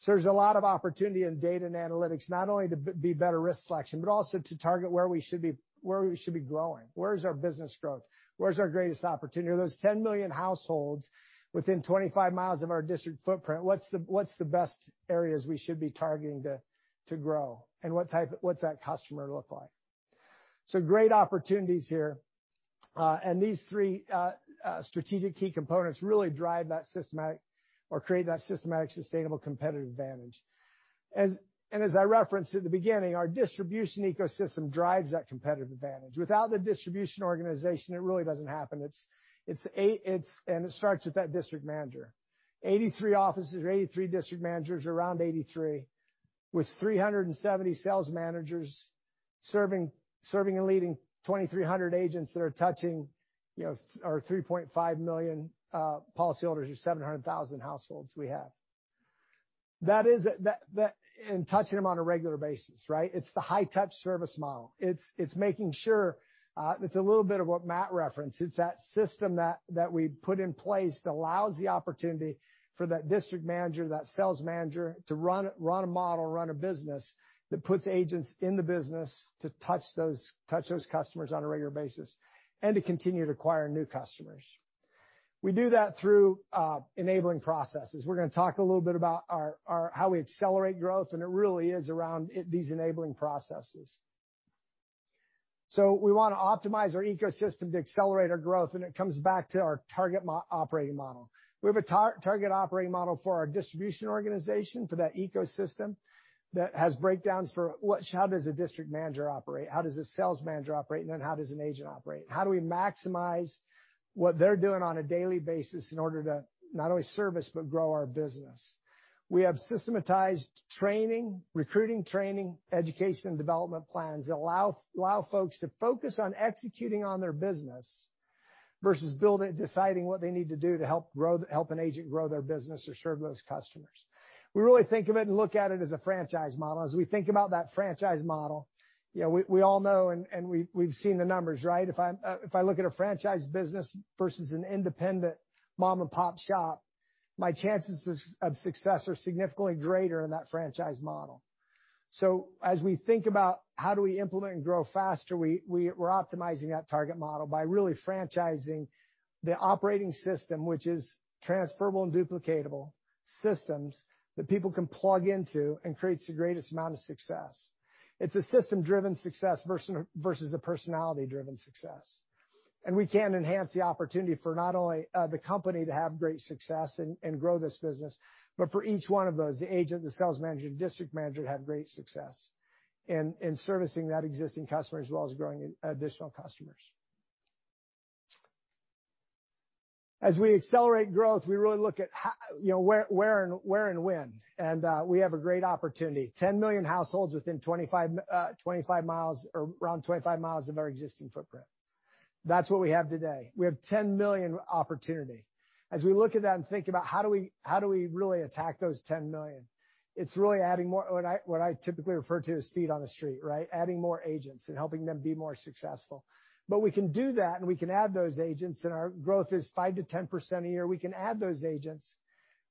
There's a lot of opportunity in data and analytics, not only to be better risk selection, but also to target where we should be, where we should be growing. Where's our business growth? Where's our greatest opportunity? Of those 10 million households within 25 miles of our district footprint, what's the best areas we should be targeting to grow? What's that customer look like? Great opportunities here. These three strategic key components really drive that systematic, sustainable competitive advantage. As I referenced at the beginning, our distribution ecosystem drives that competitive advantage. Without the distribution organization, it really doesn't happen. It starts with that district manager. 83 offices or 83 district managers, around 83, with 370 sales managers serving and leading 2,300 agents that are touching, you know, our 3.5 million policyholders or 700,000 households we have. That is that, touching them on a regular basis, right? It's the high-touch service model. It's, it's making sure, it's a little bit of what Matt referenced. It's that system that we put in place that allows the opportunity for that district manager, that sales manager to run a model, run a business that puts agents in the business to touch those customers on a regular basis and to continue to acquire new customers. We do that through enabling processes. We're gonna talk a little bit about our how we accelerate growth, and it really is around these enabling processes. We wanna optimize our ecosystem to accelerate our growth, and it comes back to our target operating model. We have a target operating model for our distribution organization, for that ecosystem that has breakdowns for how does a district manager operate, how does a sales manager operate, and then how does an agent operate? How do we maximize what they're doing on a daily basis in order to not only service, but grow our business? We have systematized training, recruiting training, education, and development plans that allow folks to focus on executing on their business versus deciding what they need to do to help grow to help an agent grow their business or serve those customers. We really think of it and look at it as a franchise model. We all know and we've seen the numbers, right? If I look at a franchise business versus an independent mom-and-pop shop, my chances of success are significantly greater in that franchise model. As we think about how do we implement and grow faster, we're optimizing that target model by really franchising the operating system, which is transferable and duplicatable systems that people can plug into and creates the greatest amount of success. It's a system-driven success versus the personality-driven success. We can enhance the opportunity for not only the company to have great success and grow this business, but for each one of those, the agent, the sales manager, district manager to have great success in servicing that existing customer as well as growing additional customers. As we accelerate growth, we really look at you know, where and where and when. We have a great opportunity, 10 million households within 25 miles or around 25 miles of our existing footprint. That's what we have today. We have $10 million opportunity. As we look at that and think about how do we really attack those $10 million, it's really adding more what I typically refer to as feet on the street, right? Adding more agents and helping them be more successful. We can do that, and we can add those agents, and our growth is 5%-10% a year. We can add those agents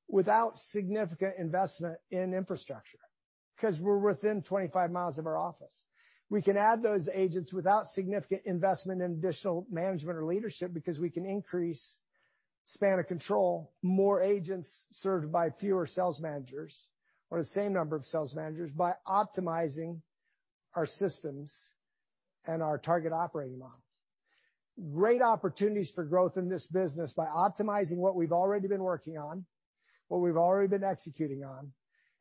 without significant investment in infrastructure 'cause we're within 25 miles of our office. We can add those agents without significant investment in additional management or leadership because we can increase span of control, more agents served by fewer sales managers or the same number of sales managers by optimizing our systems and our target operating model. Great opportunities for growth in this business by optimizing what we've already been working on, what we've already been executing on,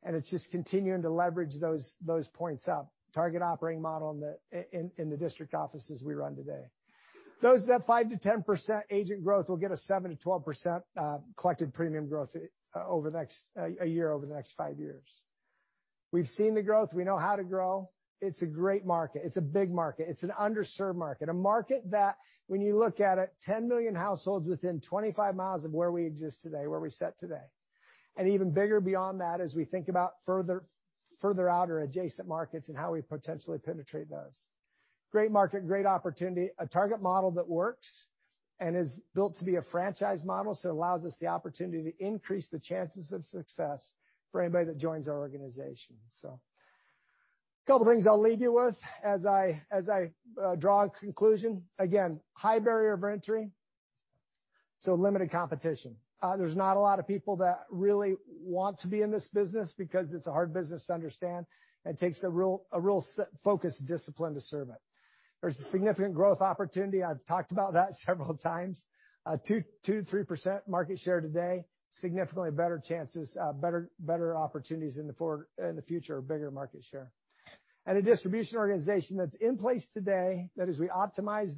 and it's just continuing to leverage those points up, target operating model in the district offices we run today. Those that 5%-10% agent growth will get a 7%-12% collected premium growth over the next year, over the next five years. We've seen the growth. We know how to grow. It's a great market. It's a big market. It's an underserved market. A market that when you look at it, 10 million households within 25 miles of where we exist today, where we sit today. Even bigger beyond that as we think about further out or adjacent markets and how we potentially penetrate those. Great market, great opportunity, a target model that works and is built to be a franchise model, so it allows us the opportunity to increase the chances of success for anybody that joins our organization. A couple things I'll leave you with as I draw a conclusion. Again, high barrier of entry, so limited competition. There's not a lot of people that really want to be in this business because it's a hard business to understand, and it takes a real focus and discipline to serve it. There's a significant growth opportunity. I've talked about that several times. 2%-3% market share today, significantly better chances, better opportunities in the future, bigger market share. A distribution organization that's in place today that as we optimize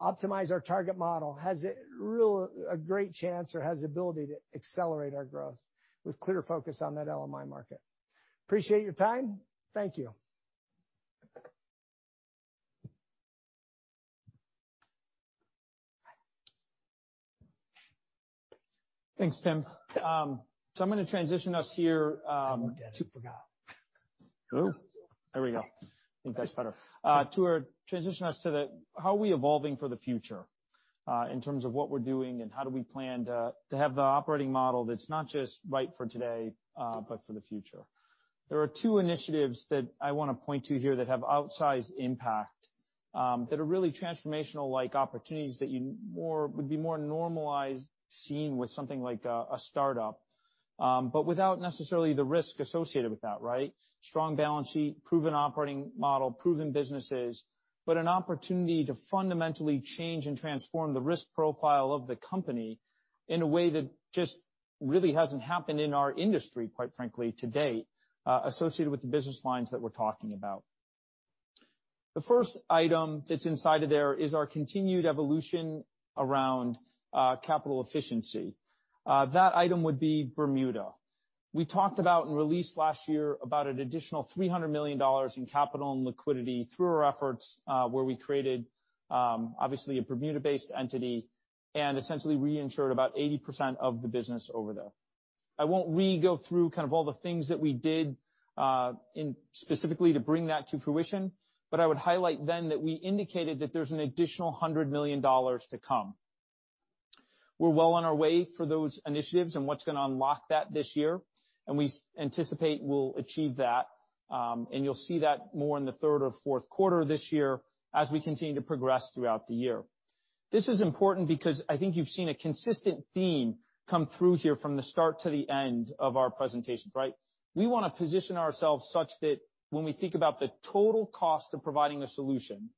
our target model, has a real, a great chance or has the ability to accelerate our growth with clear focus on that LMI market. Appreciate your time. Thank you. Thanks, Tim. I'm gonna transition us here. Forgot. Oh, there we go. I think that's better. Transition us to the how are we evolving for the future, in terms of what we're doing and how do we plan to have the operating model that's not just right for today, but for the future. There are two initiatives that I want to point to here that have outsized impact, that are really transformational like opportunities that would be more normalized seeing with something like a startup, but without necessarily the risk associated with that, right? Strong balance sheet, proven operating model, proven businesses, but an opportunity to fundamentally change and transform the risk profile of the company in a way that just really hasn't happened in our industry, quite frankly, to date, associated with the business lines that we're talking about. The first item that's inside of there is our continued evolution around capital efficiency. That item would be Bermuda. We talked about and released last year about an additional $300 million in capital and liquidity through our efforts, where we created obviously a Bermuda-based entity and essentially reinsured about 80% of the business over there. I won't re-go through kind of all the things that we did in specifically to bring that to fruition, but I would highlight then that we indicated that there's an additional $100 million to come. We're well on our way for those initiatives and what's gonna unlock that this year, and we anticipate we'll achieve that, and you'll see that more in the third or fourth quarter this year as we continue to progress throughout the year. This is important because I think you've seen a consistent theme come through here from the start to the end of our presentations, right? We wanna position ourselves such that when we think about the total cost of providing a solution,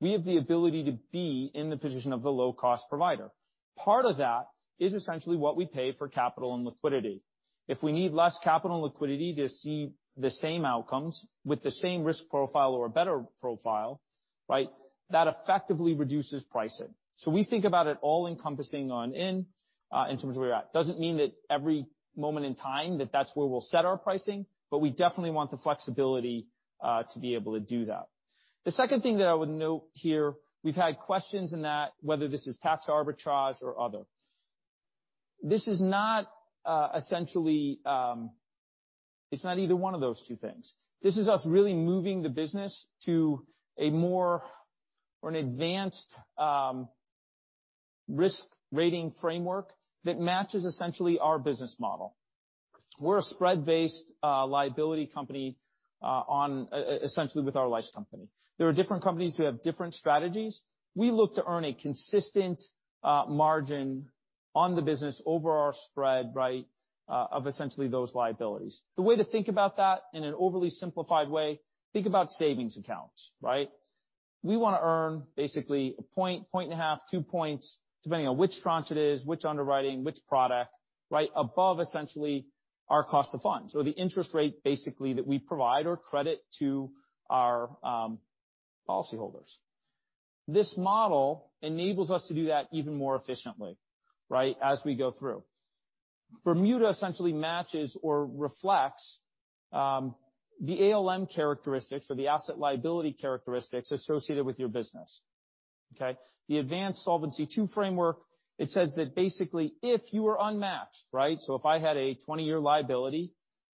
we have the ability to be in the position of the low-cost provider. Part of that is essentially what we pay for capital and liquidity. If we need less capital and liquidity to see the same outcomes with the same risk profile or a better profile, right? That effectively reduces pricing. We think about it all encompassing on in terms of where we're at. Doesn't mean that every moment in time that that's where we'll set our pricing, but we definitely want the flexibility to be able to do that. The second thing that I would note here, we've had questions in that whether this is tax arbitrage or other. It's not either one of those two things. This is us really moving the business to a more or an advanced risk rating framework that matches essentially our business model. We're a spread-based liability company essentially with our life company. There are different companies who have different strategies. We look to earn a consistent margin on the business over our spread, right, of essentially those liabilities. The way to think about that in an overly simplified way, think about savings accounts, right? We wanna earn basically a point and a half, 2 points, depending on which tranche it is, which underwriting, which product, right? Above essentially our cost of funds or the interest rate basically that we provide or credit to our policyholders. This model enables us to do that even more efficiently, right, as we go through. Bermuda essentially matches or reflects the ALM characteristics or the asset liability characteristics associated with your business, okay? The Advanced Solvency II framework says that basically if you are unmatched, right? If I had a 20-year liability,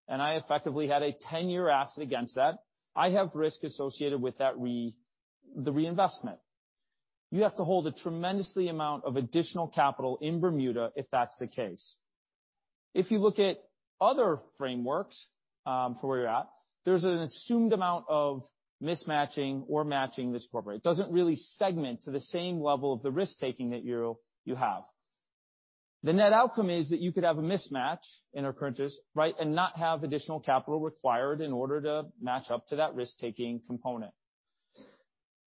and I effectively had a 10-year asset against that, I have risk associated with that reinvestment. You have to hold a tremendously amount of additional capital in Bermuda if that's the case. If you look at other frameworks for where you're at, there's an assumed amount of mismatching or matching this corporate. It doesn't really segment to the same level of the risk-taking that you have. The net outcome is that you could have a mismatch in our current risk, right, and not have additional capital required in order to match up to that risk-taking component.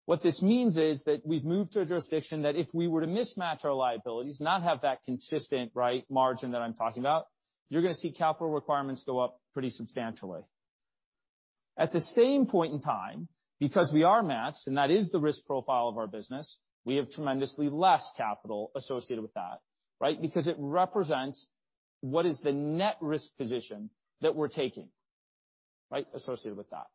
What this means is that we've moved to a jurisdiction that if we were to mismatch our liabilities, not have that consistent, right, margin that I'm talking about, you're gonna see capital requirements go up pretty substantially. At the same point in time, because we are matched and that is the risk profile of our business, we have tremendously less capital associated with that, right? Because it represents what is the net risk position that we're taking, right, associated with that.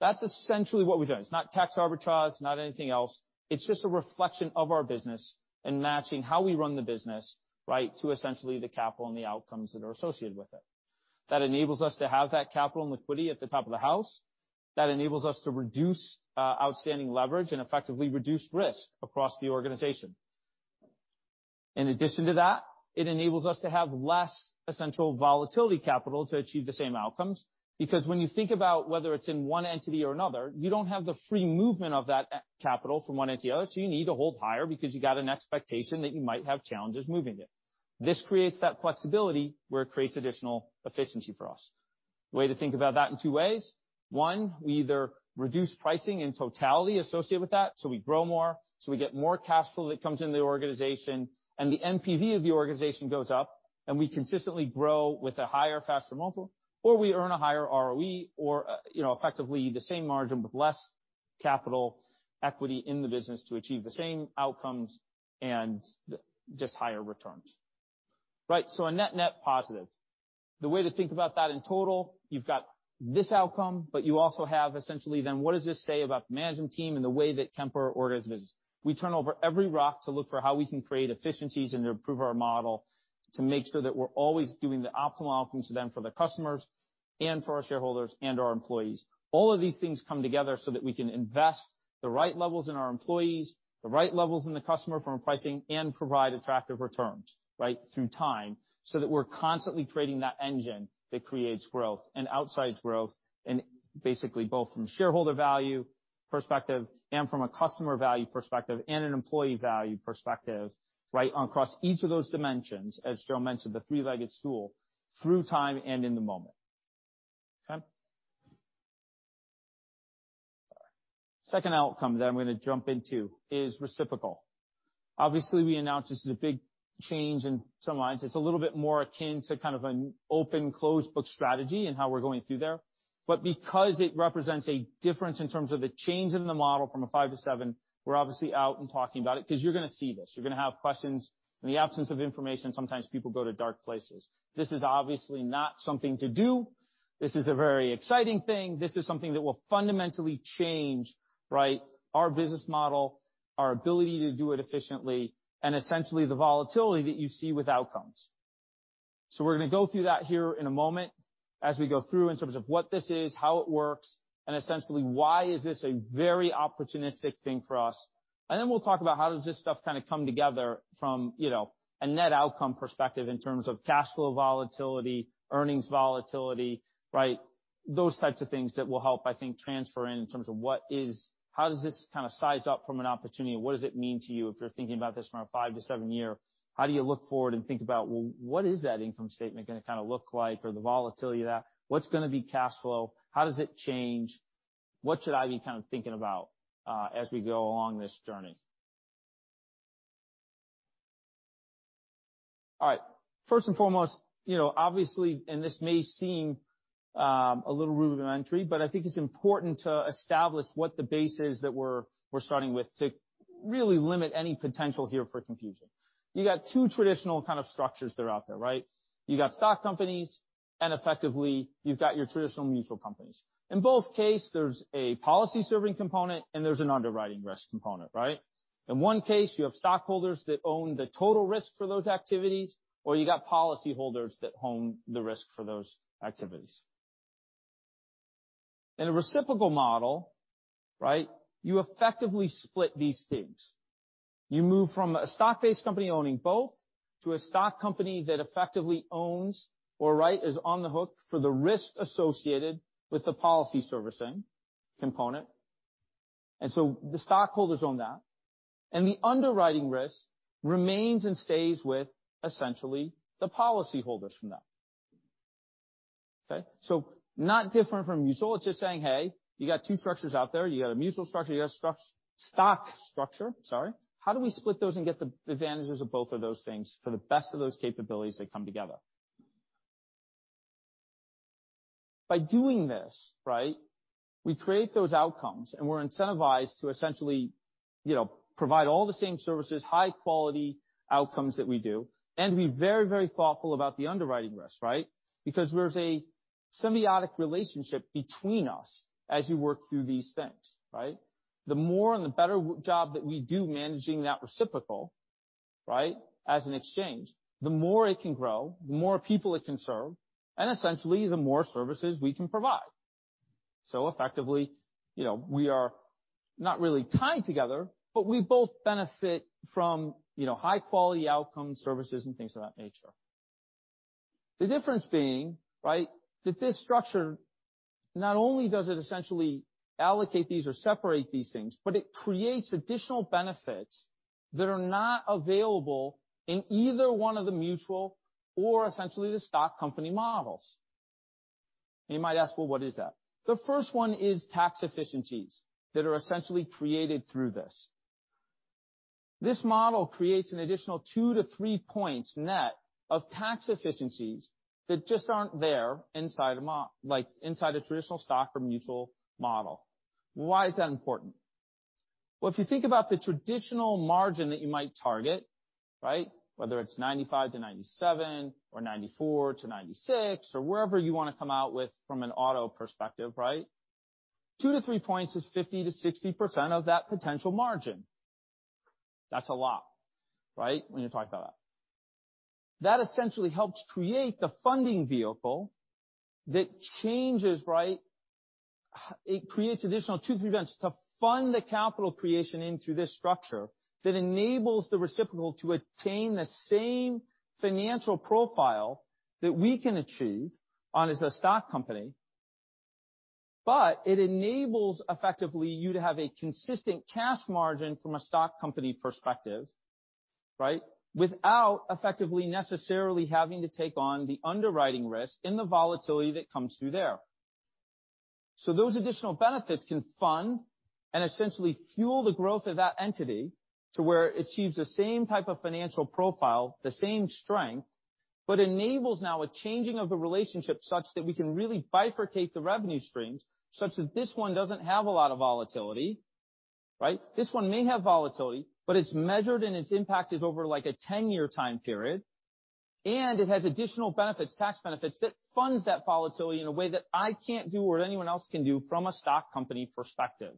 That's essentially what we're doing. It's not tax arbitrage, not anything else. It's just a reflection of our business and matching how we run the business, right, to essentially the capital and the outcomes that are associated with it. That enables us to have that capital and liquidity at the top of the house. That enables us to reduce outstanding leverage and effectively reduce risk across the organization. In addition to that, it enables us to have less essential volatility capital to achieve the same outcomes. When you think about whether it's in one entity or another, you don't have the free movement of that e-capital from one entity to the other, so you need to hold higher because you got an expectation that you might have challenges moving it. This creates that flexibility where it creates additional efficiency for us. The way to think about that in two ways. One, we either reduce pricing in totality associated with that, so we grow more, so we get more cash flow that comes into the organization, and the NPV of the organization goes up, and we consistently grow with a higher, faster multiple, or we earn a higher ROE or, you know, effectively the same margin with less capital equity in the business to achieve the same outcomes and just higher returns. Right. A net-net positive. The way to think about that in total, you've got this outcome, but you also have essentially then what does this say about the management team and the way that Kemper orders business? We turn over every rock to look for how we can create efficiencies and to improve our model to make sure that we're always doing the optimal outcomes then for the customers and for our shareholders and our employees. All of these things come together that we can invest the right levels in our employees, the right levels in the customer from pricing, and provide attractive returns, right, through time, so that we're constantly creating that engine that creates growth and outsized growth and basically both from shareholder value perspective and from a customer value perspective and an employee value perspective, right, across each of those dimensions, as Joe mentioned, the three-legged stool, through time and in the moment. Okay? Second outcome that I'm going to jump into is reciprocal. Obviously, we announced this is a big change in some lines. It's a little bit more akin to kind of an open closed book strategy in how we're going through there. Because it represents a difference in terms of the change in the model from a five-seven, we're obviously out and talking about it because you're gonna see this, you're gonna have questions. In the absence of information, sometimes people go to dark places. This is obviously not something to do. This is a very exciting thing. This is something that will fundamentally change, right, our business model, our ability to do it efficiently and essentially the volatility that you see with outcomes. We're gonna go through that here in a moment as we go through in terms of what this is, how it works, and essentially why is this a very opportunistic thing for us. Then we'll talk about how does this stuff kind of come together from, you know, a net outcome perspective in terms of cash flow volatility, earnings volatility, right. Those types of things that will help, I think, transfer in in terms of how does this kind of size up from an opportunity, what does it mean to you if you're thinking about this from a five-seven year, how do you look forward and think about, well, what is that income statement gonna kinda look like or the volatility of that? What's gonna be cash flow? How does it change? What should I be kind of thinking about as we go along this journey? First and foremost, you know, obviously, this may seem a little rudimentary, but I think it's important to establish what the base is that we're starting with to really limit any potential here for confusion. You got two traditional kind of structures that are out there, right? You got stock companies, effectively you've got your traditional mutual companies. In both case, there's a policy serving component and there's an underwriting risk component, right? In one case, you have stockholders that own the total risk for those activities, you got policyholders that own the risk for those activities. In a reciprocal model, right, you effectively split these things. You move from a stock-based company owning both to a stock company that effectively owns or right, is on the hook for the risk associated with the policy servicing component. The stockholders own that, the underwriting risk remains and stays with essentially the policyholders from that. Okay? Not different from mutual. It's just saying, "Hey, you got two structures out there. You got a mutual structure, you got stock structure." Sorry. How do we split those and get the advantages of both of those things for the best of those capabilities that come together? By doing this, right, we create those outcomes, and we're incentivized to essentially, you know, provide all the same services, high-quality outcomes that we do, and be very, very thoughtful about the underwriting risk, right? There's a symbiotic relationship between us as you work through these things, right? The more and the better job that we do managing that reciprocal, right, as an exchange, the more it can grow, the more people it can serve, and essentially the more services we can provide. Effectively, you know, we are not really tied together, but we both benefit from, you know, high-quality outcome services and things of that nature. The difference being, right, that this structure, not only does it essentially allocate these or separate these things, but it creates additional benefits that are not available in either one of the mutual or essentially the stock company models. You might ask, "Well, what is that?" The first one is tax efficiencies that are essentially created through this. This model creates an additional two-three points net of tax efficiencies that just aren't there inside like a traditional stock or mutual model. Why is that important? Well, if you think about the traditional margin that you might target, right? Whether it's 95-97 or 94-96 or wherever you wanna come out with from an auto perspective, right? two-three points is 50%-60% of that potential margin. That's a lot, right, when you talk about that. That essentially helps create the funding vehicle that changes, right? It creates additional two, three events to fund the capital creation in, through this structure that enables the reciprocal to attain the same financial profile that we can achieve on as a stock company, but it enables effectively you to have a consistent cash margin from a stock company perspective, right? Without effectively necessarily having to take on the underwriting risk and the volatility that comes through there. Those additional benefits can fund and essentially fuel the growth of that entity to where it achieves the same type of financial profile, the same strength, but enables now a changing of the relationship such that we can really bifurcate the revenue streams such that this one doesn't have a lot of volatility, right? This one may have volatility, but it's measured and its impact is over like a 10-year time period, and it has additional benefits, tax benefits, that funds that volatility in a way that I can't do or anyone else can do from a stock company perspective.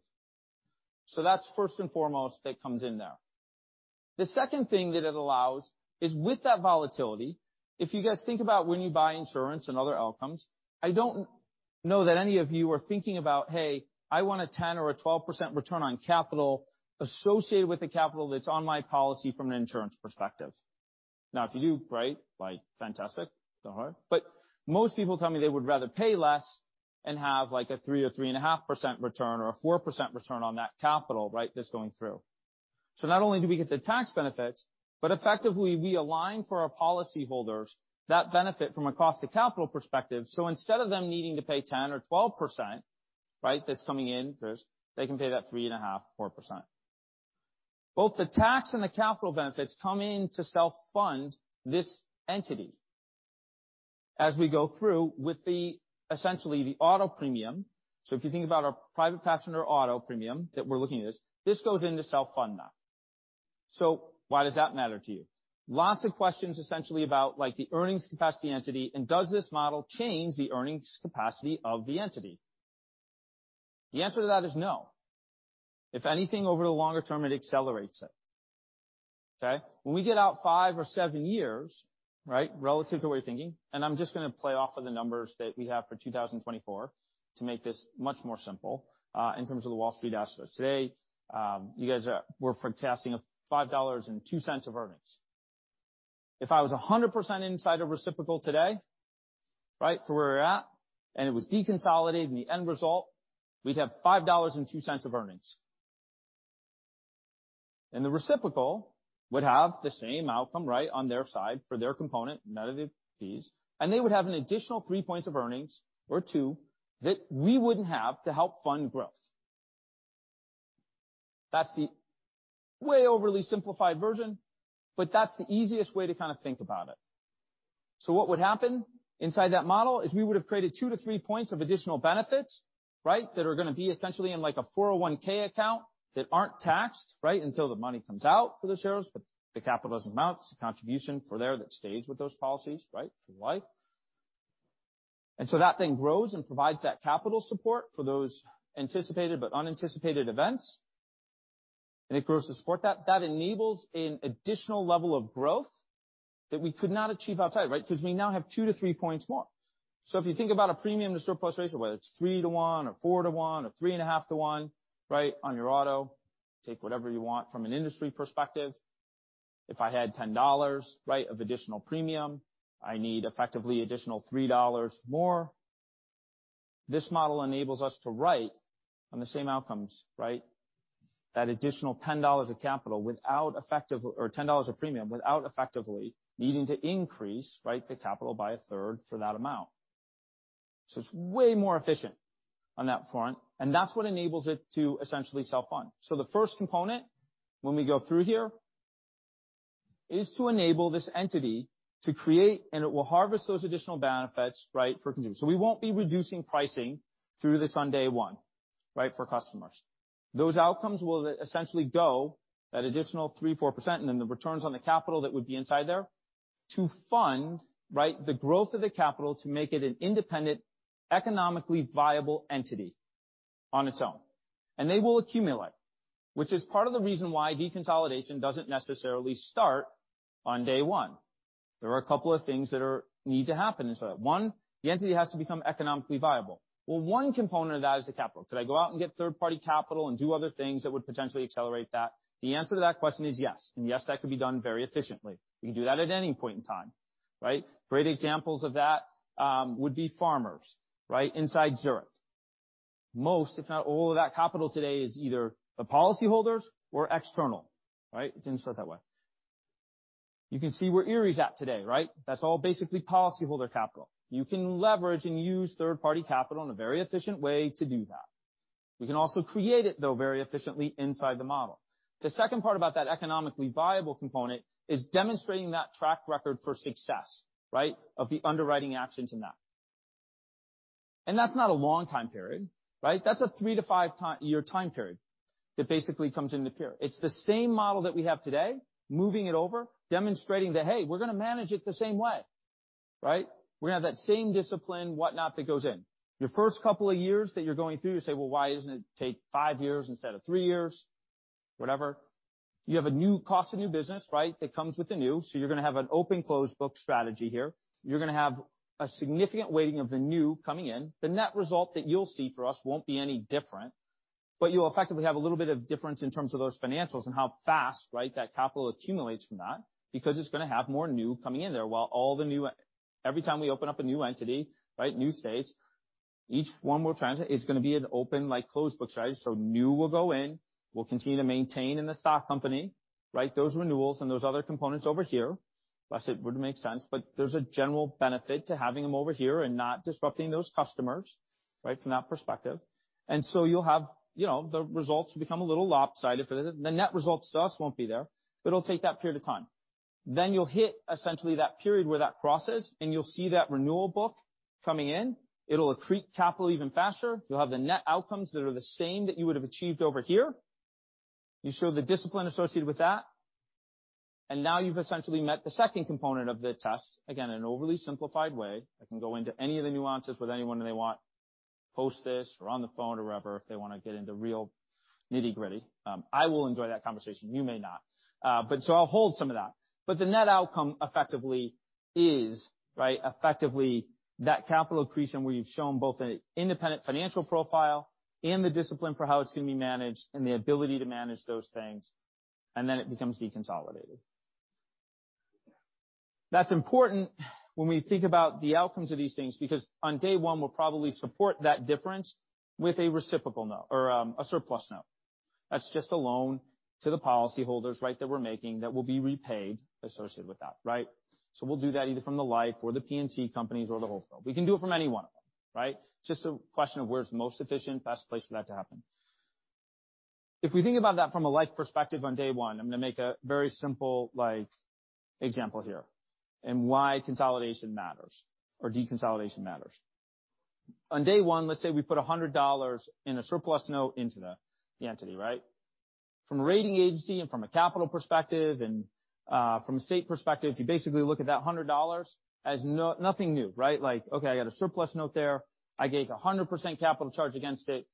That's first and foremost that comes in there. The second thing that it allows is with that volatility, if you guys think about when you buy insurance and other outcomes, I don't know that any of you are thinking about, "Hey, I want a 10 or a 12% return on capital associated with the capital that's on my policy from an insurance perspective." Now, if you do, great, like fantastic, go hard. Most people tell me they would rather pay less and have like a 3% or 3.5% return or a 4% return on that capital, right, that's going through. Not only do we get the tax benefits, but effectively we align for our policyholders that benefit from a cost of capital perspective. Instead of them needing to pay 10% or 12%, right, that's coming in first, they can pay that 3.5%, 4%. Both the tax and the capital benefits come in to self-fund this entity. We go through with the essentially the auto premium. If you think about our private passenger auto premium that we're looking at, this goes into self-fund now. Why does that matter to you? Lots of questions essentially about like the earnings capacity entity and does this model change the earnings capacity of the entity? The answer to that is no. If anything, over the longer term, it accelerates it. Okay? When we get out five or seven years, right, relative to what you're thinking, and I'm just gonna play off of the numbers that we have for 2024 to make this much more simple in terms of the Wall Street estimates. Today, we're forecasting a $5.02 of earnings. If I was 100% inside of reciprocal today, right, for where we're at, and it was deconsolidated, and the end result, we'd have $5.02 of earnings. The reciprocal would have the same outcome, right, on their side for their component, net of the fees, and they would have an additional three points of earnings or two that we wouldn't have to help fund growth. That's the way overly simplified version, but that's the easiest way to kind of think about it. What would happen inside that model is we would have created two-three points of additional benefits, right? That are gonna be essentially in like a 401(k) account that aren't taxed, right, until the money comes out for the shareholders, but the capital doesn't amount. It's a contribution for there that stays with those policies, right, for life. That thing grows and provides that capital support for those anticipated but unanticipated events. It grows to support that. That enables an additional level of growth that we could not achieve outside, right? Because we now have two-three points more. If you think about a premium to surplus ratio, whether it's three-one or four-one or 3.5-one, right, on your auto, take whatever you want from an industry perspective. If I had $10, right, of additional premium, I need effectively additional $3 more. This model enables us to write on the same outcomes, right, that additional $10 of capital without effective or $10 of premium without effectively needing to increase, right, the capital by a third for that amount. It's way more efficient on that front, and that's what enables it to essentially self-fund. The first component when we go through here is to enable this entity to create, and it will harvest those additional benefits, right, for consumers. We won't be reducing pricing through this on day one, right, for customers. Those outcomes will essentially go at additional 3%-4%, and then the returns on the capital that would be inside there to fund, right, the growth of the capital to make it an independent, economically viable entity on its own. They will accumulate, which is part of the reason why deconsolidation doesn't necessarily start on day one. There are a couple of things that need to happen. One, the entity has to become economically viable. Well, 1 component of that is the capital. Could I go out and get third-party capital and do other things that would potentially accelerate that? The answer to that question is yes, and yes, that could be done very efficiently. We can do that at any point in time, right? Great examples of that would be Farmers, right, inside Zurich. Most, if not all, of that capital today is either the policyholders or external, right? It didn't start that way. You can see where Erie's at today, right? That's all basically policyholder capital. You can leverage and use third-party capital in a very efficient way to do that. We can also create it, though, very efficiently inside the model. The second part about that economically viable component is demonstrating that track record for success, right, of the underwriting actions in that. That's not a long time period, right? That's a three-five year time period that basically comes into period. It's the same model that we have today, moving it over, demonstrating that, hey, we're gonna manage it the same way, right? We're gonna have that same discipline, whatnot, that goes in. Your first couple of years that you're going through, you say, "Well, why doesn't it take five years instead of three years?" Whatever. You have a new cost of new business, right, that comes with the new. You're gonna have an open closed book strategy here. You're gonna have a significant weighting of the new coming in. The net result that you'll see for us won't be any different, but you'll effectively have a little bit of difference in terms of those financials and how fast, right, that capital accumulates from that because it's gonna have more new coming in there. Every time we open up a new entity, right, new states, each one will transit. It's gonna be an open like closed book strategy. New will go in. We'll continue to maintain in the stock company, right, those renewals and those other components over here. It would make sense, but there's a general benefit to having them over here and not disrupting those customers, right, from that perspective. You'll have, you know, the results will become a little lopsided for the net results to us won't be there, but it'll take that period of time. You'll hit essentially that period where that crosses, and you'll see that renewal book coming in. It'll accrete capital even faster. You'll have the net outcomes that are the same that you would have achieved over here. You show the discipline associated with that. Now you've essentially met the second component of the test. An overly simplified way. I can go into any of the nuances with anyone they want, post this or on the phone or wherever, if they want to get into real nitty-gritty. I will enjoy that conversation. You may not. I'll hold some of that. The net outcome effectively is, right, effectively that capital accretion where you've shown both an independent financial profile and the discipline for how it's going to be managed and the ability to manage those things, and then it becomes deconsolidated. That's important when we think about the outcomes of these things, because on day one we'll probably support that difference with a reciprocal note or a surplus note. That's just a loan to the policy holders, right, that we're making that will be repaid associated with that, right? We'll do that either from the life or the P&C companies or the wholesale. We can do it from any one of them, right? Just a question of where it's most efficient, best place for that to happen. If we think about that from a life perspective on day one, I'm gonna make a very simple, like, example here, and why consolidation matters or deconsolidation matters. On day one, let's say we put $100 in a surplus note into the entity, right? From a rating agency and from a capital perspective and from a state perspective, you basically look at that $100 as nothing new, right? Like, okay, I got a surplus note there. I gave a 100% capital charge against it,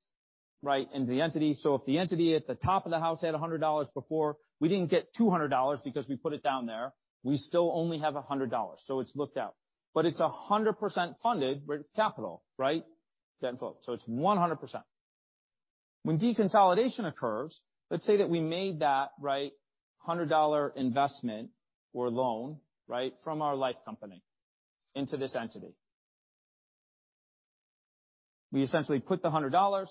right, into the entity. If the entity at the top of the house had $100 before, we didn't get $200 because we put it down there. We still only have $100. It's looked at. It's 100% funded, but it's capital, right? $10 float. It's 100%. When deconsoliation occurs, let's say that we made that, right, $100 investment or loan, right, from our life company into this entity. We essentially put the $100.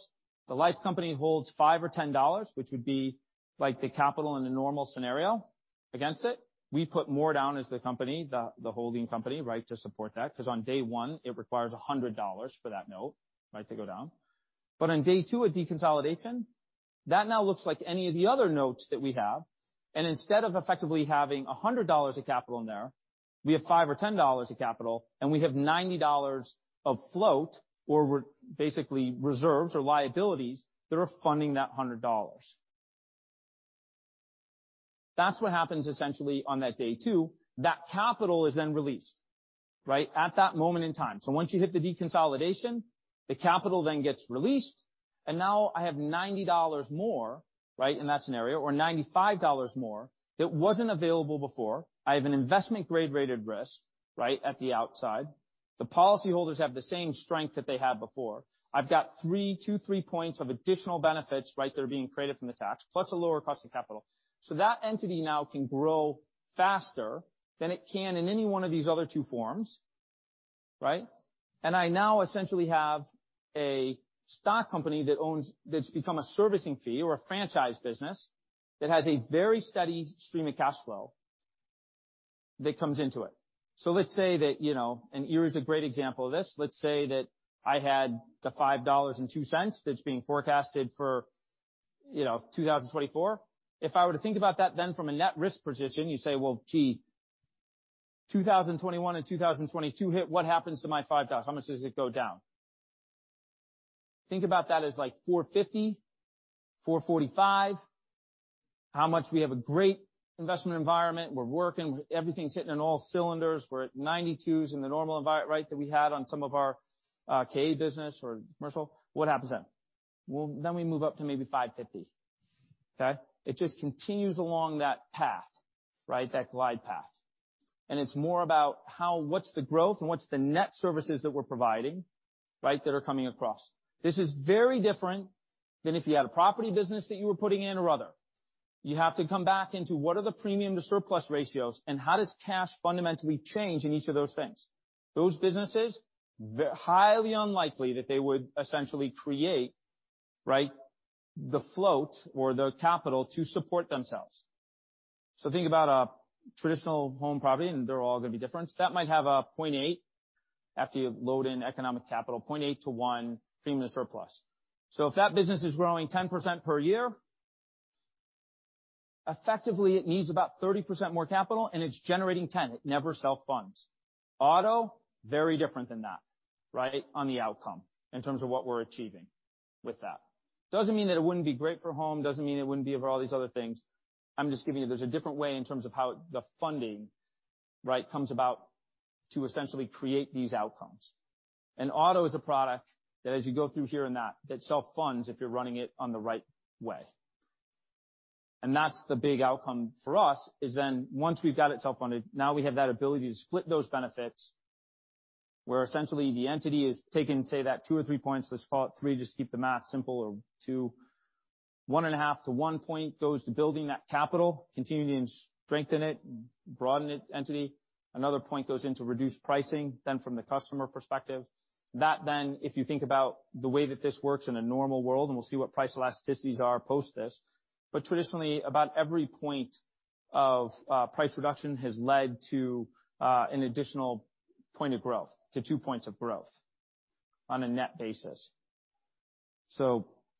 The life company holds $5 or $10, which would be like the capital in a normal scenario against it. We put more down as the company, the holding company, right, to support that, 'cause on day one it requires $100 for that note, right, to go down. On day two, a deconsolidation, that now looks like any of the other notes that we have. Instead of effectively having $100 of capital in there, we have $5 or $10 of capital, and we have $90 of float or we're basically reserves or liabilities that are funding that $100. That's what happens essentially on that day two. That capital is then released, right, at that moment in time. Once you hit the deconsolidation, the capital then gets released, and now I have $90 more, right, in that scenario or $95 more that wasn't available before. I have an investment grade-rated risk, right, at the outside. The policyholders have the same strength that they had before. I've got two-three points of additional benefits, right, that are being created from the tax, plus a lower cost of capital. That entity now can grow faster than it can in any one of these other two forms, right? I now essentially have a stock company that's become a servicing fee or a franchise business that has a very steady stream of cash flow that comes into it. Let's say that, you know, and here is a great example of this. Let's say that I had the $5.02 that's being forecasted for, you know, 2024. If I were to think about that from a net risk position, you say, "Well, gee, 2021 and 2022 hit, what happens to my $5? How much does it go down?" Think about that as like $4.50, $4.45. How much we have a great investment environment. We're working. Everything's hitting on all cylinders. We're at 92s in the normal right? That we had on some of our KA business or commercial. What happens then? Well, then we move up to maybe 550. Okay? It just continues along that path, right? That glide path. it's more about what's the growth and what's the net services that we're providing, right, that are coming across. This is very different than if you had a property business that you were putting in or other. You have to come back into what are the premium to surplus ratios and how does cash fundamentally change in each of those things. Those businesses, highly unlikely that they would essentially create, right, the float or the capital to support themselves. Think about a traditional home property, and they're all gonna be different. That might have a 0.8 after you load in economic capital, 0.8 to one premium to surplus. If that business is growing 10% per year, effectively it needs about 30% more capital, and it's generating 10%. It never self-funds. Auto, very different than that, right, on the outcome in terms of what we're achieving with that. Doesn't mean that it wouldn't be great for home, doesn't mean it wouldn't be over all these other things. I'm just giving you, there's a different way in terms of how the funding, right, comes about to essentially create these outcomes. Auto is a product that as you go through here and that self-funds if you're running it on the right way. That's the big outcome for us, is then once we've got it self-funded, now we have that ability to split those benefits where essentially the entity is taking, say, that two or three points, let's call it three just to keep the math simple or two. 1.5 to one point goes to building that capital, continuing to strengthen it, broaden it, entity. Another point goes into reduced pricing than from the customer perspective. If you think about the way that this works in a normal world, and we'll see what price elasticities are post this, but traditionally about every point of price reduction has led to an additional one point of growth to two points of growth on a net basis.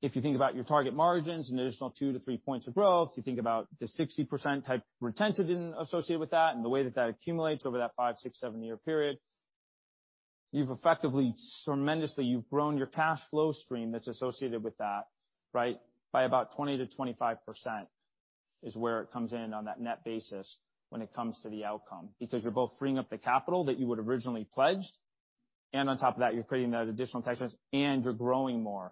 If you think about your target margins, an additional two-three points of growth, you think about the 60% type retention associated with that and the way that that accumulates over that five, six, seven-year period, you've effectively tremendously, you've grown your cash flow stream that's associated with that, right, by about 20%-25%, is where it comes in on that net basis when it comes to the outcome. You're both freeing up the capital that you would originally pledged, and on top of that, you're creating those additional tax rates, and you're growing more.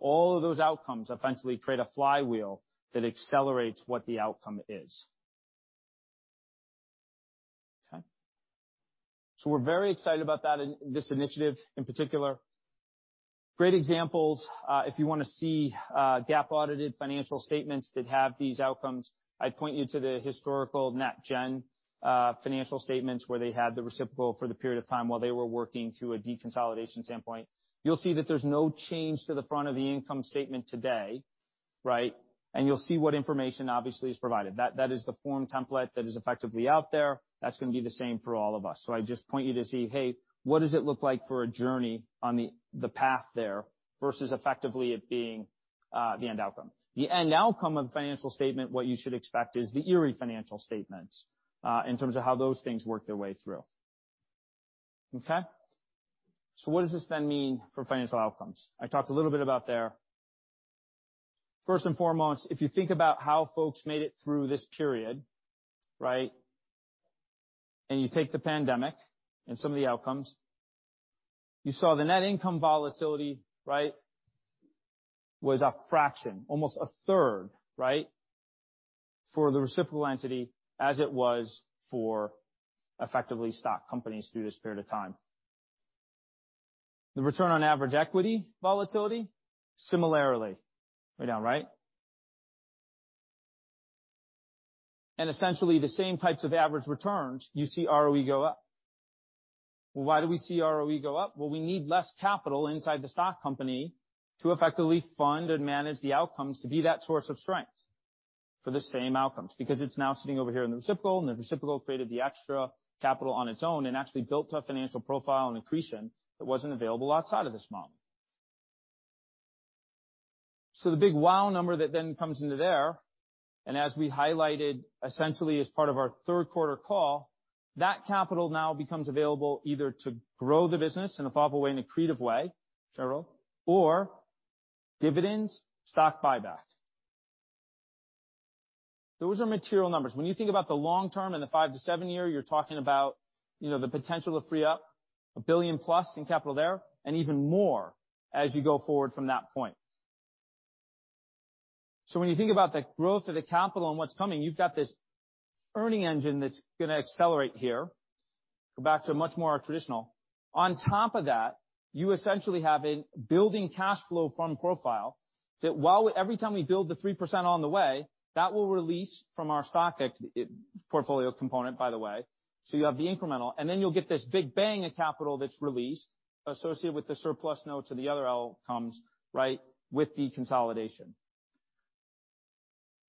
All of those outcomes essentially create a flywheel that accelerates what the outcome is. Okay. We're very excited about that and this initiative in particular. Great examples, if you want to see, GAAP audited financial statements that have these outcomes, I'd point you to the historical NatGen financial statements where they had the reciprocal for the period of time while they were working to a deconsolidation standpoint. You'll see that there's no change to the front of the income statement today, right? You'll see what information obviously is provided. That is the form template that is effectively out there. That's gonna be the same for all of us. I just point you to see, hey, what does it look like for a journey on the path there versus effectively it being the end outcome. The end outcome of the financial statement, what you should expect is the Erie financial statements in terms of how those things work their way through. Okay? What does this then mean for financial outcomes? I talked a little bit about there. First and foremost, if you think about how folks made it through this period, right? You take the pandemic and some of the outcomes, you saw the net income volatility, right? Was a fraction, almost a third, right? For the reciprocal entity as it was for effectively stock companies through this period of time. The return on average equity volatility, similarly, way down, right? Essentially the same types of average returns, you see ROE go up. Why do we see ROE go up? We need less capital inside the stock company to effectively fund and manage the outcomes to be that source of strength for the same outcomes. Because it's now sitting over here in the reciprocal, and the reciprocal created the extra capital on its own and actually built a financial profile and accretion that wasn't available outside of this model. The big wow number that then comes into there, and as we highlighted essentially as part of our third quarter call, that capital now becomes available either to grow the business in a thoughtful way, in an accretive way, Cheryl, or dividends, stock buyback. Those are material numbers. When you think about the long term and the five-seven year, you're talking about, you know, the potential to free up $1 billion+ in capital there and even more as you go forward from that point. When you think about the growth of the capital and what's coming, you've got this earning engine that's gonna accelerate here. Go back to a much more traditional. On top of that, you essentially have a building cash flow fund profile that while every time we build the 3% on the way, that will release from our stock portfolio component, by the way. You have the incremental, and then you'll get this big bang of capital that's released associated with the surplus notes or the other outcomes, right, with the consolidation.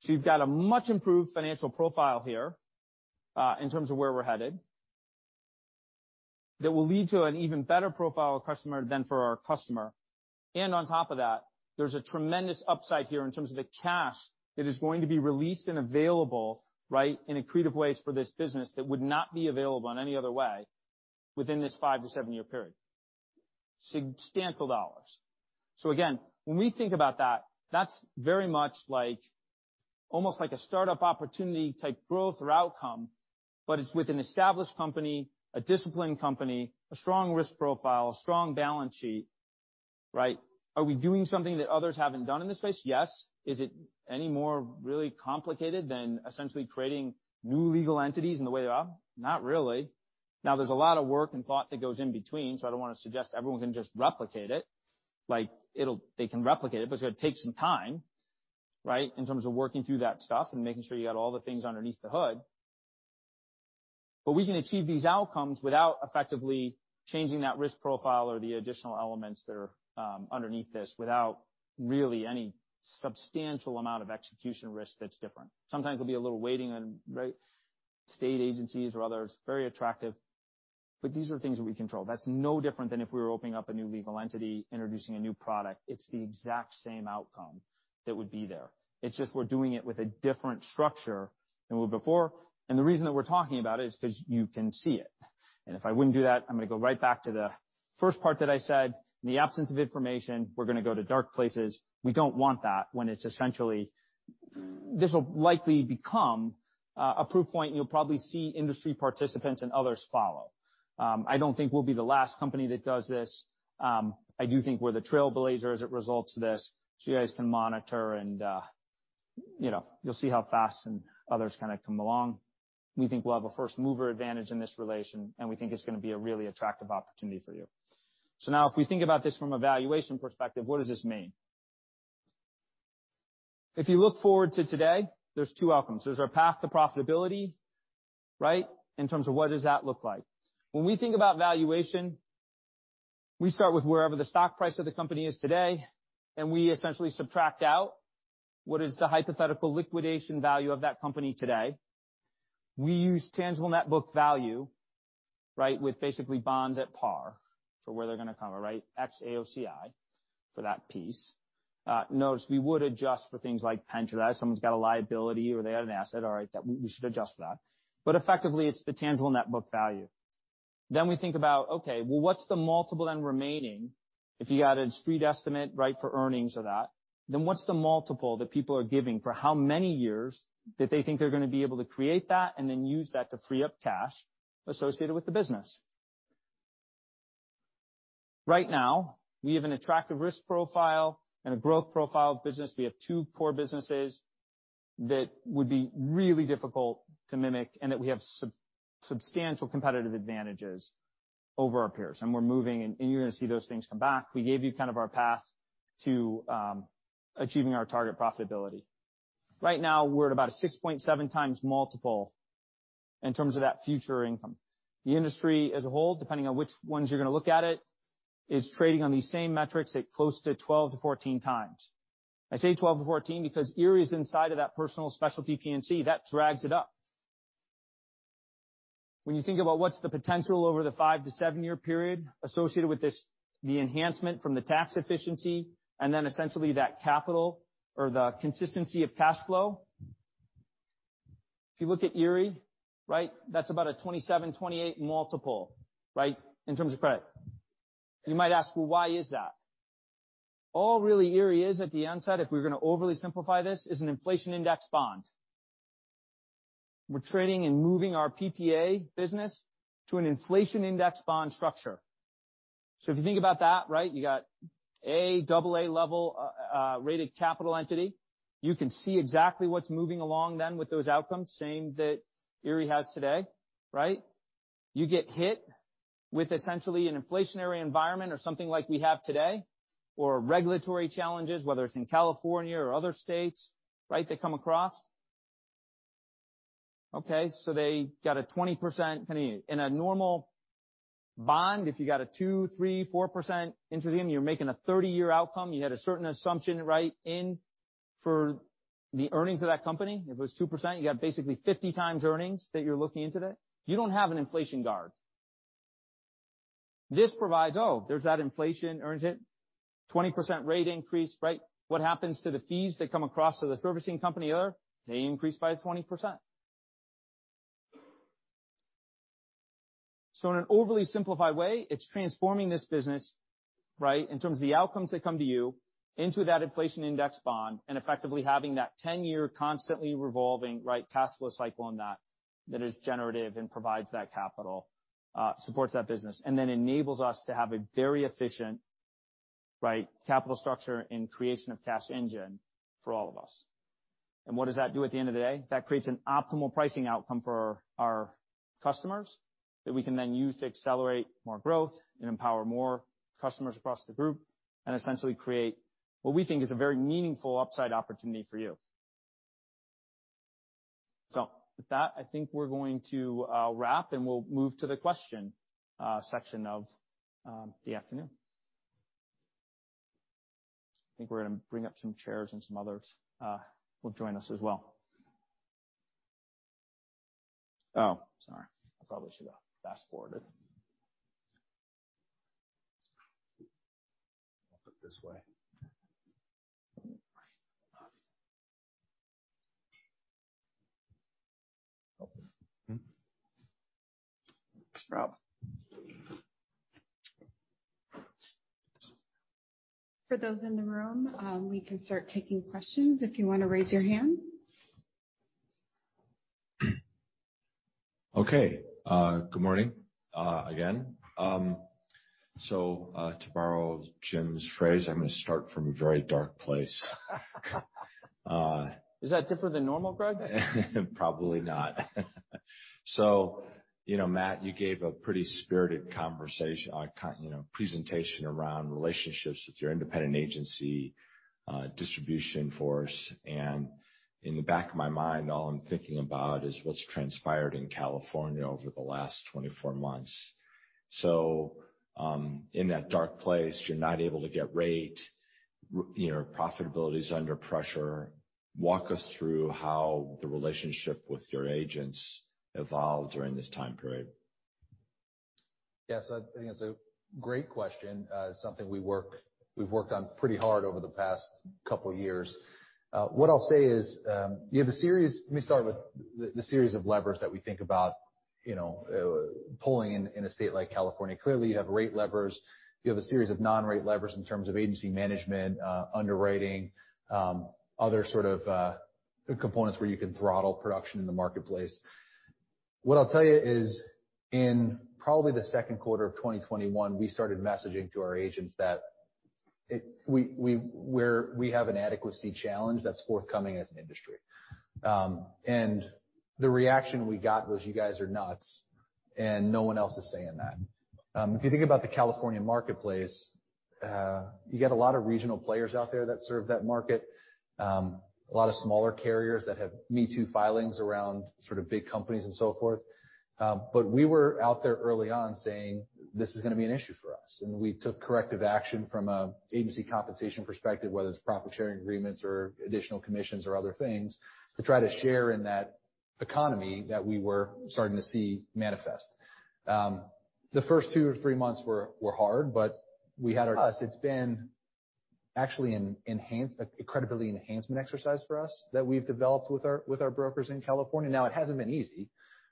You've got a much improved financial profile here, in terms of where we're headed that will lead to an even better profile customer than for our customer. On top of that, there's a tremendous upside here in terms of the cash that is going to be released and available, right, in accretive ways for this business that would not be available in any other way within this five to seven-year period. Substantial dollars. Again, when we think about that's very much like almost like a startup opportunity type growth or outcome, but it's with an established company, a disciplined company, a strong risk profile, a strong balance sheet. Right? Are we doing something that others haven't done in this space? Yes. Is it any more really complicated than essentially creating new legal entities in the way they are? Not really. There's a lot of work and thought that goes in between, so I don't want to suggest everyone can just replicate it. They can replicate it, but it's gonna take some time, right, in terms of working through that stuff and making sure you got all the things underneath the hood. We can achieve these outcomes without effectively changing that risk profile or the additional elements that are underneath this without really any substantial amount of execution risk that's different. Sometimes it'll be a little waiting on, right, state agencies or others. Very attractive, but these are things we control. That's no different than if we were opening up a new legal entity, introducing a new product. It's the exact same outcome that would be there. It's just we're doing it with a different structure than we were before. The reason that we're talking about it is 'cause you can see it. If I wouldn't do that, I'm gonna go right back to the first part that I said. In the absence of information, we're gonna go to dark places. We don't want that when it's essentially. This will likely become a proof point. You'll probably see industry participants and others follow. I don't think we'll be the last company that does this. I do think we're the trailblazer as it relates to this. You guys can monitor and, you know, you'll see how fast and others kinda come along. We think we'll have a first-mover advantage in this relation, and we think it's gonna be a really attractive opportunity for you. Now if we think about this from a valuation perspective, what does this mean? If you look forward to today, there's two outcomes. There's our path to profitability, right, in terms of what does that look like. We think about valuation, we start with wherever the stock price of the company is today, and we essentially subtract out what is the hypothetical liquidation value of that company today. We use tangible net book value, right, with basically bonds at par for where they're gonna come, all right? Ex AOCI for that piece. Notice we would adjust for things like pension. If someone's got a liability or they had an an asset, all right, that we should adjust for that. Effectively, it's the tangible net book value. We think about, okay, well, what's the multiple then remaining if you got a street estimate, right, for earnings of that? What's the multiple that people are giving for how many years that they think they're gonna be able to create that and then use that to free up cash associated with the business? Right now, we have an attractive risk profile and a growth profile of business. We have two core businesses. That would be really difficult to mimic and that we have substantial competitive advantages over our peers. We're moving, and you're gonna see those things come back. We gave you kind of our path to achieving our target profitability. Right now, we're at about a 6.7x multiple in terms of that future income. The industry as a whole, depending on which ones you're gonna look at it, is trading on these same metrics at close to 12 to 14x. I say 12 to 14 because Erie is inside of that personal specialty P&C that drags it up. When you think about what's the potential over the five-seven-year-period associated with this, the enhancement from the tax efficiency and then essentially that capital or the consistency of cash flow. If you look at Erie, right, that's about a 27-28 multiple, right, in terms of credit. You might ask, "Well, why is that?" All really Erie is at the end side, if we're gonna overly simplify this, is an inflation index bond. We're trading and moving our PPA business to an inflation index bond structure. If you think about that, right, you got A, AA level rated capital entity. You can see exactly what's moving along then with those outcomes, same that Erie has today, right? You get hit with essentially an inflationary environment or something like we have today, or regulatory challenges, whether it's in California or other states, right, they come across. They got a 20% kinda in a normal bond. If you got a 2%, 3%, 4% into them, you're making a 30-year outcome. You had a certain assumption right in for the earnings of that company. If it was 2%, you got basically 50x earnings that you're looking into today. You don't have an inflation guard. This provides, oh, there's that inflation earnings hit, 20% rate increase, right? What happens to the fees that come across to the servicing company there? They increase by 20%. So in an overly simplified way, it's transforming this business, right, in terms of the outcomes that come to you into that inflation index bond and effectively having that 10-year constantly revolving, right, cash flow cycle on that is generative and provides that capital, supports that business, and then enables us to have a very efficient, right, capital structure and creation of cash engine for all of us. What does that do at the end of the day? That creates an optimal pricing outcome for our customers that we can then use to accelerate more growth and empower more customers across the group and essentially create what we think is a very meaningful upside opportunity for you. With that, I think we're going to wrap, and we'll move to the question section of the afternoon. I think we're gonna bring up some chairs and some others will join us as well. Oh, sorry. I probably should have fast-forwarded. I'll put it this way. For those in the room, we can start taking questions if you wanna raise your hand. Okay. Good morning, again. To borrow Jim's phrase, I'm gonna start from a very dark place. Is that different than normal, Greg? Probably not. You know, Matt, you gave a pretty spirited conversation, you know, presentation around relationships with your independent agency distribution force, and in the back of my mind, all I'm thinking about is what's transpired in California over the last 24 months. In that dark place, you're not able to get rate. You know, profitability is under pressure. Walk us through how the relationship with your agents evolved during this time period. Yes, I think it's a great question. Something we've worked on pretty hard over the past couple years. What I'll say is, let me start with the series of levers that we think about, you know, pulling in a state like California. Clearly, you have rate levers. You have a series of non-rate levers in terms of agency management, underwriting, other sort of components where you can throttle production in the marketplace. What I'll tell you is, in probably the second quarter of 2021, we started messaging to our agents that we have an adequacy challenge that's forthcoming as an industry. The reaction we got was, "You guys are nuts," and no one else is saying that. If you think about the California marketplace, you get a lot of regional players out there that serve that market, a lot of smaller carriers that have me too filings around sort of big companies and so forth. We were out there early on saying, "This is gonna be an issue for us." We took corrective action from a agency compensation perspective, whether it's profit-sharing agreements or additional commissions or other things, to try to share in that economy that we were starting to see manifest. The first two or three months were hard, but Us, it's been actually a credibility enhancement exercise for us that we've developed with our, with our brokers in California. Now, it hasn't been easy,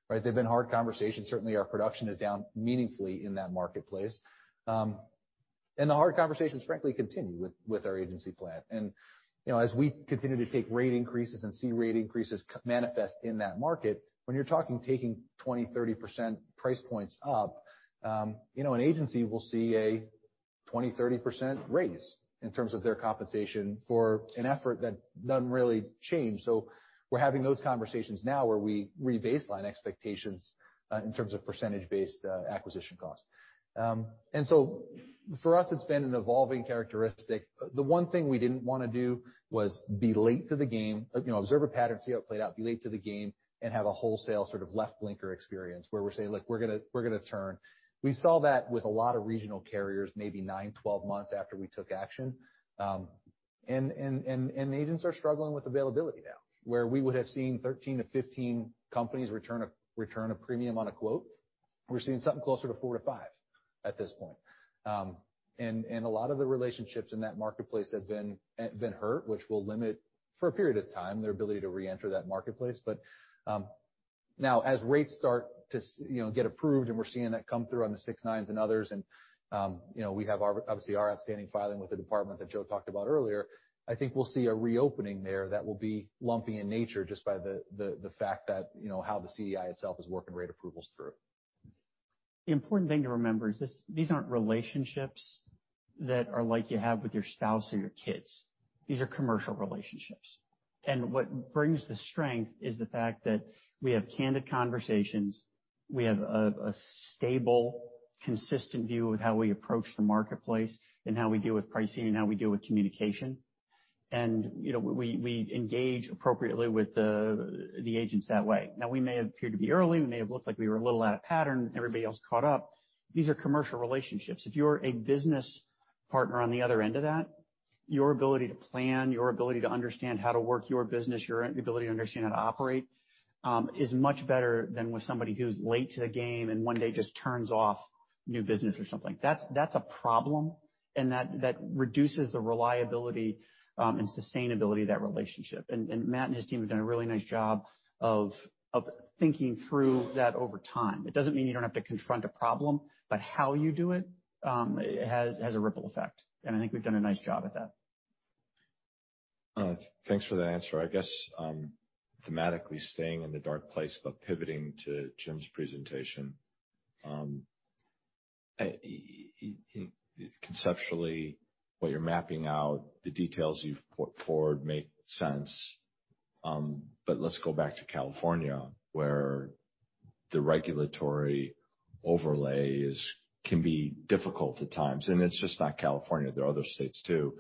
right? They've been hard conversations. Certainly, our production is down meaningfully in that marketplace. The hard conversations frankly continue with our agency plan. You know, as we continue to take rate increases and see rate increases manifest in that market, when you're taking 20%, 30% price points up, you know, an agency will see a 20%-30% raise in terms of their compensation for an effort that none really changed. We're having those conversations now where we re-baseline expectations in terms of percentage-based acquisition costs. For us, it's been an evolving characteristic. The one thing we didn't wanna do was be late to the game. You know, observe a pattern, see how it played out, be late to the game, and have a wholesale sort of left blinker experience where we're saying, "Look, we're gonna turn." We saw that with a lot of regional carriers, maybe nine to 12 months after we took action. Agents are struggling with availability now. Where we would have seen 13-15 companies return a premium on a quote, we're seeing something closer to four-five at this point. A lot of the relationships in that marketplace have been hurt, which will limit, for a period of time, their ability to reenter that marketplace. Now as rates start to you know, get approved, and we're seeing that come through on the six nines and others, and, you know, we have obviously our outstanding filing with the department that Joe talked about earlier, I think we'll see a reopening there that will be lumpy in nature just by the, the fact that, you know, how the CDI itself is working rate approvals through. The important thing to remember is this, these aren't relationships that are like you have with your spouse or your kids. These are commercial relationships. What brings the strength is the fact that we have candid conversations, we have a stable, consistent view of how we approach the marketplace and how we deal with pricing and how we deal with communication. You know, we engage appropriately with the agents that way. Now, we may have appeared to be early, we may have looked like we were a little out of pattern, everybody else caught up. These are commercial relationships. If you're a business partner on the other end of that, your ability to plan, your ability to understand how to work your business, your ability to understand how to operate, is much better than with somebody who's late to the game and one day just turns off new business or something. That's a problem, and that reduces the reliability and sustainability of that relationship. Matt and his team have done a really nice job of thinking through that over time. It doesn't mean you don't have to confront a problem, but how you do it has a ripple effect, and I think we've done a nice job at that. Thanks for the answer. I guess, thematically staying in the dark place, but pivoting to Jim's presentation. Conceptually, what you're mapping out, the details you've put forward make sense. Let's go back to California, where the regulatory overlay is, can be difficult at times. It's just not California, there are other states too.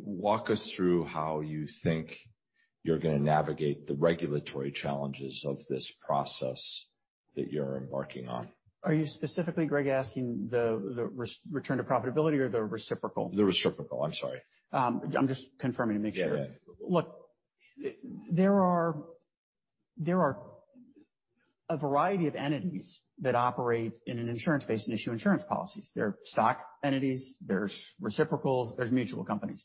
Walk us through how you think you're gonna navigate the regulatory challenges of this process that you're embarking on. Are you specifically, Greg, asking the return to profitability or the reciprocal? The reciprocal. I'm sorry. I'm just confirming to make sure. Yeah. Look, there are a variety of entities that operate in an insurance space and issue insurance policies. There are stock entities, there's reciprocals, there's mutual companies.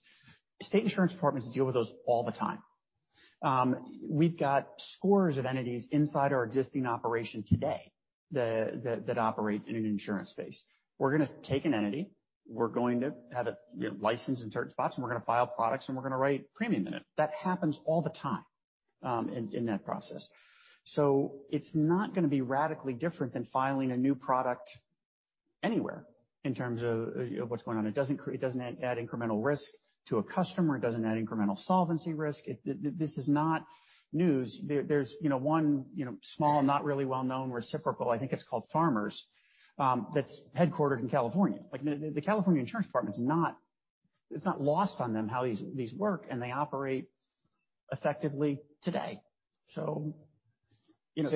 State insurance departments deal with those all the time. We've got scores of entities inside our existing operation today that operate in an insurance space. We're gonna take an entity, we're going to have it, you know, licensed in certain spots, and we're gonna file products, and we're gonna write premium in it. That happens all the time, in that process. It's not gonna be radically different than filing a new product anywhere in terms of what's going on. It doesn't add incremental risk to a customer. It doesn't add incremental solvency risk. This is not news. There's, you know, one, you know, small, not really well-known reciprocal, I think it's called Farmers, that's headquartered in California. The California Insurance Department is not lost on them how these work, and they operate effectively today. You know,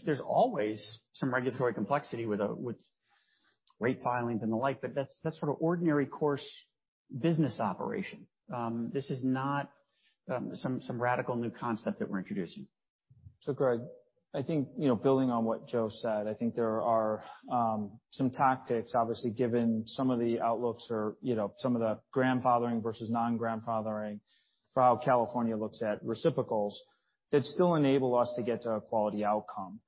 there's always some regulatory complexity with rate filings and the like, but that's sort of ordinary course business operation. This is not some radical new concept that we're introducing. Greg, I think, you know, building on what Joe said, I think there are, some tactics, obviously, given some of the outlooks or, you know, some of the grandfathering versus non-grandfathering for how California looks at reciprocals that still enable us to get to a quality outcome.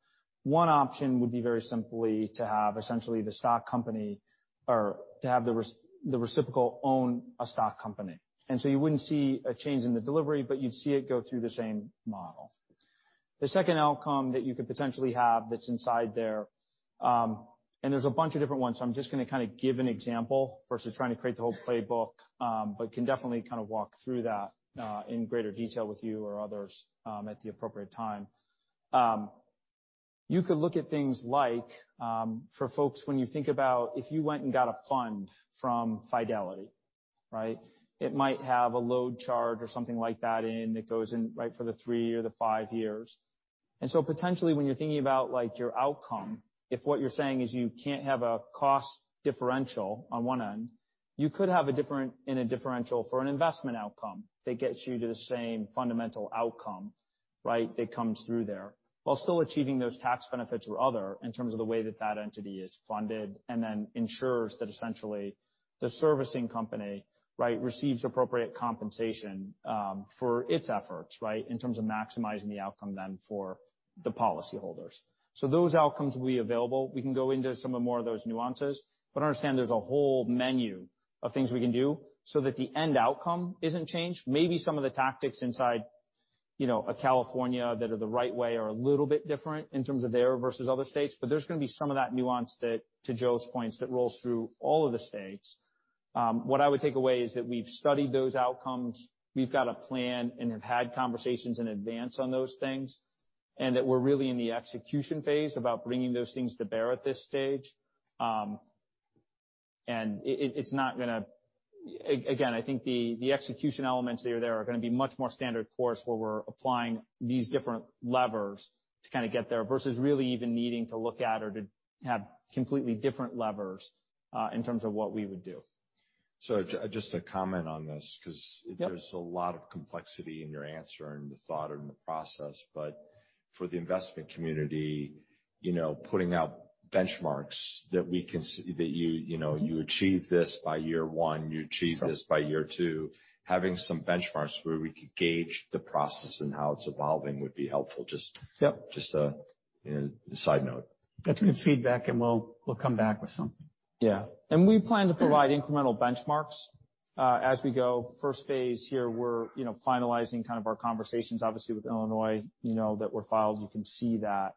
One option would be very simply to have essentially the stock company or to have the reciprocal own a stock company. You wouldn't see a change in the delivery, but you'd see it go through the same model. The second outcome that you could potentially have that's inside there, and there's a bunch of different ones, so I'm just gonna kinda give an example versus trying to create the whole playbook. Can definitely kind of walk through that, in greater detail with you or others, at the appropriate time. You could look at things like, for folks when you think about if you went and got a fund from Fidelity, right? It might have a load charge or something like that in that goes in, right, for the three or the five years. Potentially when you're thinking about, like, your outcome, if what you're saying is you can't have a cost differential on one end, you could have a differential for an investment outcome that gets you to the same fundamental outcome, right, that comes through there, while still achieving those tax benefits or other in terms of the way that that entity is funded, then ensures that essentially the servicing company, right, receives appropriate compensation, for its efforts, right, in terms of maximizing the outcome then for the policyholders. Those outcomes will be available. We can go into some of more of those nuances but understand there's a whole menu of things we can do so that the end outcome isn't changed. Maybe some of the tactics inside. You know, a California that are the right way or a little bit different in terms of there versus other states, but there's gonna be some of that nuance that, to Joe's points, that rolls through all of the states. What I would take away is that we've studied those outcomes, we've got a plan and have had conversations in advance on those things, and that we're really in the execution phase about bringing those things to bear at this stage. Again, I think the execution elements that are there are gonna be much more standard course where we're applying these different levers to kinda get there versus really even needing to look at or to have completely different levers in terms of what we would do. just to comment on this. Yep. There's a lot of complexity in your answer and the thought and the process. For the investment community, you know, putting out benchmarks that we can that you know, you achieve this by year one, you achieve this by year two, having some benchmarks where we could gauge the process and how it's evolving would be helpful. Yep. Just a, you know, a side note. That's good feedback, and we'll come back with something. Yeah. We plan to provide incremental benchmarks, as we go. First phase here, we're, you know, finalizing kind of our conversations, obviously, with Illinois, you know, that were filed. You can see that.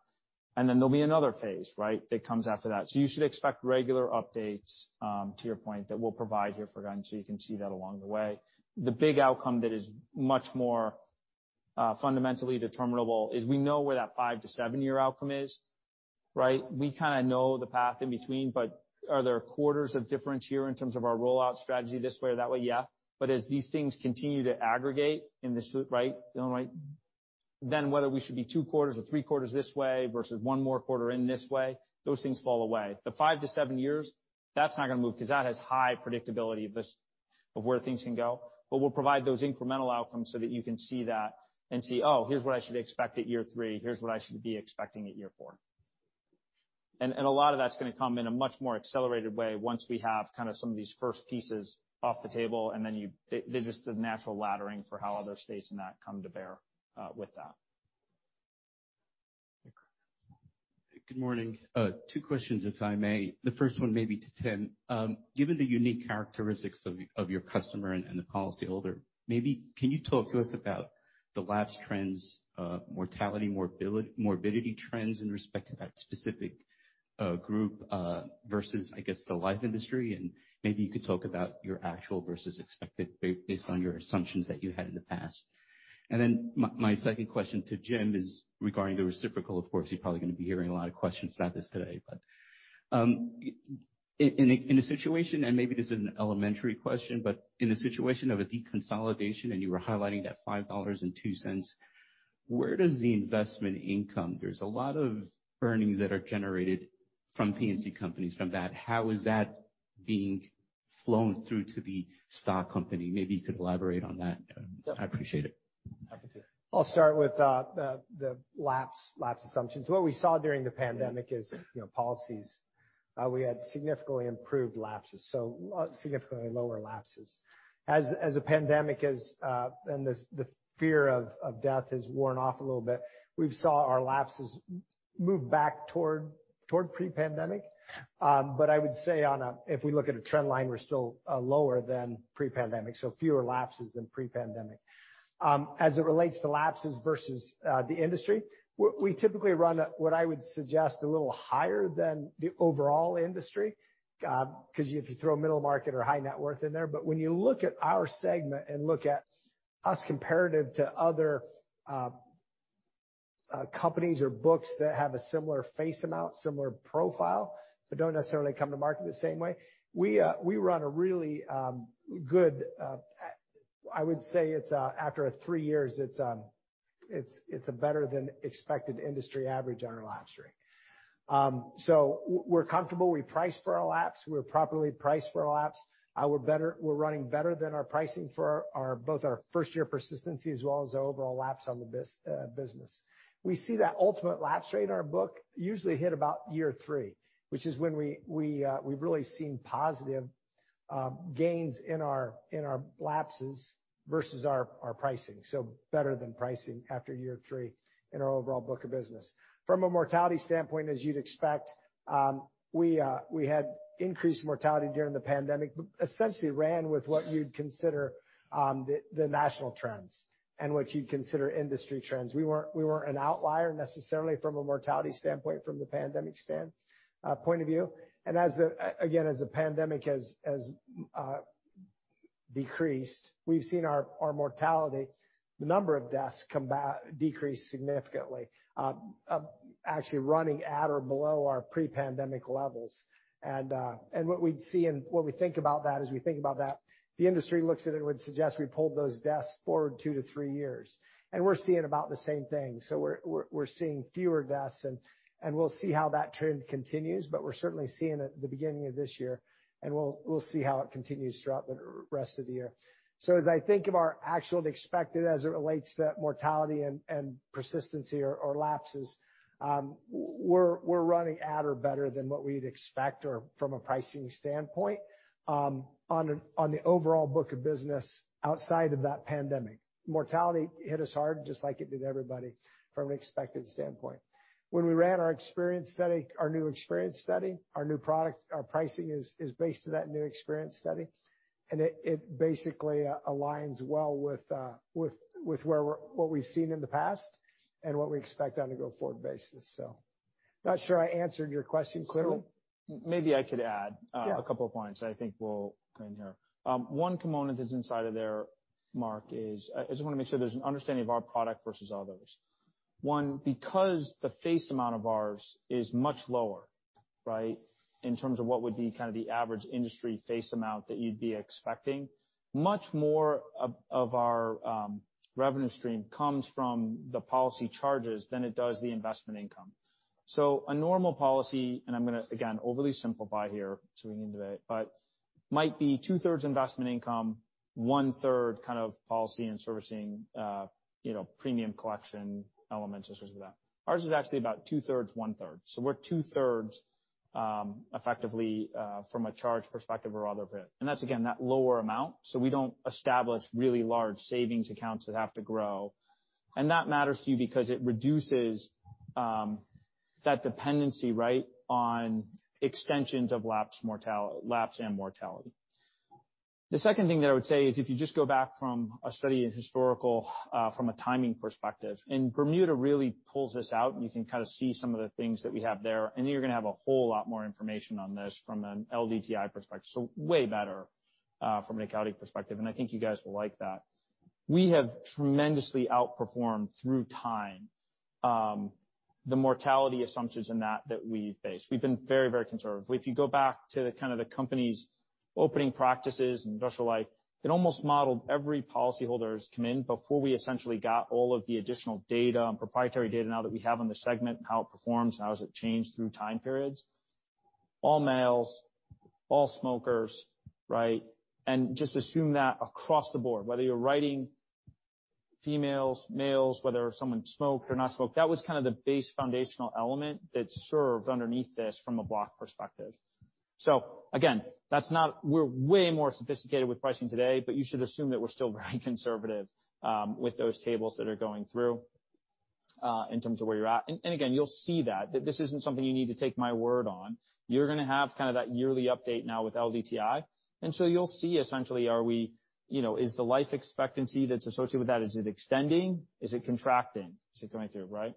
There'll be another phase, right? That comes after that. You should expect regular updates, to your point, that we'll provide here for guidance, so you can see that along the way. The big outcome that is much more, fundamentally determinable is we know where that five-seven-year outcome is, right? We kinda know the path in between, but are there quarters of difference here in terms of our rollout strategy this way or that way? Yeah. As these things continue to aggregate in this, right, Illinois, whether we should be two quarters or three quarters this way versus one more quarter in this way, those things fall away. The five-seven years, that's not gonna move 'cause that has high predictability of this, of where things can go. We'll provide those incremental outcomes so that you can see that and see, oh, here's what I should expect at year three, here's what I should be expecting at year four. A lot of that's gonna come in a much more accelerated way once we have kind of some of these first pieces off the table, and then they just do the natural laddering for how other states and that come to bear with that. Good morning. Two questions, if I may. The first one may be to Tim. Given the unique characteristics of your customer and the policyholder, maybe can you talk to us about the lapse trends, mortality, morbidity trends in respect to that specific group versus, I guess, the life industry? Maybe you could talk about your actual versus expected based on your assumptions that you had in the past. My second question to Jim is regarding the reciprocal. Of course, you're probably gonna be hearing a lot of questions about this today. In a situation, and maybe this is an elementary question, but in a situation of a deconsolidation, and you were highlighting that $5.02, where does the investment income? There's a lot of earnings that are generated from P&C companies from that. How is that being flown through to the stock company? Maybe you could elaborate on that. Yeah. I appreciate it. Happy to. I'll start with the lapse assumptions. What we saw during the pandemic is, you know, policies, we had significantly improved lapses, so significantly lower lapses. As the pandemic has and the fear of death has worn off a little bit, we've saw our lapses move back toward pre-pandemic. I would say on a, if we look at a trend line, we're still lower than pre-pandemic, so fewer lapses than pre-pandemic. As it relates to lapses versus the industry, we typically run a, what I would suggest, a little higher than the overall industry, 'cause you have to throw middle market or high net worth in there. When you look at our segment and look at us comparative to other companies or books that have a similar face amount, similar profile, but don't necessarily come to market the same way, we run a really good, I would say it's after three years, it's a better than expected industry average on our lapse rate. So we're comfortable. We price for our lapse. We're properly priced for our lapse. We're better, we're running better than our pricing for our, both our first-year persistency as well as our overall lapse on the business. We see that ultimate lapse rate in our book usually hit about year three, which is when we've really seen positive gains in our lapses versus our pricing, so better than pricing after year three in our overall book of business. From a mortality standpoint, as you'd expect, we had increased mortality during the pandemic, but essentially ran with what you'd consider the national trends and what you'd consider industry trends. We weren't an outlier necessarily from a mortality standpoint from the pandemic point of view. As again, as the pandemic has decreased, we've seen our mortality, the number of deaths decrease significantly, actually running at or below our pre-pandemic levels. What we'd see and what we think about that as we think about that, the industry looks at it and would suggest we pulled those deaths forward two-three years. We're seeing about the same thing. We're seeing fewer deaths and we'll see how that trend continues, but we're certainly seeing it at the beginning of this year, and we'll see how it continues throughout the rest of the year. As I think of our actual expected as it relates to mortality and persistency or lapses, we're running at or better than what we'd expect or from a pricing standpoint, on the overall book of business outside of that pandemic. Mortality hit us hard, just like it did everybody from an expected standpoint. When we ran our experience study, our new experience study, our new product, our pricing is based on that new experience study. It basically, aligns well with what we've seen in the past and what we expect on a go-forward basis. Not sure I answered your question clearly. maybe I could add, Yeah. A couple of points, I think we'll bring here. One component is inside of there, Mark, is I just wanna make sure there's an understanding of our product versus others. One, because the face amount of ours is much lower, right, in terms of what would be kind of the average industry face amount that you'd be expecting, much more of our revenue stream comes from the policy charges than it does the investment income. A normal policy, and I'm gonna, again, overly simplify here, swinging into it, but might be 2/3 investment income, 1/3 kind of policy and servicing, you know, premium collection elements, et cetera. Ours is actually about 2/3, 1/3. We're 2/3 effectively from a charge perspective or other bit. That's, again, that lower amount, so we don't establish really large savings accounts that have to grow. That matters to you because it reduces that dependency, right, on extensions of lapsed lapse and mortality. The second thing that I would say is, if you just go back from a study in historical from a timing perspective, and Bermuda really pulls this out, and you can kind of see some of the things that we have there, and you're gonna have a whole lot more information on this from an LDTI perspective, so way better from an accounting perspective, and I think you guys will like that. We have tremendously outperformed through time, the mortality assumptions in that we face. We've been very, very conservative. If you go back to kind of the company's opening practices and industrial life, it almost modeled every policyholder who's come in before we essentially got all of the additional data and proprietary data now that we have on the segment and how it performs and how has it changed through time periods. All males, all smokers, right, and just assume that across the board, whether you're writing females, males, whether someone smoked or not smoked, that was kind of the base foundational element that served underneath this from a block perspective. Again, we're way more sophisticated with pricing today, but you should assume that we're still very conservative with those tables that are going through in terms of where you're at. Again, you'll see that this isn't something you need to take my word on. You're gonna have kind of that yearly update now with LDTI. You'll see essentially is the life expectancy that's associated with that, is it extending? Is it contracting? Is it going through, right?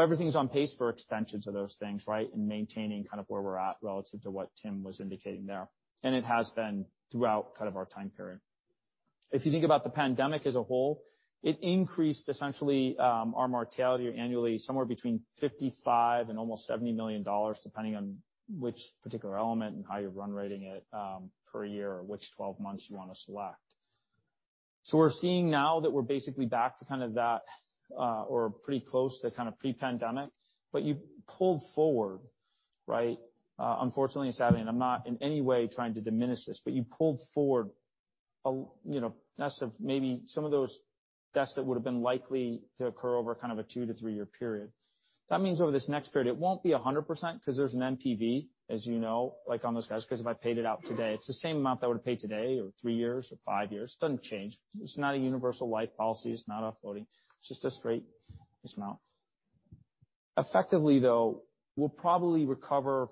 Everything's on pace for extensions of those things, right, and maintaining kind of where we're at relative to what Tim was indicating there. It has been throughout kind of our time period. If you think about the pandemic as a whole, it increased essentially, our mortality annually somewhere between 55 and almost $70 million, depending on which particular element and how you're run rating it, per year or which 12 months you wanna select. We're seeing now that we're basically back to kind of that, or pretty close to kind of pre-pandemic, but you pulled forward, right? Unfortunately, sadly, I'm not in any way trying to diminish this, but you pulled forward a, you know, that's of maybe some of those deaths that would have been likely to occur over kind of a two-three-year period. That means over this next period, it won't be a 100% because there's an NPV, as you know, like on those guys, 'cause if I paid it out today, it's the same amount that would pay today or three years or five years, doesn't change. It's not a universal life policy. It's not offloading. It's just a straight amount. Effectively, though, we'll probably recover,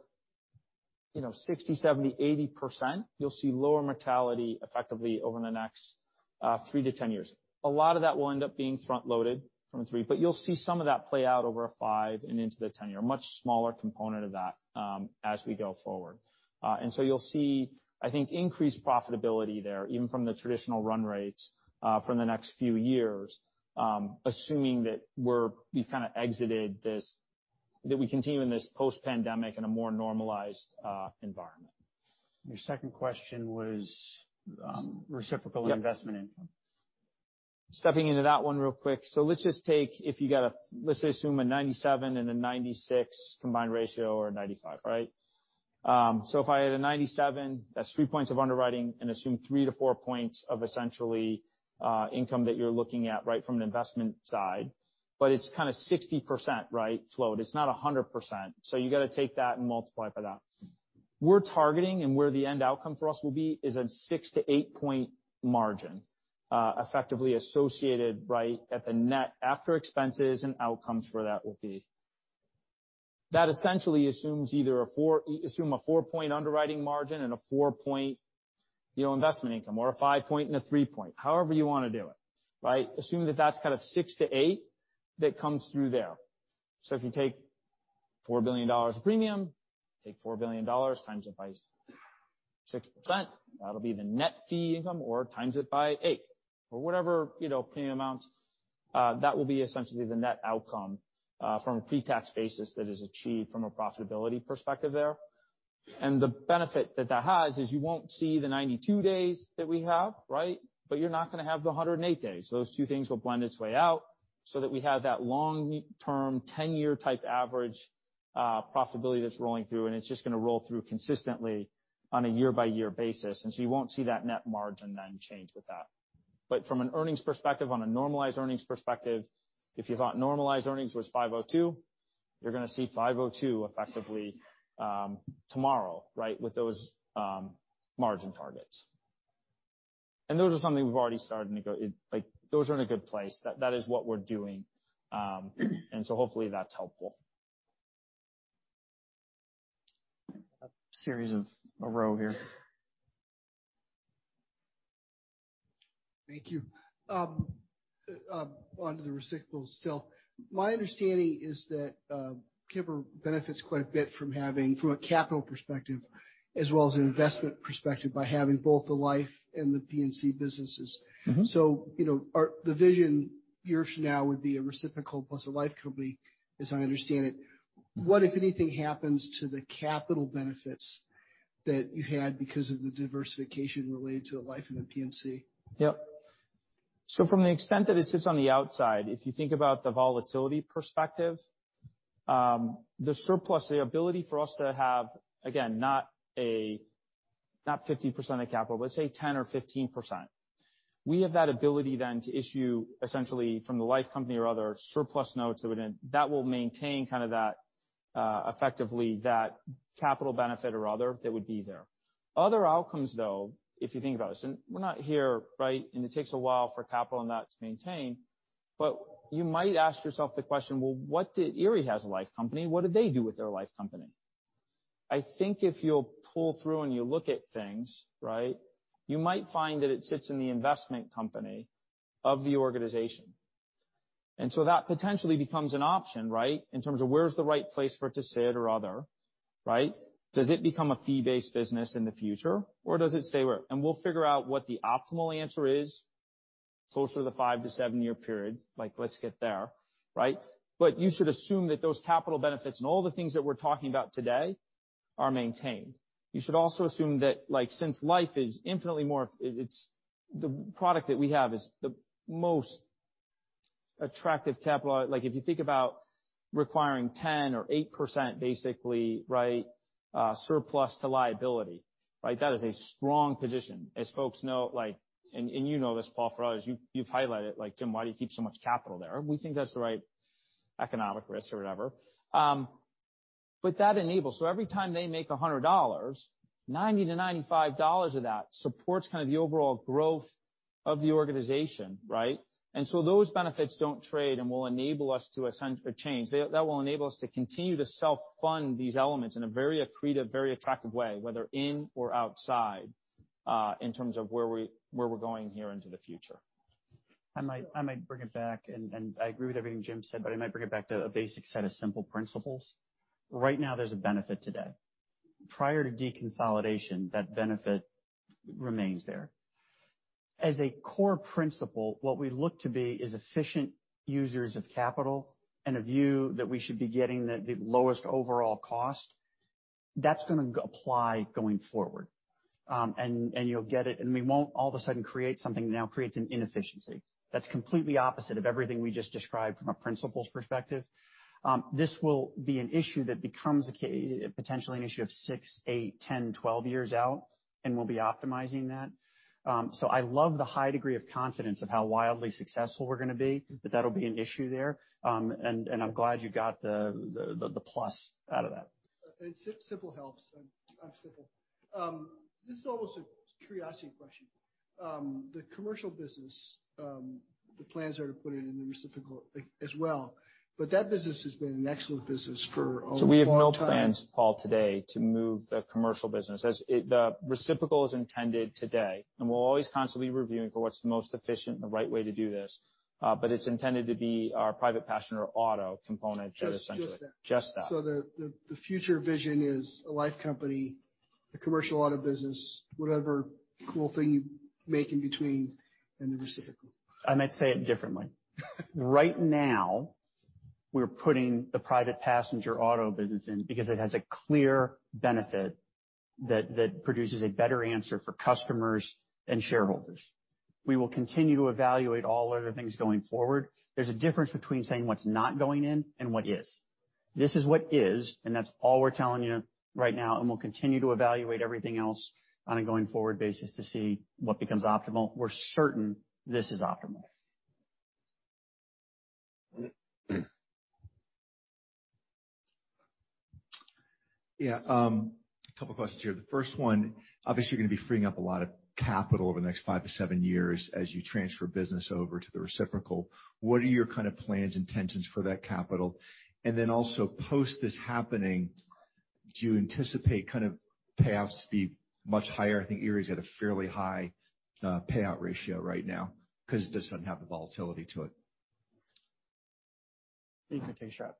you know, 60%, 70%, 80%. You'll see lower mortality effectively over the next three-ten years. A lot of that will end up being front loaded from the three, but you'll see some of that play out over a five and into the 10 year, a much smaller component of that, as we go forward. You'll see, I think, increased profitability there, even from the traditional run rates, from the next few years, assuming that we've kinda exited this, that we continue in this post-pandemic in a more normalized environment. Your second question was reciprocal investment income. Stepping into that one real quick. Let's just take, if you got, let's just assume a 97 and a 96 combined ratio or 95, right? If I had a 97, that's three points of underwriting and assume three-four points of essentially, income that you're looking at, right, from an investment side, but it's kinda 60%, right, flow. It's not 100%. You gotta take that and multiply by that. We're targeting and where the end outcome for us will be is a six-eight point margin, effectively associated, right, at the net after expenses and outcomes for that will be. That essentially assumes either assume a four-point underwriting margin and a four-point, you know, investment income or a five-point and a three-point, however you wanna do it, right? Assume that that's kind of six-eight that comes through there. If you take $4 billion premium, take $4 billion times it by 6%, that'll be the net fee income or times it by 8% or whatever, you know, premium amount, that will be essentially the net outcome from a pre-tax basis that is achieved from a profitability perspective there. The benefit that that has is you won't see the 92 days that we have, right? But you're not gonna have the 108 days. Those two things will blend its way out so that we have that long-term, 10-year type average profitability that's rolling through, and it's just gonna roll through consistently on a year-by-year basis. You won't see that net margin then change with that. From an earnings perspective, on a normalized earnings perspective, if you thought normalized earnings was 502, you're gonna see 502 effectively, tomorrow, right, with those margin targets. Those are something we've already started to go. Like, those are in a good place. That is what we're doing. Hopefully that's helpful. A series of a row here. Thank you. onto the reciprocal still. My understanding is that Kemper benefits quite a bit from having, from a capital perspective as well as an investment perspective, by having both the life and the P&C businesses. Mm-hmm. You know, the vision years from now would be a reciprocal plus a life company, as I understand it. What, if anything, happens to the capital benefits that you had because of the diversification related to the life and the P&C? Yep. From the extent that it sits on the outside, if you think about the volatility perspective, the surplus, the ability for us to have, again, not a, not 50% of capital, but say 10% or 15%. We have that ability then to issue essentially from the life company or other surplus notes that will maintain kind of that, effectively that capital benefit or other that would be there. Other outcomes, though, if you think about this, and we're not here, right? It takes a while for capital and that to maintain. You might ask yourself the question, well, what did Erie has a life company, what did they do with their life company? I think if you'll pull through and you look at things, right, you might find that it sits in the investment company of the organization. That potentially becomes an option, right? In terms of where's the right place for it to sit or other, right? Does it become a fee-based business in the future or does it stay where? We'll figure out what the optimal answer is closer to the five to seven-year period. Like, let's get there, right? You should assume that those capital benefits and all the things that we're talking about today are maintained. You should also assume that, like, since life is infinitely more, the product that we have is the most attractive capital. Like, if you think about requiring 10% or eight percent basically, right, surplus to liability, right? That is a strong position. As folks know, like, and you know this, Paul, for us, you've highlighted, like, "Jim, why do you keep so much capital there?" We think that's the right economic risk or whatever. That enables. every time they make $100, $90-$95 of that supports kind of the overall growth of the organization, right? those benefits don't trade and will enable us to ascend or change. That will enable us to continue to self-fund these elements in a very accretive, very attractive way, whether in or outside, in terms of where we, where we're going here into the future. I might bring it back. I agree with everything Jim said, but I might bring it back to a basic set of simple principles. Right now, there's a benefit today. Prior to deconsolidation, that benefit remains there. As a core principle, what we look to be is efficient users of capital and a view that we should be getting the lowest overall cost. That's gonna apply going forward. You'll get it. We won't all of a sudden create something that now creates an inefficiency. That's completely opposite of everything we just described from a principles perspective. This will be an issue that becomes a potentially an issue of six, eight, 10, 12 years out, and we'll be optimizing that. I love the high degree of confidence of how wildly successful we're gonna be, but that'll be an issue there. I'm glad you got the, the plus out of that. Simple helps. I'm simple. This is almost a curiosity question. The commercial business, the plans are to put it in the reciprocal, like, as well. That business has been an excellent business for a long time. We have no plans, Paul, today to move the commercial business. The reciprocal is intended today, and we'll always constantly be reviewing for what's the most efficient and the right way to do this. It's intended to be our private passenger auto component, essentially. Just that. Just that. The future vision is a life company, a commercial auto business, whatever cool thing you make in between in the reciprocal. I might say it differently. Right now, we're putting the private passenger auto business in because it has a clear benefit that produces a better answer for customers and shareholders. We will continue to evaluate all other things going forward. There's a difference between saying what's not going in and what is. This is what is, and that's all we're telling you right now, and we'll continue to evaluate everything else on a going forward basis to see what becomes optimal. We're certain this is optimal. Yeah, a couple questions here. The first one, obviously, you're gonna be freeing up a lot of capital over the next five-seven years as you transfer business over to the reciprocal. What are your kind of plans, intentions for that capital? Also post this happening, do you anticipate kind of payoffs to be much higher? I think Erie's at a fairly high payout ratio right now 'cause it doesn't have the volatility to it. You can take a shot.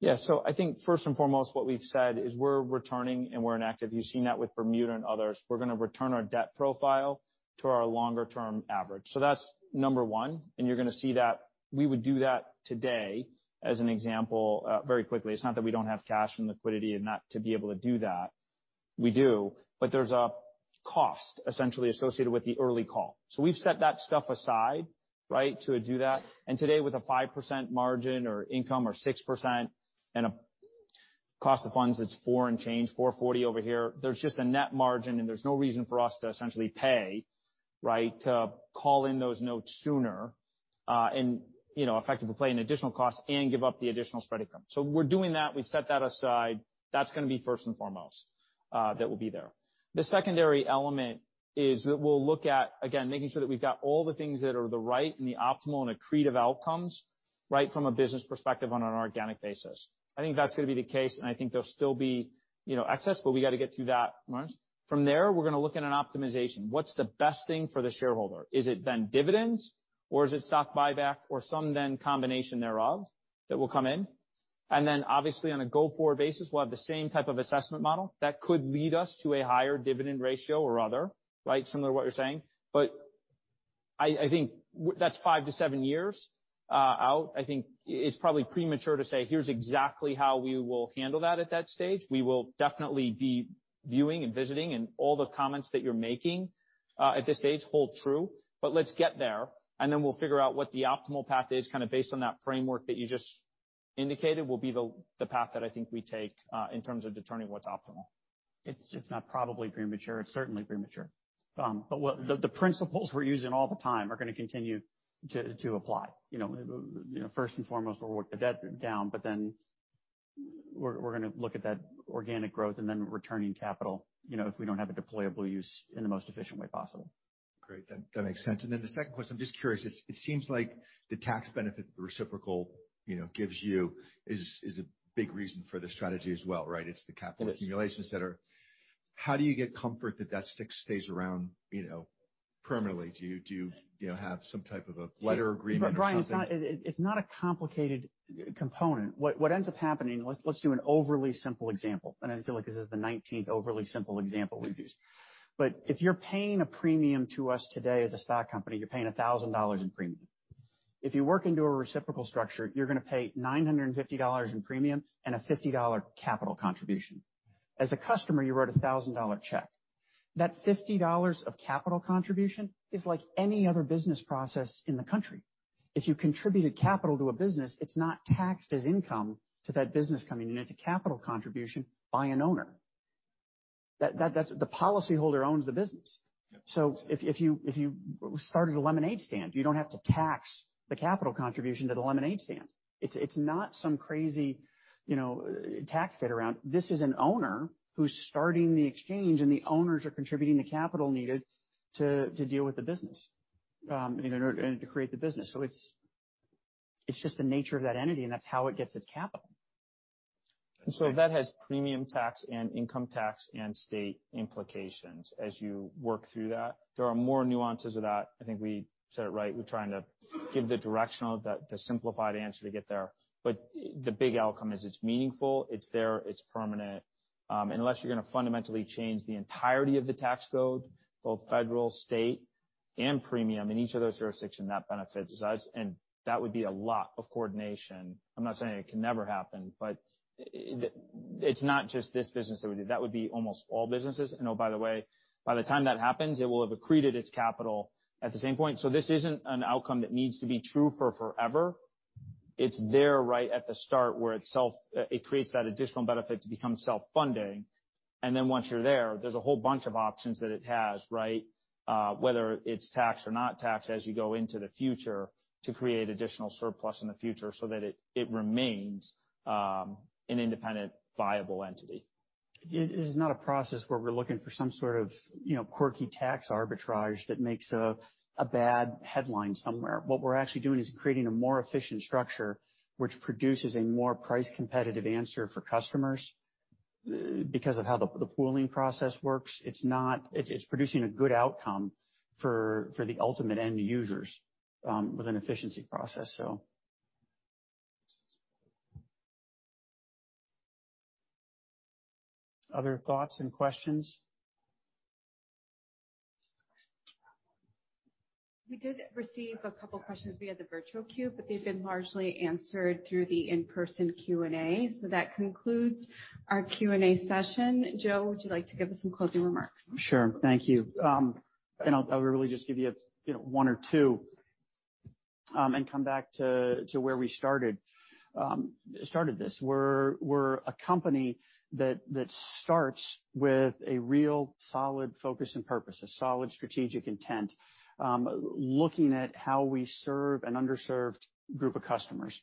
Yeah. I think first and foremost, what we've said is we're returning and we're in active. You've seen that with Bermuda and others. We're gonna return our debt profile to our longer-term average. That's number one. You're gonna see that we would do that today as an example, very quickly. It's not that we don't have cash and liquidity and not to be able to do that. We do, but there's a cost essentially associated with the early call. We've set that stuff aside, right, to do that. Today with a 5% margin or income or 6% and a cost of funds that's 4% and change, 4.40% over here. There's just a net margin, and there's no reason for us to essentially pay, right, to call in those notes sooner. You know, effectively play an additional cost and give up the additional spreading cost. We're doing that. We've set that aside. That's gonna be first and foremost, that will be there. The secondary element is that we'll look at, again, making sure that we've got all the things that are the right and the optimal and accretive outcomes, right, from a business perspective on an organic basis. I think that's gonna be the case, and I think there'll still be, you know, access, but we gotta get through that march. From there, we're gonna look at an optimization. What's the best thing for the shareholder? Is it then dividends, or is it stock buyback or some then combination thereof that will come in? Obviously, on a go-forward basis, we'll have the same type of assessment model that could lead us to a higher dividend ratio or other, right? Similar to what you're saying. I think that's five-seven years out. I think it's probably premature to say, "Here's exactly how we will handle that at that stage." We will definitely be viewing and visiting and all the comments that you're making at this stage hold true. Let's get there, and then we'll figure out what the optimal path is kinda based on that framework that you just indicated will be the path that I think we take in terms of determining what's optimal. It's not probably premature, it's certainly premature. The principles we're using all the time are gonna continue to apply. You know, first and foremost, we'll work the debt down, then we're gonna look at that organic growth and then returning capital, you know, if we don't have a deployable use in the most efficient way possible. Great. That makes sense. The second question, I'm just curious. It seems like the tax benefit reciprocal, you know, gives you is a big reason for the strategy as well, right? It's the capital accumulations that are... How do you get comfort that that stick stays around, you know, permanently? Do you know, have some type of a letter agreement or something? Brian, it's not a, it's not a complicated component. What ends up happening, let's do an overly simple example, and I feel like this is the 19th overly simple example we've used. If you're paying a premium to us today as a stock company, you're paying a $1,000 in premium. If you work into a reciprocal structure, you're gonna pay $950 in premium and a $50 capital contribution. As a customer, you wrote a $1,000 check. That $50 of capital contribution is like any other business process in the country. If you contributed capital to a business, it's not taxed as income to that business coming in. It's a capital contribution by an owner. That's the policyholder owns the business. Yeah. If you started a lemonade stand, you don't have to tax the capital contribution to the lemonade stand. It's not some crazy, you know, tax fit around. This is an owner who's starting the exchange, and the owners are contributing the capital needed to deal with the business and to create the business. It's just the nature of that entity, and that's how it gets its capital. That has premium tax and income tax and state implications as you work through that. There are more nuances of that. I think we said it right. We're trying to give the directional, the simplified answer to get there. The big outcome is it's meaningful, it's there, it's permanent. Unless you're gonna fundamentally change the entirety of the tax code, both federal, state, and premium in each of those jurisdictions, that benefits us, and that would be a lot of coordination. I'm not saying it can never happen, but it's not just this business that would do. That would be almost all businesses. Oh, by the way, by the time that happens, it will have accreted its capital at the same point. This isn't an outcome that needs to be true for forever. It's there right at the start where it creates that additional benefit to become self-funding. Once you're there's a whole bunch of options that it has, right? Whether it's taxed or not taxed as you go into the future to create additional surplus in the future so that it remains an independent, viable entity. It is not a process where we're looking for some sort of, you know, quirky tax arbitrage that makes a bad headline somewhere. What we're actually doing is creating a more efficient structure which produces a more price competitive answer for customers because of how the pooling process works. It's producing a good outcome for the ultimate end users with an efficiency process. Other thoughts and questions? We did receive a couple of questions via the virtual queue, but they've been largely answered through the in-person Q&A. That concludes our Q&A session. Joe, would you like to give us some closing remarks? Sure. Thank you. And I'll really just give you know, one or two, and come back to where we started this. We're a company that starts with a real solid focus and purpose, a solid strategic intent, looking at how we serve an underserved group of customers.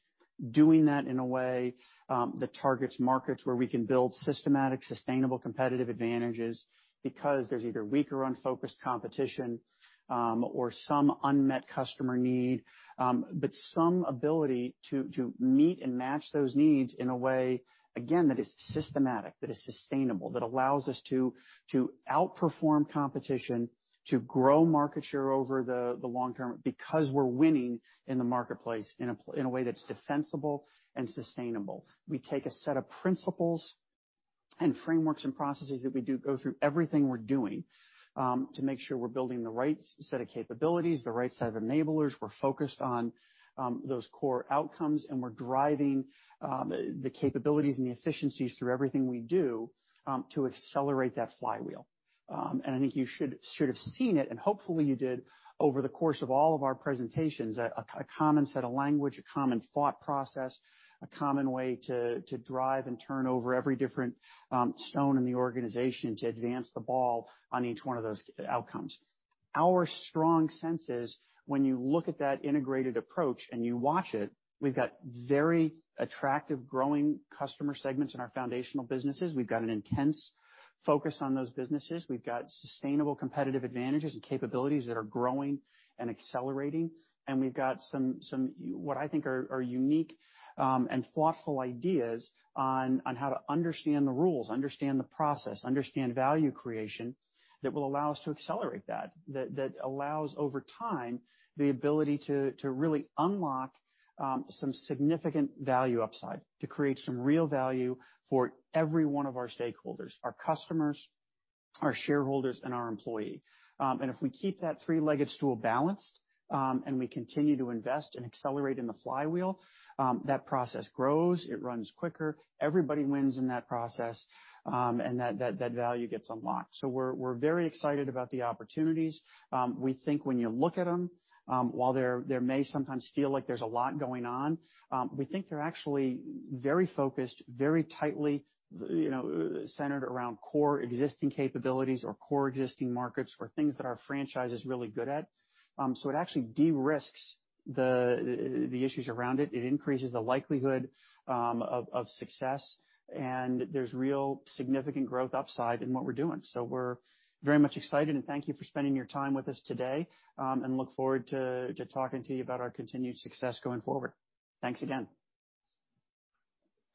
Doing that in a way that targets markets where we can build systematic, sustainable competitive advantages because there's either weak or unfocused competition, or some unmet customer need, but some ability to meet and match those needs in a way, again, that is systematic, that is sustainable, that allows us to outperform competition, to grow market share over the long term because we're winning in the marketplace in a way that's defensible and sustainable. We take a set of principles and frameworks and processes that we do go through everything we're doing, to make sure we're building the right set of capabilities, the right set of enablers. We're focused on those core outcomes, and we're driving the capabilities and the efficiencies through everything we do, to accelerate that flywheel. I think you should have seen it, and hopefully you did over the course of all of our presentations, a common set of language, a common thought process, a common way to drive and turn over every different stone in the organization to advance the ball on each one of those outcomes. Our strong sense is when you look at that integrated approach and you watch it, we've got very attractive growing customer segments in our foundational businesses. We've got an intense focus on those businesses. We've got sustainable competitive advantages and capabilities that are growing and accelerating. We've got some, what I think are unique and thoughtful ideas on how to understand the rules, understand the process, understand value creation that will allow us to accelerate that. That allows over time the ability to really unlock some significant value upside, to create some real value for every one of our stakeholders, our customers, our shareholders, and our employee. If we keep that three-legged stool balanced, and we continue to invest and accelerate in the flywheel, that process grows, it runs quicker. Everybody wins in that process, and that value gets unlocked. We're very excited about the opportunities. We think when you look at them, while there may sometimes feel like there's a lot going on, we think they're actually very focused, very tightly, you know, centered around core existing capabilities or core existing markets or things that our franchise is really good at. It actually de-risks the issues around it. It increases the likelihood of success, and there's real significant growth upside in what we're doing. We're very much excited and thank you for spending your time with us today, and look forward to talking to you about our continued success going forward. Thanks again.